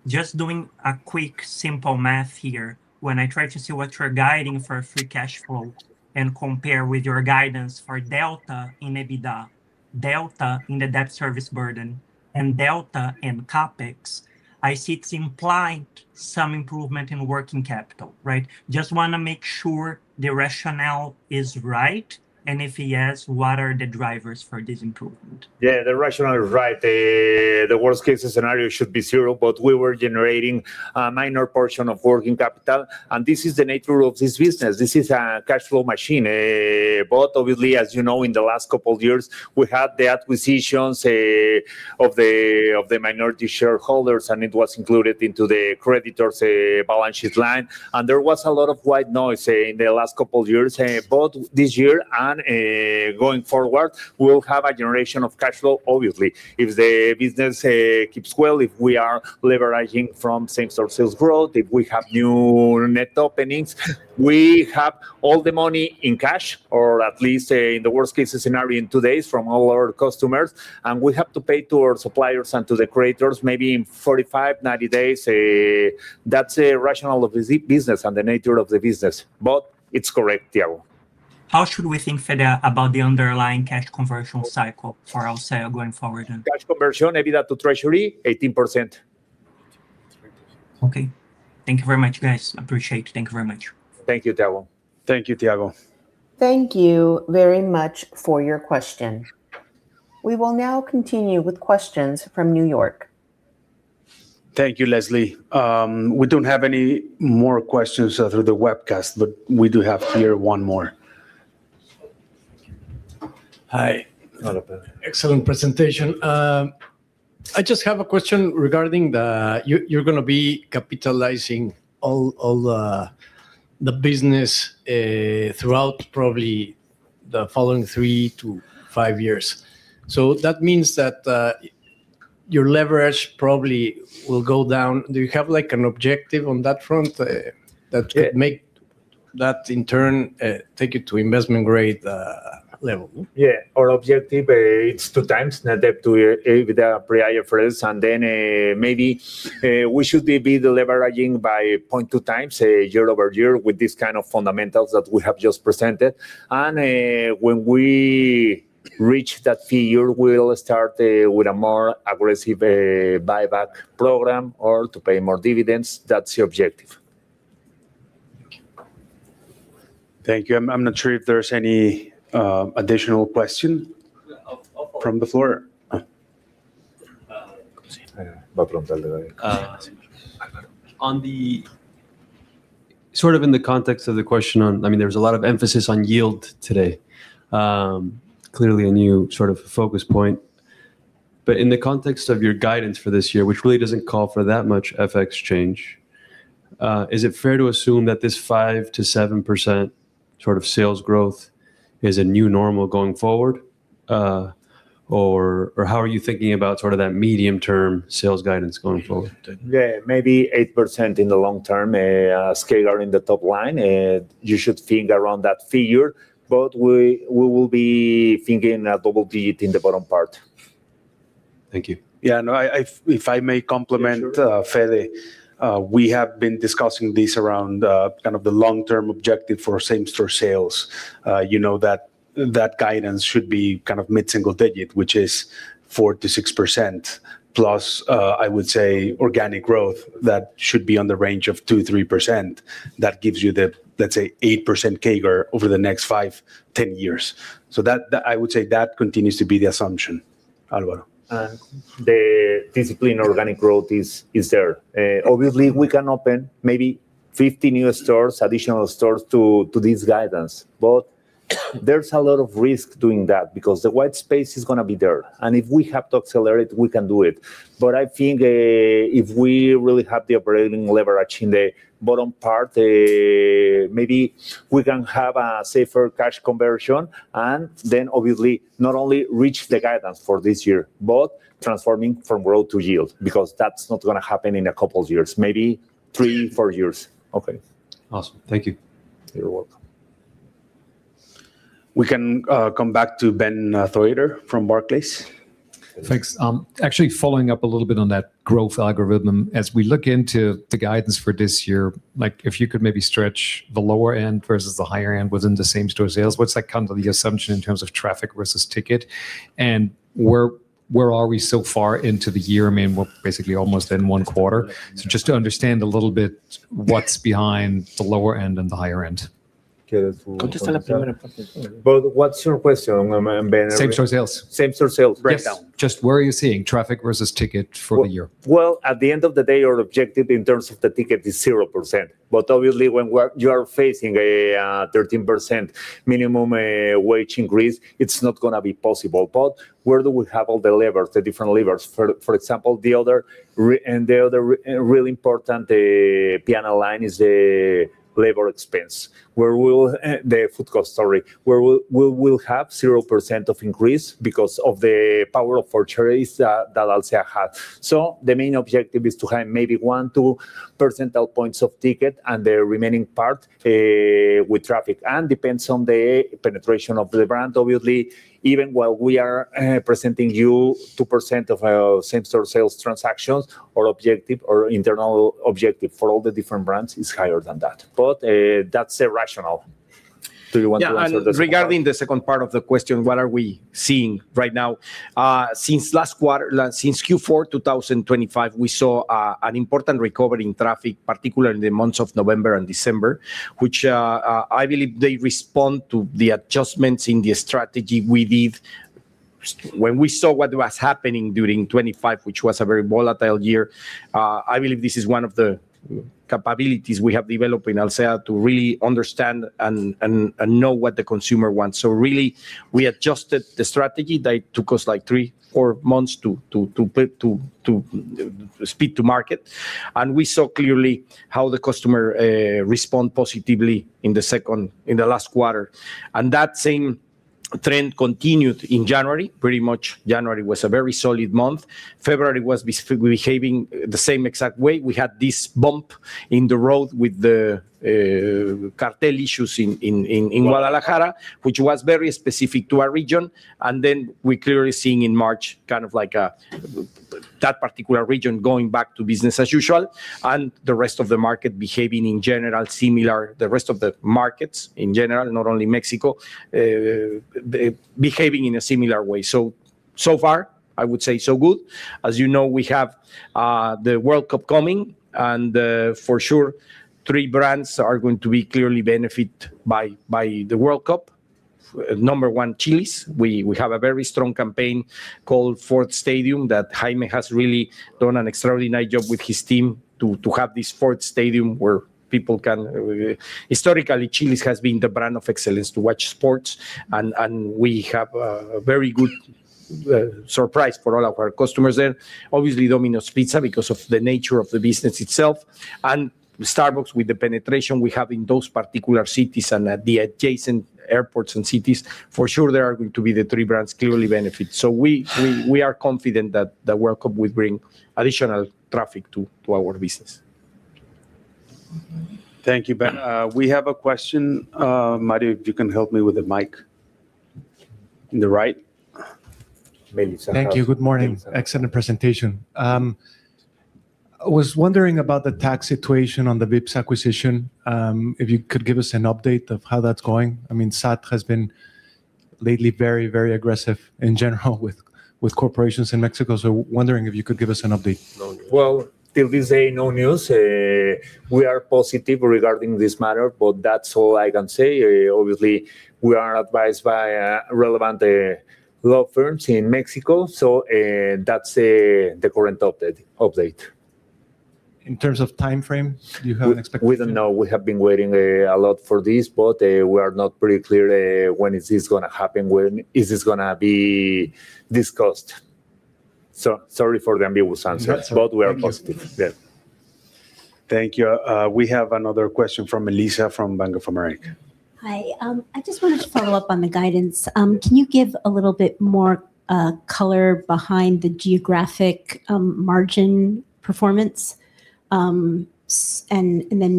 Just doing a quick simple math here. When I try to see what you're guiding for Free Cash Flow and compare with your guidance for delta in EBITDA, delta in the debt service burden, and delta in CapEx, I see it's implying some improvement in working capital, right? Just wanna make sure the rationale is right. If yes, what are the drivers for this improvement? Yeah, the rationale is right. The worst case scenario should be zero, but we were generating a minor portion of working capital, and this is the nature of this business. This is a cash flow machine. Obviously, as you know, in the last couple years, we had the acquisitions of the minority shareholders, and it was included into the creditors balance sheet line. There was a lot of white noise in the last couple years. This year and going forward, we'll have a generation of cash flow, obviously, if the business keeps well, if we are leveraging from same-store sales growth, if we have new net openings. We have all the money in cash, or at least, in the worst-case scenario in two days from all our customers, and we have to pay to our suppliers and to the creators maybe in 45, 90 days. That's a rationale of the business and the nature of the business. It's correct, Thiago. How should we think further about the underlying cash conversion cycle for Alsea going forward? Cash conversion, EBITDA to treasury, 18%. Okay. Thank you very much, guys. Appreciate it. Thank you very much. Thank you, Thiago. Thank you, Thiago. Thank you very much for your question. We will now continue with questions from New York. Thank you, Leslie. We don't have any more questions through the webcast, but we do have here one more. Hi. Alberto. Excellent presentation. I just have a question regarding the. You're gonna be capitalizing all the business throughout probably the following 3-5 years. That means that your leverage probably will go down. Do you have, like, an objective on that front-- Yeah --that would make that in turn take it to investment grade level? Yeah. Our objective, it's 2x net debt to EBITDA pre IFRS, and then, maybe, we should be de-leveraging by 0.2x year-over-year with this kind of fundamentals that we have just presented. When we reach that figure, we'll start with a more aggressive buyback program or to pay more dividends. That's the objective. Thank you. Thank you. I'm not sure if there's any additional question from the floor. In the context of the question on, I mean, there was a lot of emphasis on yield today, clearly a new sort of focus point. In the context of your guidance for this year, which really doesn't call for that much FX change, is it fair to assume that this 5%-7% sort of sales growth is a new normal going forward? Or how are you thinking about sort of that medium term sales guidance going forward? Yeah. Maybe 8% in the long term, CAGR in the top line. You should think around that figure. We will be thinking double-digit in the bottom line. Thank you. Yeah, no, if I may compliment Fede, we have been discussing this around kind of the long-term objective for same-store sales. You know that guidance should be kind of mid-single digit, which is 4-6%, plus I would say organic growth that should be on the range of 2-3%. That gives you the, let's say, 8% CAGR over the next 5-10 years. That I would say continues to be the assumption. Alvaro? The discipline organic growth is there. Obviously we can open maybe 50 new stores, additional stores to this guidance. There's a lot of risk doing that because the white space is gonna be there. If we have to accelerate, we can do it. I think if we really have the operating leverage in the bottom part, maybe we can have a safer cash conversion and then obviously not only reach the guidance for this year, but transforming from growth to yield, because that's not gonna happen in a couple of years, maybe three, four years. Okay. Awesome. Thank you. You're welcome. We can come back to Ben Theurer from Barclays. Thanks. Actually following up a little bit on that growth algorithm, as we look into the guidance for this year, like if you could maybe stretch the lower end versus the higher end within the same-store sales, what's that kind of the assumption in terms of traffic versus ticket? And where are we so far into the year? I mean, we're basically almost in one quarter. Just to understand a little bit what's behind the lower end and the higher end. What's your question, Ben? Same-store sales. Same-store sales breakdown. Yes. Just where are you seeing traffic versus ticket for the year? Well, at the end of the day, your objective in terms of the ticket is 0%. But obviously, when you are facing a 13% minimum wage increase, it's not gonna be possible. But where do we have all the levers, the different levers? For example, the other really important P&L line is the food cost, sorry, where we will have 0% increase because of the power of purchase that Alsea has. The main objective is to have maybe 1-2 percentage points of ticket and the remaining part with traffic, and it depends on the penetration of the brand, obviously. Even while we are presenting you 2% of our same-store sales transactions, our objective or internal objective for all the different brands is higher than that. That's irrational. Do you want to answer the second part? Yeah, regarding the second part of the question, what are we seeing right now? Since last quarter, since Q4 2025, we saw an important recovery in traffic, particularly in the months of November and December, which I believe they respond to the adjustments in the strategy we did when we saw what was happening during 2025, which was a very volatile year. I believe this is one of the capabilities we have developed in Alsea to really understand and know what the consumer wants. Really, we adjusted the strategy that took us like three, four months to put to speed to market. We saw clearly how the customer respond positively in the last quarter. That same trend continued in January. Pretty much January was a very solid month. February was behaving the same exact way. We had this bump in the road with the cartel issues in Guadalajara, which was very specific to our region. Then we're clearly seeing in March kind of like that particular region going back to business as usual and the rest of the market behaving in general similar, the rest of the markets in general, not only Mexico, behaving in a similar way. So far, I would say so good. As you know, we have the World Cup coming, and for sure three brands are going to be clearly benefit by the World Cup. Number one, Chili's. We have a very strong campaign called Fourth Stadium that Jaime has really done an extraordinary job with his team to have this Fourth Stadium where people can... Historically, Chili's has been the brand of excellence to watch sports and we have a very good surprise for all of our customers there. Obviously, Domino's Pizza because of the nature of the business itself, and Starbucks with the penetration we have in those particular cities and the adjacent airports and cities, for sure they are going to be the three brands clearly benefit. We are confident that the World Cup will bring additional traffic to our business. Thank you, Ben. We have a question. Mario, if you can help me with the mic. In the right. Thank you. Good morning. Excellent presentation. I was wondering about the tax situation on the Vips acquisition. If you could give us an update of how that's going. I mean, SAT has been lately very, very aggressive in general with corporations in Mexico. Wondering if you could give us an update. Well, to this day, no news. We are positive regarding this matter, but that's all I can say. Obviously, we are advised by relevant law firms in Mexico. That's the current update. In terms of timeframe, do you have an expectation? We don't know. We have been waiting a lot for this, but we are not pretty clear when is this gonna happen, when is this gonna be discussed? Sorry for the ambiguous answer. That's okay. Thank you. We are positive. Yeah. Thank you. We have another question from Melissa from Bank of America. Hi. I just wanted to follow up on the guidance. Can you give a little bit more color behind the geographic margin performance?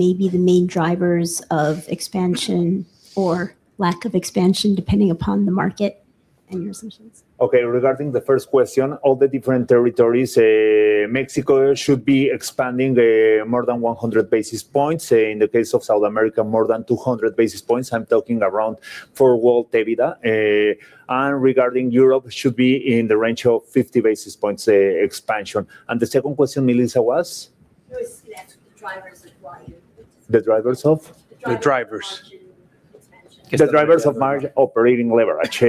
Maybe the main drivers of expansion or lack of expansion depending upon the market? Your assumptions. Okay, regarding the first question, all the different territories, Mexico should be expanding more than 100 basis points. In the case of South America, more than 200 basis points. I'm talking around forward EBITDA. Regarding Europe, should be in the range of 50 basis points expansion. The second question, Melissa, was? No, it's next, the drivers of why you. The drivers of? The drivers. The drivers expansion. The drivers of operating leverage.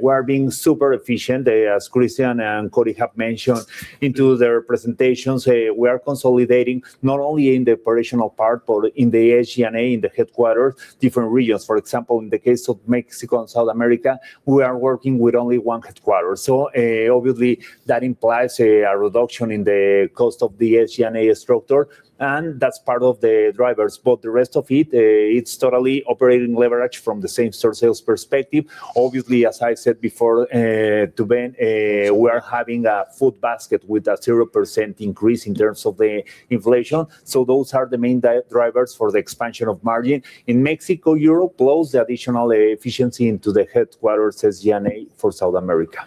We're being super efficient. As Christian and Cory have mentioned in their presentations, we are consolidating not only in the operational part, but in the SG&A, in the headquarters, different regions. For example, in the case of Mexico and South America, we are working with only one headquarters. Obviously, that implies a reduction in the cost of the SG&A structure, and that's part of the drivers. The rest of it's totally operating leverage from the same-store sales perspective. Obviously, as I said before, to Ben, we're having a food basket with a 0% increase in terms of the inflation. Those are the main drivers for the expansion of margin. In Mexico, Europe, plus the additional efficiency into the headquarters SG&A for South America.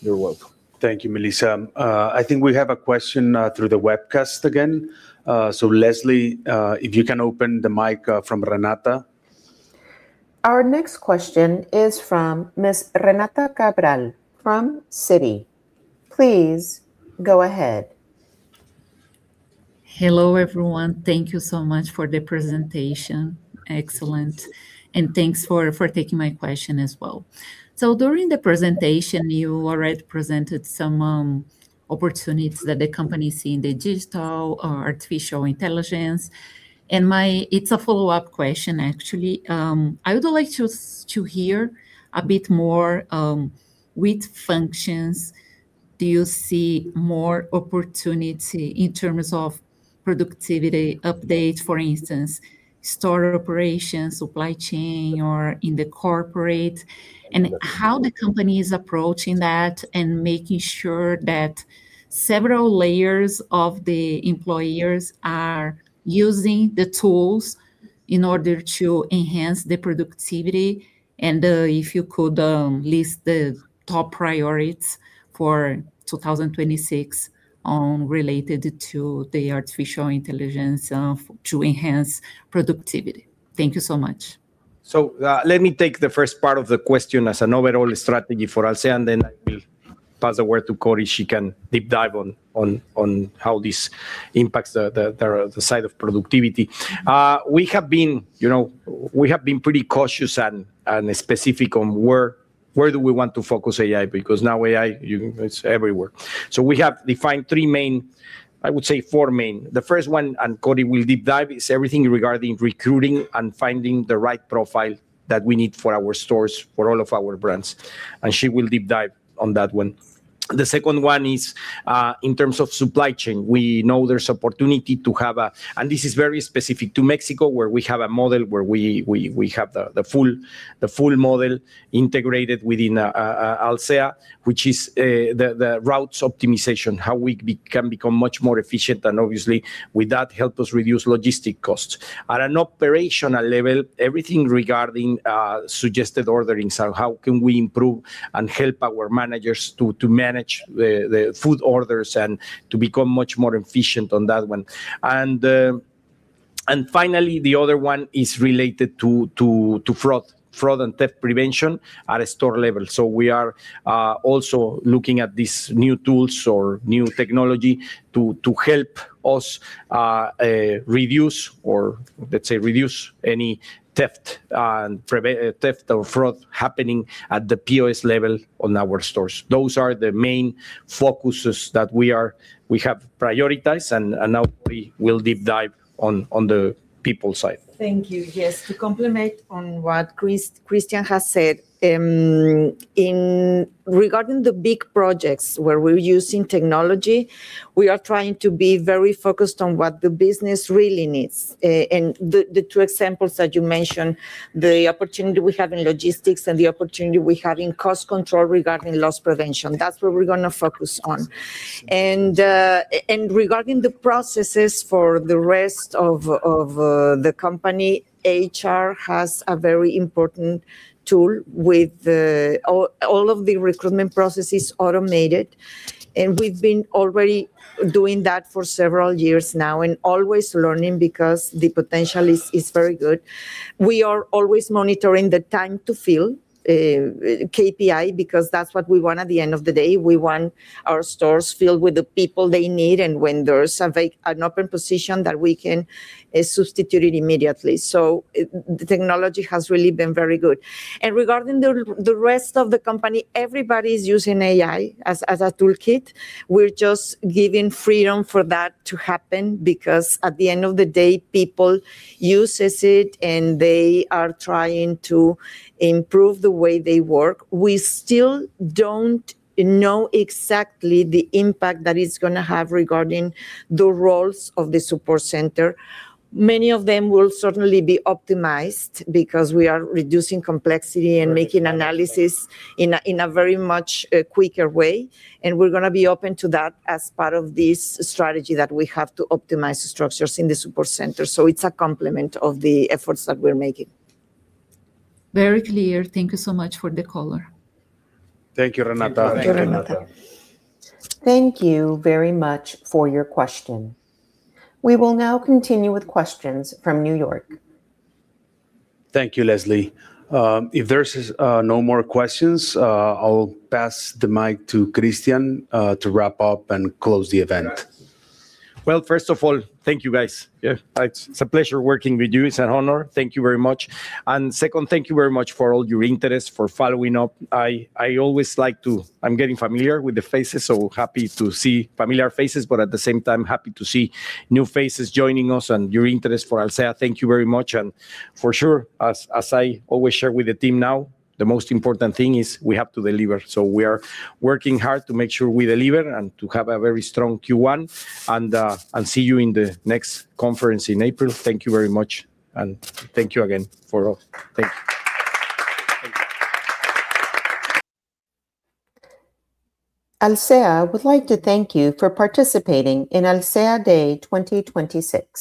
You're welcome. Thank you, Melissa. I think we have a question through the webcast again. Leslie, if you can open the mic from Renata. Our next question is from Ms. Renata Cabral from Citi. Please go ahead. Hello, everyone. Thank you so much for the presentation. Excellent. Thanks for taking my question as well. During the presentation, you already presented some opportunities that the company see in the digital or artificial intelligence. It's a follow-up question, actually. I would like just to hear a bit more, which functions do you see more opportunity in terms of productivity updates? For instance, store operations, supply chain, or in the corporate. How the company is approaching that and making sure that several layers of the employees are using the tools in order to enhance the productivity. If you could list the top priorities for 2026, related to the artificial intelligence, to enhance productivity. Thank you so much. Let me take the first part of the question as an overall strategy for Alsea, and then I will pass the word to Cory. She can deep dive on how this impacts the side of productivity. We have been pretty cautious and specific on where do we want to focus AI, because now AI, you, it's everywhere. We have defined three main, I would say four main. The first one, and Cory will deep dive, is everything regarding recruiting and finding the right profile that we need for our stores, for all of our brands, and she will deep dive on that one. The second one is in terms of supply chain. We know there's opportunity to have a. This is very specific to Mexico, where we have a model where we have the full model integrated within Alsea, which is the routes optimization, how we can become much more efficient, and obviously, with that help us reduce logistic costs. At an operational level, everything regarding suggested ordering, so how can we improve and help our managers to manage the food orders and to become much more efficient on that one. And finally, the other one is related to fraud and theft prevention at a store level. So we are also looking at these new tools or new technology to help us reduce or, let's say, reduce any theft, prevent theft or fraud happening at the POS level on our stores. Those are the main focuses that we have prioritized, and now we will deep dive on the people side. Thank you. Yes, to comment on what Cristian has said, regarding the big projects where we're using technology, we are trying to be very focused on what the business really needs. The two examples that you mentioned, the opportunity we have in logistics and the opportunity we have in cost control regarding loss prevention, that's where we're gonna focus on. Regarding the processes for the rest of the company, HR has a very important tool with all of the recruitment processes automated, and we've been already doing that for several years now and always learning because the potential is very good. We are always monitoring the time-to-fill KPI, because that's what we want at the end of the day. We want our stores filled with the people they need, and when there's an open position that we can substitute it immediately. The technology has really been very good. Regarding the rest of the company, everybody's using AI as a toolkit. We're just giving freedom for that to happen because at the end of the day, people uses it, and they are trying to improve the way they work. We still don't know exactly the impact that it's gonna have regarding the roles of the support center. Many of them will certainly be optimized because we are reducing complexity and making analysis in a very much quicker way, and we're gonna be open to that as part of this strategy that we have to optimize structures in the support center. It's a complement of the efforts that we're making. Very clear. Thank you so much for the color. Thank you, Renata. Thank you. Thank you very much for your question. We will now continue with questions from New York. Thank you, Leslie. If there's no more questions, I'll pass the mic to Christian Gurría to wrap up and close the event. Well, first of all, thank you guys. Yeah, it's a pleasure working with you. It's an honor. Thank you very much. Second, thank you very much for all your interest, for following up. I'm getting familiar with the faces, so happy to see familiar faces, but at the same time, happy to see new faces joining us and your interest for Alsea. Thank you very much. For sure, as I always share with the team now, the most important thing is we have to deliver. We are working hard to make sure we deliver and to have a very strong Q1 and see you in the next conference in April. Thank you very much, and thank you again for all. Thank you. Alsea would like to thank you for participating in Alsea Day 2026.